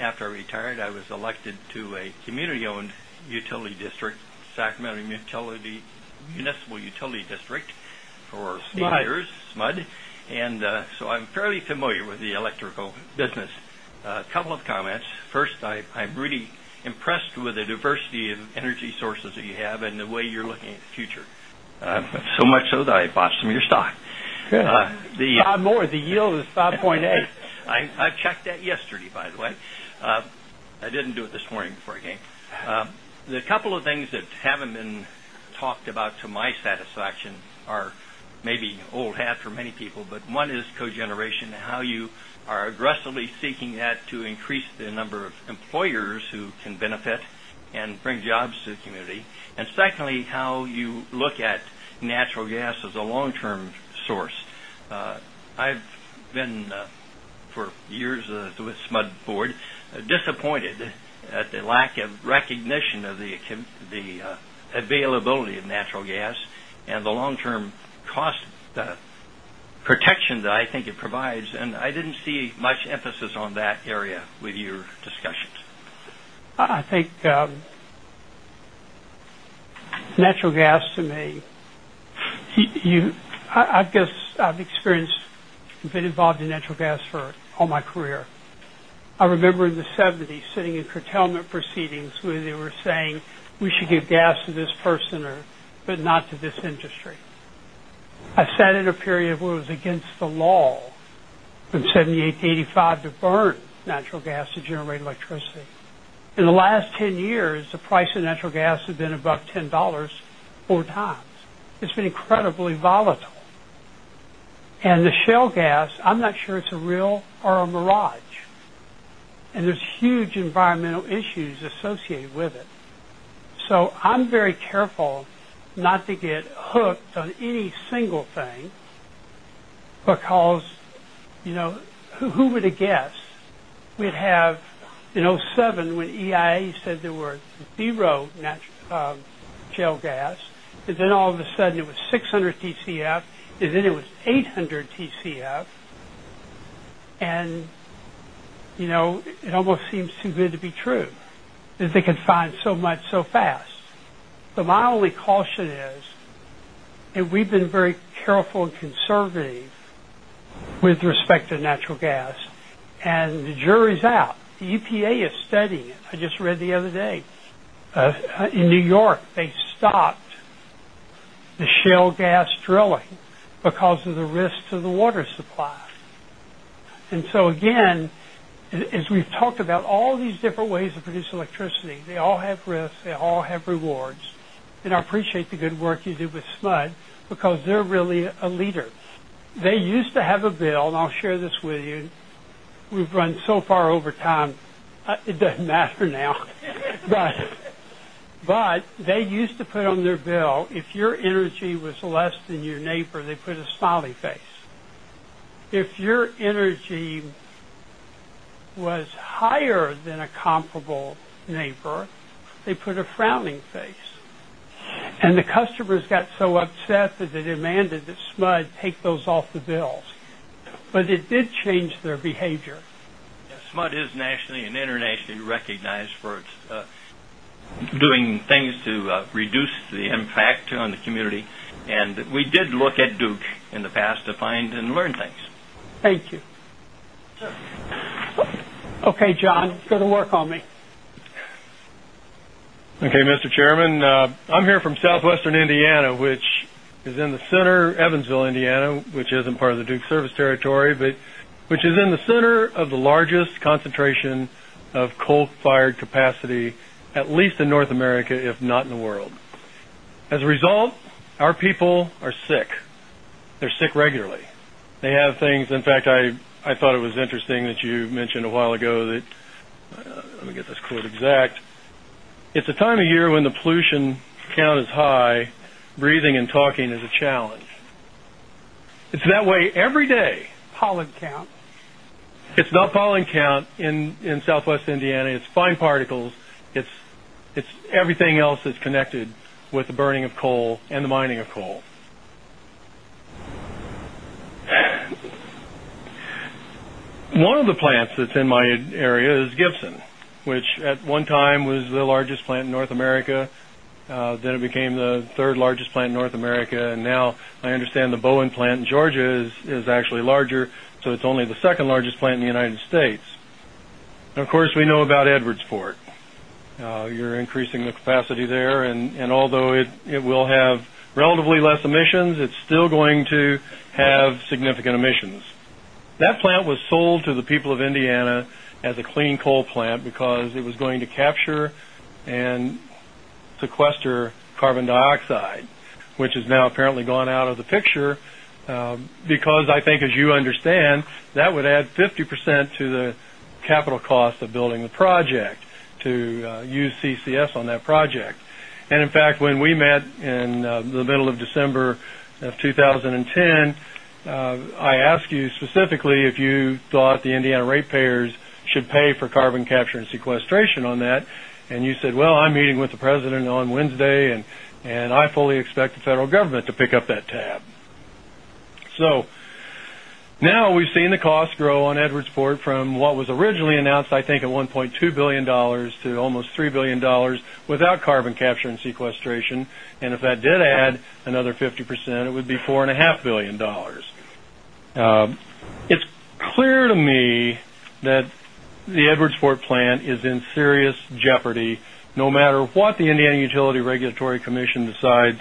After I retired, I was elected to a community-owned utility district, Sacramento Municipal Utility District, or SMUD, and so I'm fairly familiar with the electrical business. A couple of comments. First, I'm really impressed with the diversity of energy sources that you have and the way you're looking at the future. So much so that I bought some of your stock. I'm more. The yield was 5.8%. I checked that yesterday, by the way. I didn't do it this morning before I came. The couple of things that haven't been talked about to my satisfaction are maybe old hats for many people, but one is cogeneration and how you are aggressively seeking that to increase the number of employers who can benefit and bring jobs to the community. Secondly, how you look at natural gas as a long-term source. I've been, for years with SMUD Board, disappointed at the lack of recognition of the availability of natural gas and the long-term cost protection that I think it provides, and I didn't see much emphasis on that area with your discussions. I think natural gas to me, I guess I've experienced, I've been involved in natural gas for all my career. I remember in the 1970s sitting in curtailment proceedings where they were saying we should give gas to this person or, but not to this industry. I sat in a period where it was against the law from 1978 to 1985 to burn natural gas to generate electricity. In the last 10 years, the price of natural gas has been above $10 four times. It's been incredibly volatile. The shale gas, I'm not sure it's real or a mirage. There are huge environmental issues associated with it. I'm very careful not to get hooked on any single thing because, you know, who would have guessed we'd have in 2007 when EIA said there were zero shale gas, and then all of a sudden it was 600 TCF, and then it was 800 TCF. It almost seems too good to be true that they could find so much so fast. My only caution is, and we've been very careful and conservative with respect to natural gas, the jury's out. The EPA is studying it. I just read the other day in New York, they stopped the shale gas drilling because of the risk to the water supply. As we've talked about all these different ways to produce electricity, they all have risks, they all have rewards, and I appreciate the good work you do with SMUD because they're really a leader. They used to have a bill, and I'll share this with you, and we've run so far over time, it doesn't matter now. They used to put on their bill, if your energy was less than your neighbor, they put a smiley face. If your energy was higher than a comparable neighbor, they put a frowning face. The customers got so upset that they demanded that SMUD take those off the bill. It did change their behavior. SMUD is nationally and internationally recognized for doing things to reduce the impact on the community. We did look at Duke Energy in the past to find and learn things. Thank you. Okay, John, go to work on me. Okay, Mr. Chairman, I'm here from Southwestern Indiana, which is in the center, Evansville, Indiana, which isn't part of the Duke Energy service territory, but which is in the center of the largest concentration of coal-fired capacity, at least in North America, if not in the world. As a result, our people are sick. They're sick regularly. They have things, in fact, I thought it was interesting that you mentioned a while ago that, let me get this quote exact, at the time of year when the pollution count is high, breathing and talking is a challenge. It's that way every day. Pollen count. It's not pollen count in Southwest Indiana. It's fine particles. It's everything else that's connected with the burning of coal and the mining of coal. One of the plants that's in my area is Gibson, which at one time was the largest plant in North America. It became the third largest plant in North America, and now I understand the Bowen plant in Georgia is actually larger, so it's only the second largest plant in the United States. Of course, we know about Edwardsport. You're increasing the capacity there, and although it will have relatively less emissions, it's still going to have significant emissions. That plant was sold to the people of Indiana as a clean coal plant because it was going to capture and sequester carbon dioxide, which has now apparently gone out of the picture because I think, as you understand, that would add 50% to the capital cost of building the project to use CCS on that project. In fact, when we met in the middle of December of 2010, I asked you specifically if you thought the Indiana ratepayers should pay for carbon capture and sequestration on that, and you said, I'm meeting with the president on Wednesday, and I fully expect the federal government to pick up that tab. Now we've seen the cost grow on Edwardsport from what was originally announced, I think, at $1.2 billion to almost $3 billion without carbon capture and sequestration, and if that did add another 50%, it would be $4.5 billion. It's clear to me that the Edwardsport plant is in serious jeopardy, no matter what the Indiana Utility Regulatory Commission decides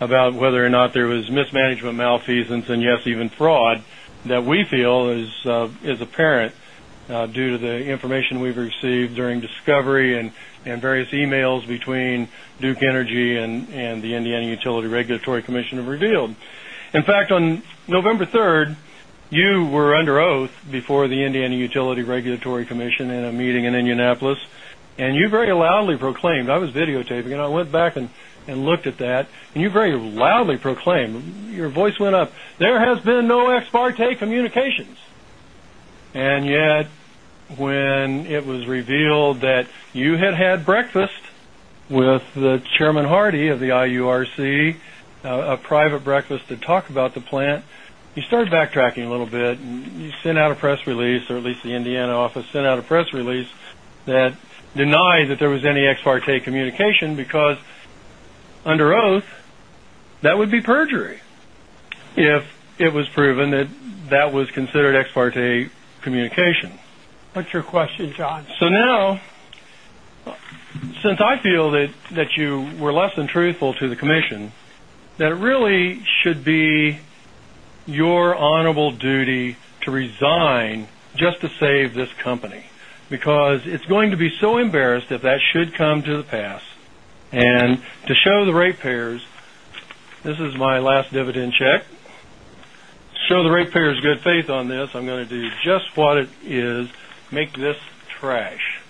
about whether or not there was mismanagement, malfeasance, and yes, even fraud, that we feel is apparent due to the information we've received during discovery and various emails between Duke Energy and the Indiana Utility Regulatory Commission have revealed. In fact, on November 3, you were under oath before the Indiana Utility Regulatory Commission in a meeting in Indianapolis, and you very loudly proclaimed, I was videotaping it, I went back and looked at that, and you very loudly proclaimed, your voice went up, there has been no ex parte communications. Yet, when it was revealed that you had had breakfast with Chairman Hardy of the IURC, a private breakfast to talk about the plant, you started backtracking a little bit, and you sent out a press release, or at least the Indiana office sent out a press release that denied that there was any ex parte communication because under oath, that would be perjury if it was proven that that was considered ex parte communication. What's your question, John? Now, since I feel that you were less than truthful to the commission, that it really should be your honorable duty to resign just to save this company because it's going to be so embarrassed if that should come to pass and to show the ratepayers, this is my last dividend check, show the ratepayers good faith on this, I'm going to do just what it is, make this trash.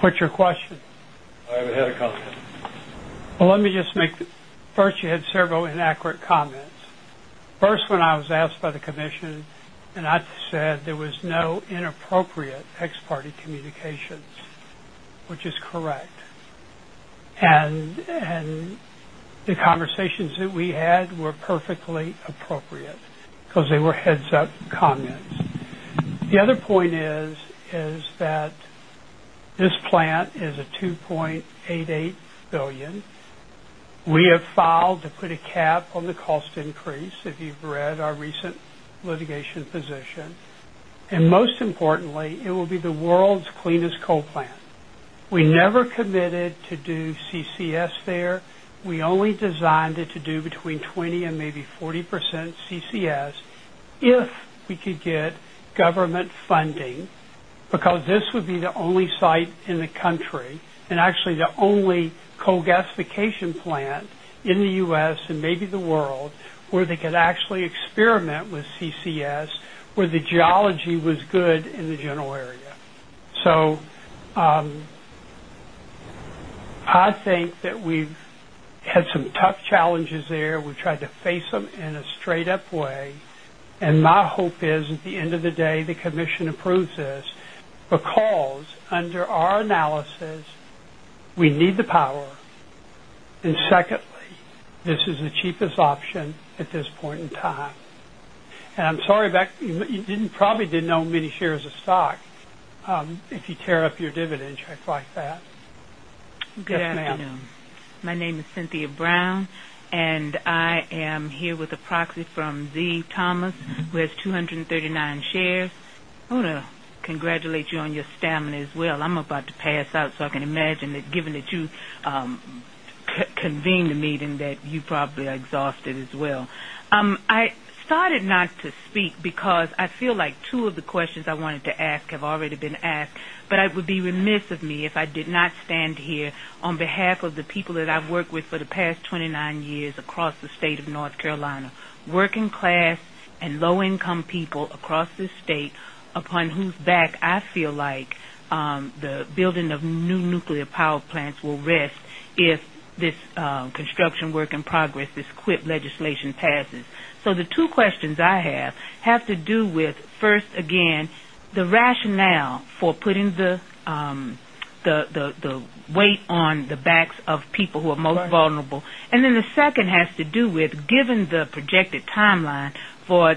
What's your question? I haven't had a comment. Let me just make this. First, you had several inaccurate comments. First, when I was asked by the commission, and I said there was no inappropriate ex parte communications, which is correct. The conversations that we had were perfectly appropriate because they were heads-up comments. The other point is that this plant is a $2.88 billion. We have filed to put a cap on the cost increase if you've read our recent litigation position. Most importantly, it will be the world's cleanest coal plant. We never committed to do CCS there. We only designed it to do between 20% and maybe 40% CCS if we could get government funding because this would be the only site in the country, and actually the only coal gasification plant in the U.S. and maybe the world where they could actually experiment with CCS where the geology was good in the general area. I think that we've had some tough challenges there. We've tried to face them in a straight-up way. My hope is at the end of the day, the commission approves this because under our analysis, we need the power. Secondly, this is the cheapest option at this point in time. I'm sorry, Beck, you probably didn't own many shares of stock if you tear up your dividend, I fight that. Yes, ma'am. My name is Cynthia Brown, and I am here with a proxy from Zee Thomas, who has 239 shares. I want to congratulate you on your stamina as well. I'm about to pass out, so I can imagine that given that you convened the meeting, you probably are exhausted as well. I started not to speak because I feel like two of the questions I wanted to ask have already been asked, but it would be remiss of me if I did not stand here on behalf of the people that I've worked with for the past 29 years across the state of North Carolina, working-class and low-income people across this state upon whose back I feel like the building of new nuclear power plants will rest if this construction work in progress, this quick legislation passes. The two questions I have have to do with, first, again, the rationale for putting the weight on the backs of people who are most vulnerable. The second has to do with, given the projected timeline for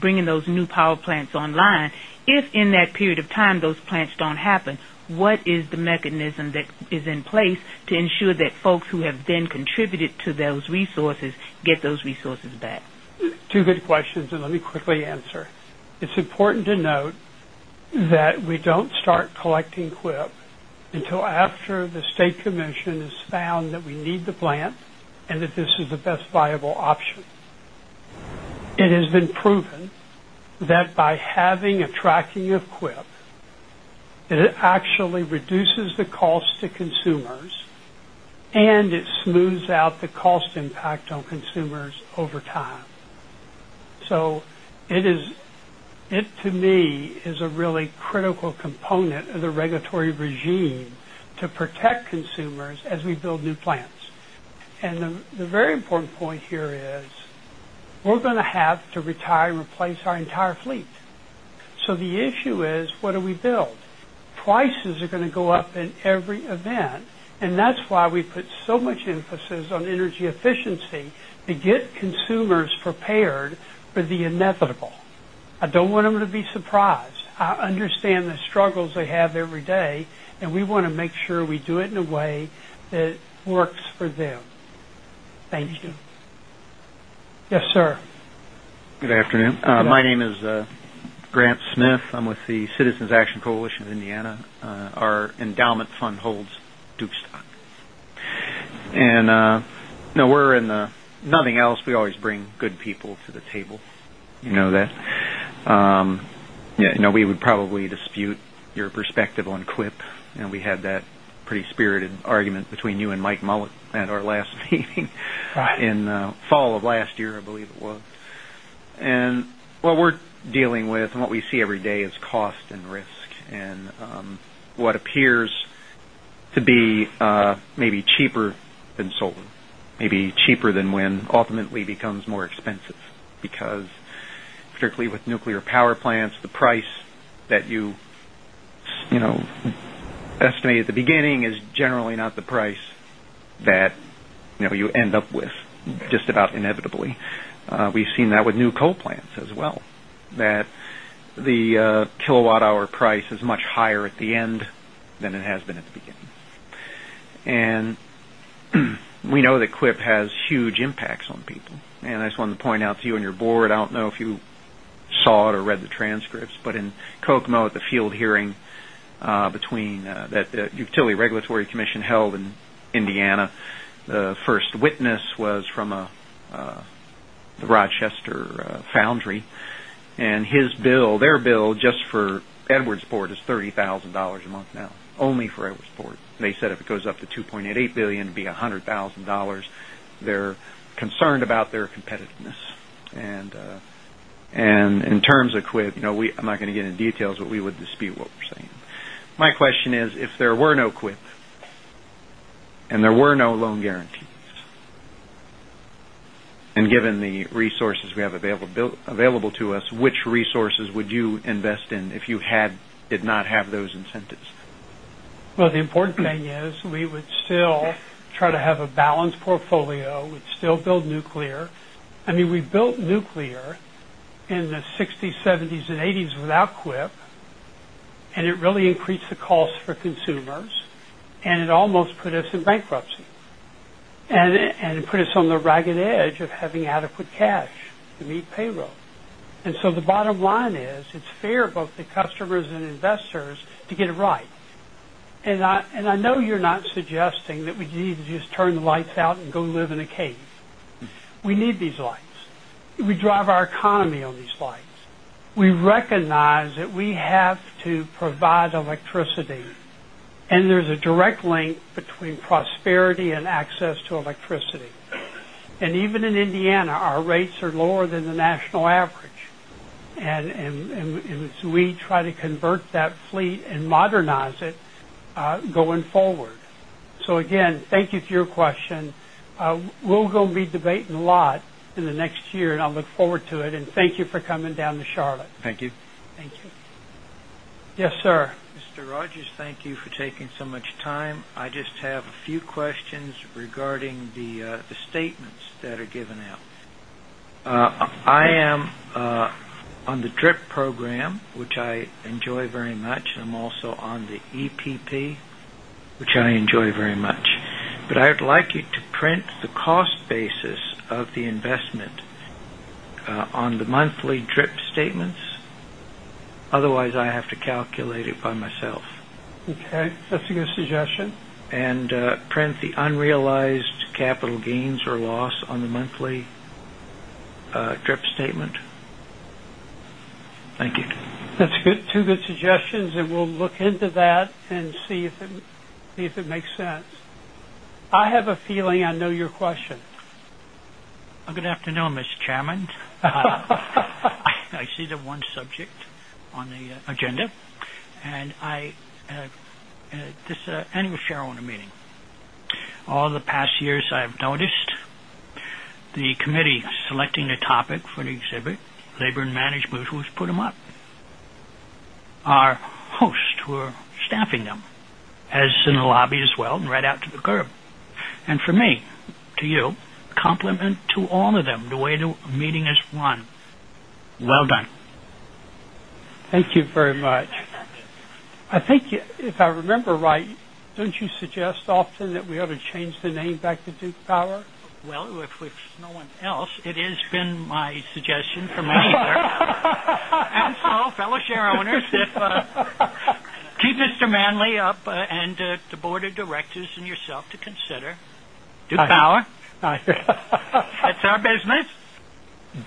bringing those new power plants online, if in that period of time those plants don't happen, what is the mechanism that is in place to ensure that folks who have then contributed to those resources get those resources back? Two good questions, and let me quickly answer. It's important to note that we don't start collecting CWIP until after the state commission has found that we need the plants and that this is the best viable option. It has been proven that by having a tracking of CWIP, it actually reduces the cost to consumers and it smooths out the cost impact on consumers over time. It is, to me, a really critical component of the regulatory regime to protect consumers as we build new plants. The very important point here is we're going to have to retire and replace our entire fleet. The issue is, what do we build? Prices are going to go up in every event, and that's why we put so much emphasis on energy efficiency to get consumers prepared for the inevitable. I don't want them to be surprised. I understand the struggles they have every day, and we want to make sure we do it in a way that works for them. Thank you. Yes, sir. Good afternoon. My name is Grant Smith. I'm with the Citizens Action Coalition of Indiana. Our endowment fund holds Duke stock. If nothing else, we always bring good people to the table. You know that. Yeah, you know, we would probably dispute your perspective on QUIP. We had that pretty spirited argument between you and Mike Mullet at our last meeting in the fall of last year, I believe it was. What we're dealing with and what we see every day is cost and risk, and what appears to be maybe cheaper than solar, maybe cheaper than wind, ultimately becomes more expensive because strictly with nuclear power plants, the price that you estimate at the beginning is generally not the price that you end up with just about inevitably. We've seen that with new coal plants as well, that the kilowatt-hour price is much higher at the end than it has been at the beginning. We know that QUIP has huge impacts on people. I just wanted to point out to you and your board, I don't know if you saw it or read the transcripts, but in Kokomo at the field hearing that the Utility Regulatory Commission held in Indiana, the first witness was from the Rochester Foundry. His bill, their bill just for Edwardsport is $30,000 a month now, only for Edwardsport. They said if it goes up to $2.88 billion, it'd be $100,000. They're concerned about their competitiveness. In terms of QUIP, I'm not going to get into details, but we would dispute what we're saying. My question is, if there were no QUIP and there were no loan guarantees, and given the resources we have available to us, which resources would you invest in if you did not have those incentives? The important thing is we would still try to have a balanced portfolio. We'd still build nuclear. I mean, we've built nuclear in the 1960s, 1970s, and 1980s without quip, and it really increased the cost for consumers, and it almost put us in bankruptcy. It put us on the ragged edge of having adequate cash to meet payroll. The bottom line is it's fair both to customers and investors to get it right. I know you're not suggesting that we need to just turn the lights out and go live in a cave. We need these lights. We drive our economy on these lights. We recognize that we have to provide electricity, and there's a direct link between prosperity and access to electricity. Even in Indiana, our rates are lower than the national average. As we try to convert that fleet and modernize it going forward, thank you for your question. We'll go and be debating a lot in the next year, and I look forward to it. Thank you for coming down to Charlotte. Thank you. Thank you. Yes, sir. Mr. Rogers, thank you for taking so much time. I just have a few questions regarding the statements that are given out. I am on the DRIP program, which I enjoy very much, and I'm also on the EPP, which I enjoy very much. I would like you to print the cost basis of the investment on the monthly DRIP statements. Otherwise, I have to calculate it by myself. Okay, that's a good suggestion. Print the unrealized capital gains or loss on the monthly DRIP statement. Thank you. That's two good suggestions, and we'll look into that and see if it makes sense. I have a feeling I know your question. Good afternoon, Mr. Chairman. I see the one subject on the agenda, and I am the annual Chairman of a meeting. All the past years, I've noticed the committee selecting a topic for the exhibit, labor and management, who's put them up? Our hosts who are staffing them have been lobbied as well and read out to the curb. For me, to you, compliment to all of them the way the meeting is run. Well done. Thank you very much. I think if I remember right, don't you suggest often that we ought to change the name back to Duke Power? If no one else, it has been my suggestion for many years. Fellow shareholders, I keep Mr. Manley up and the board of directors and yourself to consider Duke Energy. That's our business.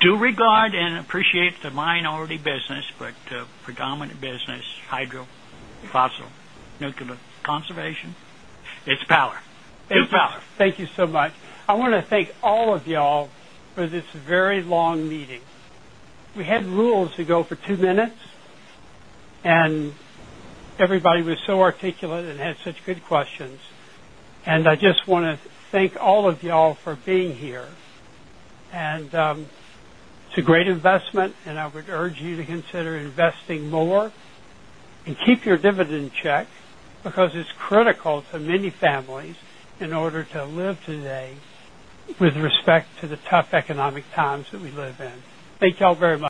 Do regard and appreciate the minority business, but predominant business hydro, fossil, nuclear, conservation. It's power.It's power. Thank you so much. I want to thank all of y'all for this very long meeting. We had rules to go for two minutes, and everybody was so articulate and had such good questions. I just want to thank all of y'all for being here. It's a great investment, and I would urge you to consider investing more and keep your dividend check because it's critical to many families in order to live today with respect to the tough economic times that we live in. Thank y'all very much.